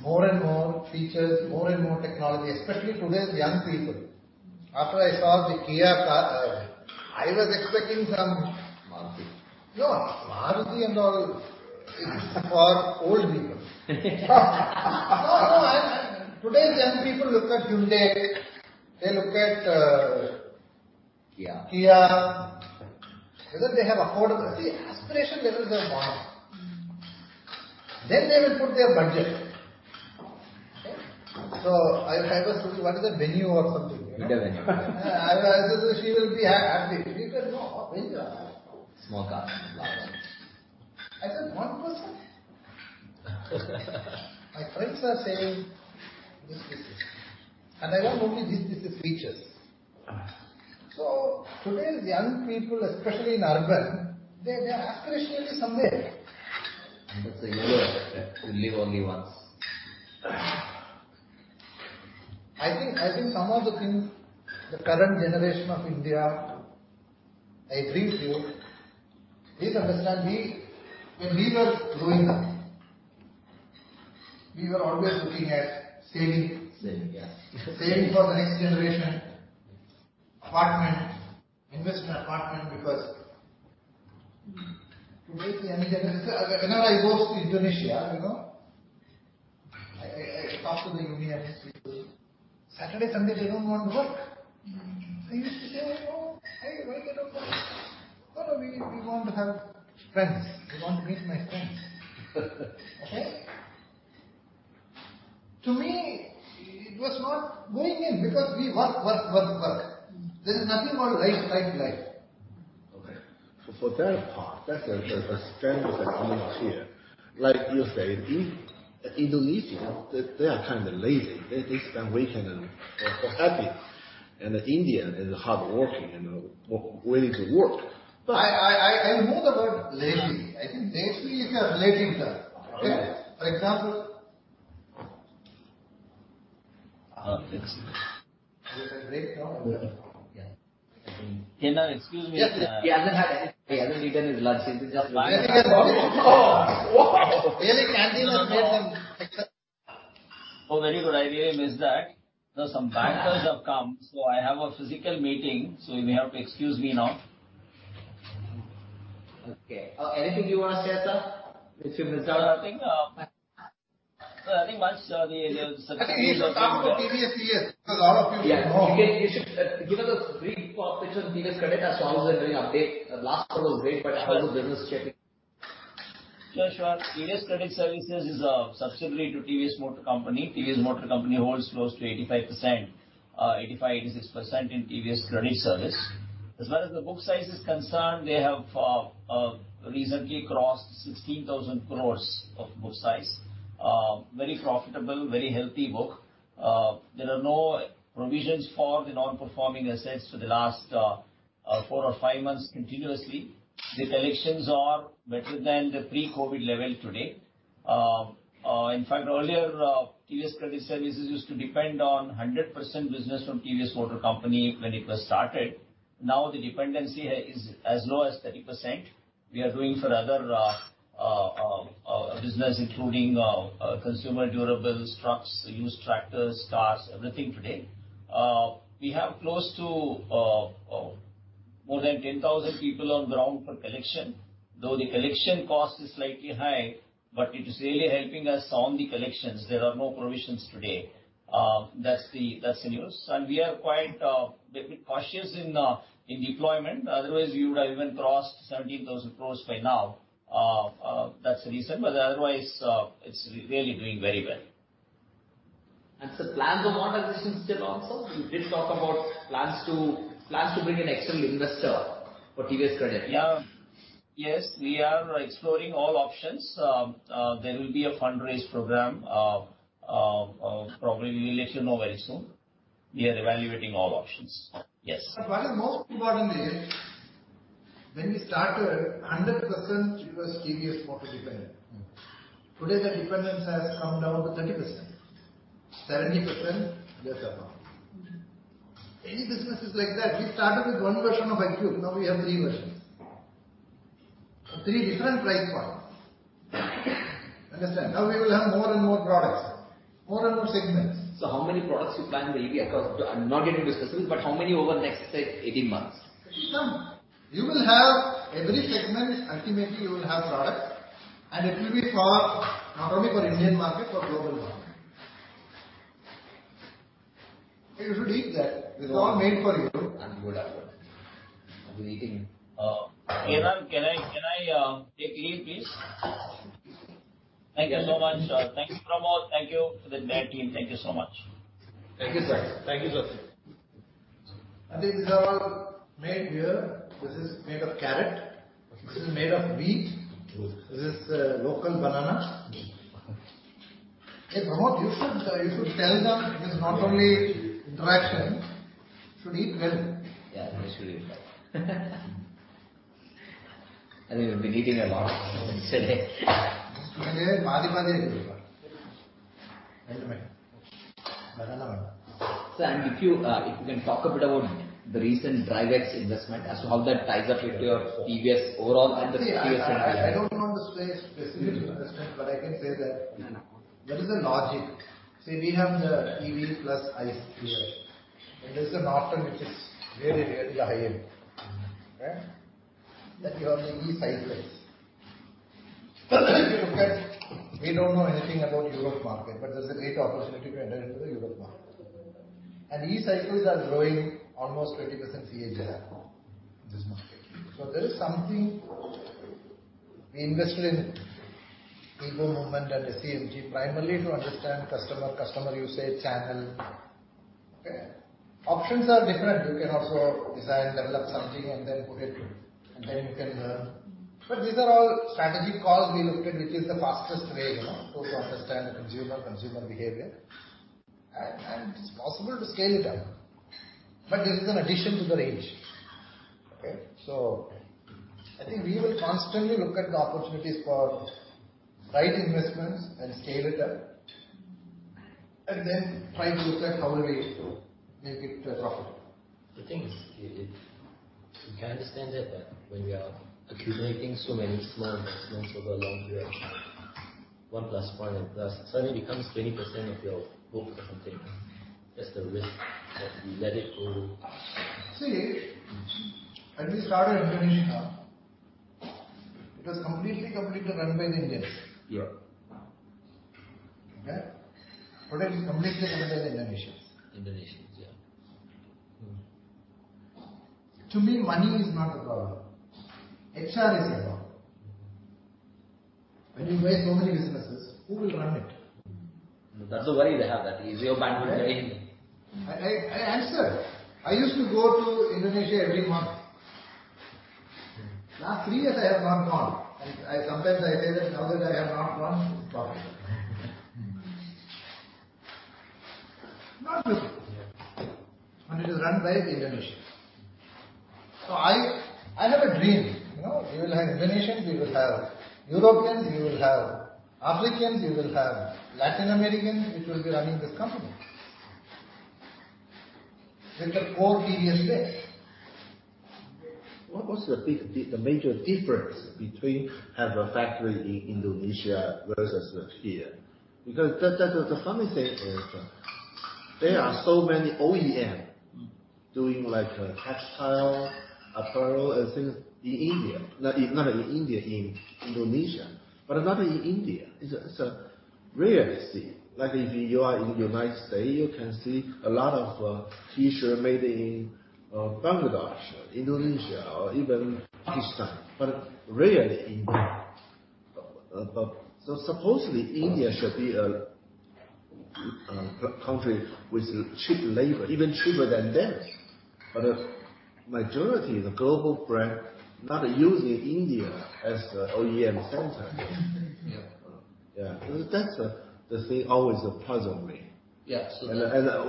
more and more features, more and more technology, especially today's young people. After I saw the Kia car, I was expecting some. Maruti. No. Maruti and all is for old people. No, no. Today's young people look at Hyundai. They look at. Kia. Kia. Whether they have affordability. See, aspiration level they want. Mm. They will put their budget. Okay? I was looking, what is that Venue or something. Hyundai Venue. She will be happy. Because no Venue- Small car. I said, "One person?" My friends are saying this, this. I want only these, these features. Ah. Today's young people, especially in urban, they are aspirationally somewhere. That's a YOLO effect. You live only once. I think some of the things the current generation of India. I agree with you. Please understand. When we were growing up, we were always looking at saving. Saving, yeah. Saving for the next generation. Investment apartment because Mm. Today's young generation. Whenever I go to Indonesia, you know, I talk to the Indian people. Saturday, Sunday, they don't want to work. Mm. I used to say, "Oh, hey, why you don't work?" "No, no, we want to have friends. We want to meet my friends." Okay? To me, it was not going in because we work. There is nothing called life. Okay. For that part, that's a strength that comes here. Like you say, in Indonesia, they are kinda lazy. They spend weekend and are happy. The Indian is hardworking and willing to work. I ignore the word lazy. I think naturally you have lazy time. Oh, okay. For example. Uh, let's- We can break now? Yeah. Kiran, excuse me. He hasn't had anything. He hasn't eaten his lunch. He's just looking at. Oh. Whoa. Really? Oh, very good. I really missed that. Some bankers have come, so I have a physical meeting, so you may have to excuse me now. Okay. Anything you wanna say, sir? Mr. Mirza? Nothing. No, I think once. Talk about the TVS, TS. Because a lot of people don't know. You should give us a brief picture of TVS Credit. I saw there was a recent update. The last one was great, but how is the business shaping? Sure, sure. TVS Credit Services is a subsidiary to TVS Motor Company. TVS Motor Company holds close to 85%, 85-86% in TVS Credit Services. As far as the book size is concerned, we have recently crossed 16,000 crore of book size. Very profitable, very healthy book. There are no provisions for the non-performing assets for the last four or five months continuously. The collections are better than the pre-COVID level today. In fact, earlier, TVS Credit Services used to depend on 100% business from TVS Motor Company when it was started. Now the dependency is as low as 30%. We are doing for other business, including consumer durables, trucks, used tractors, cars, everything today. We have close to more than 10,000 people on ground for collection. Though the collection cost is slightly high, but it is really helping us on the collections. There are no provisions today. That's the news. We are quite a bit cautious in deployment. Otherwise, we would have even crossed 17,000 crore by now. That's the reason. Otherwise, it's really doing very well. Plans of modernization still on, sir? You did talk about plans to bring an external investor for TVS Credit. Yeah. Yes, we are exploring all options. There will be a fundraise program, probably we'll let you know very soon. We are evaluating all options. Yes. The most importantly, when we started, 100% it was TVS Motor dependent. Mm-hmm. Today, the dependence has come down to 30%. 70%, elsewhere now. Mm-hmm. Any business is like that. We started with one version of iQube, now we have three versions. Three different price points. Understand. Now we will have more and more products, more and more segments. How many products you plan really across, not getting into specifics, but how many over the next, say, 18 months? It will come. You will have every segment, ultimately, you will have product, and it will be for not only for Indian market, for global market. You should eat that. It's all made for you. I'm good. I've been eating. Can I take leave please? Thank you so much, sir. Thank you, Pramod. Thank you to the entire team. Thank you so much. Thank you, sir. Thank you, Sushil. These are all made here. This is made of carrot. This is made of beet. This is local banana. Hey, Pramod, you should tell them it's not only interaction. You should eat well. Yeah, we should eat well. I mean, we've been eating a lot. Sir, if you can talk a bit about the recent DriveX investment as to how that ties up into your TVS overall and the TVS- See, I don't want to say specific investment, but I can say that there is a logic. See, we have the TVS plus ICE here. There's an option which is very, very high-end. Mm-hmm. Okay? That you have the e-bicycles. If you look at, we don't know anything about European market, but there's a great opportunity to enter into the European market. e-bicycles are growing almost 20% CAGR in this market. There is something we invested in EGO Movement and SEMG primarily to understand customer usage, channel. Okay? Options are different. You can also design, develop something and then put it to. Then you can learn. These are all strategic calls we looked at, which is the fastest way, you know, to understand the consumer behavior. It's possible to scale it up. This is an addition to the range. Okay? I think we will constantly look at the opportunities for right investments and scale it up, and then try to look at how we reach to make it profitable. The thing is, if we can understand that when we are accumulating so many small investments over a long period of time, one plus one and plus, suddenly becomes 20% of your book or something. That's the risk that we let it go. See, when we started in Indonesia, it was completely run by the Indians. Yeah. Okay? Today it is completely run by the Indonesians. Indonesians, yeah. Mm-hmm. To me, money is not the problem. HR is the problem. Mm-hmm. When you buy so many businesses, who will run it? That's the worry they have, that is your bandwidth. I answer. I used to go to Indonesia every month. Okay. Last three years, I have not gone. I sometimes say that now that I have not gone, it's profitable. Not with me. Yeah. It is run by the Indonesians. I never dreamed, you know, you will have Indonesians, you will have Europeans, you will have Africans, you will have Latin Americans, which will be running this company. Look at all TVS tech. What's the major difference between have a factory in Indonesia versus here? Because the funny thing is there are so many OEM doing like textile, apparel and things in Indonesia, but not in India. It's rare to see. Like if you are in United States, you can see a lot of T-shirt made in Bangladesh, Indonesia or even Pakistan, but rarely India. Supposedly India should be a country with cheap labor, even cheaper than them. The majority, global brand not using India as a OEM center. Yeah. Yeah. That's the thing always puzzle me. Yes.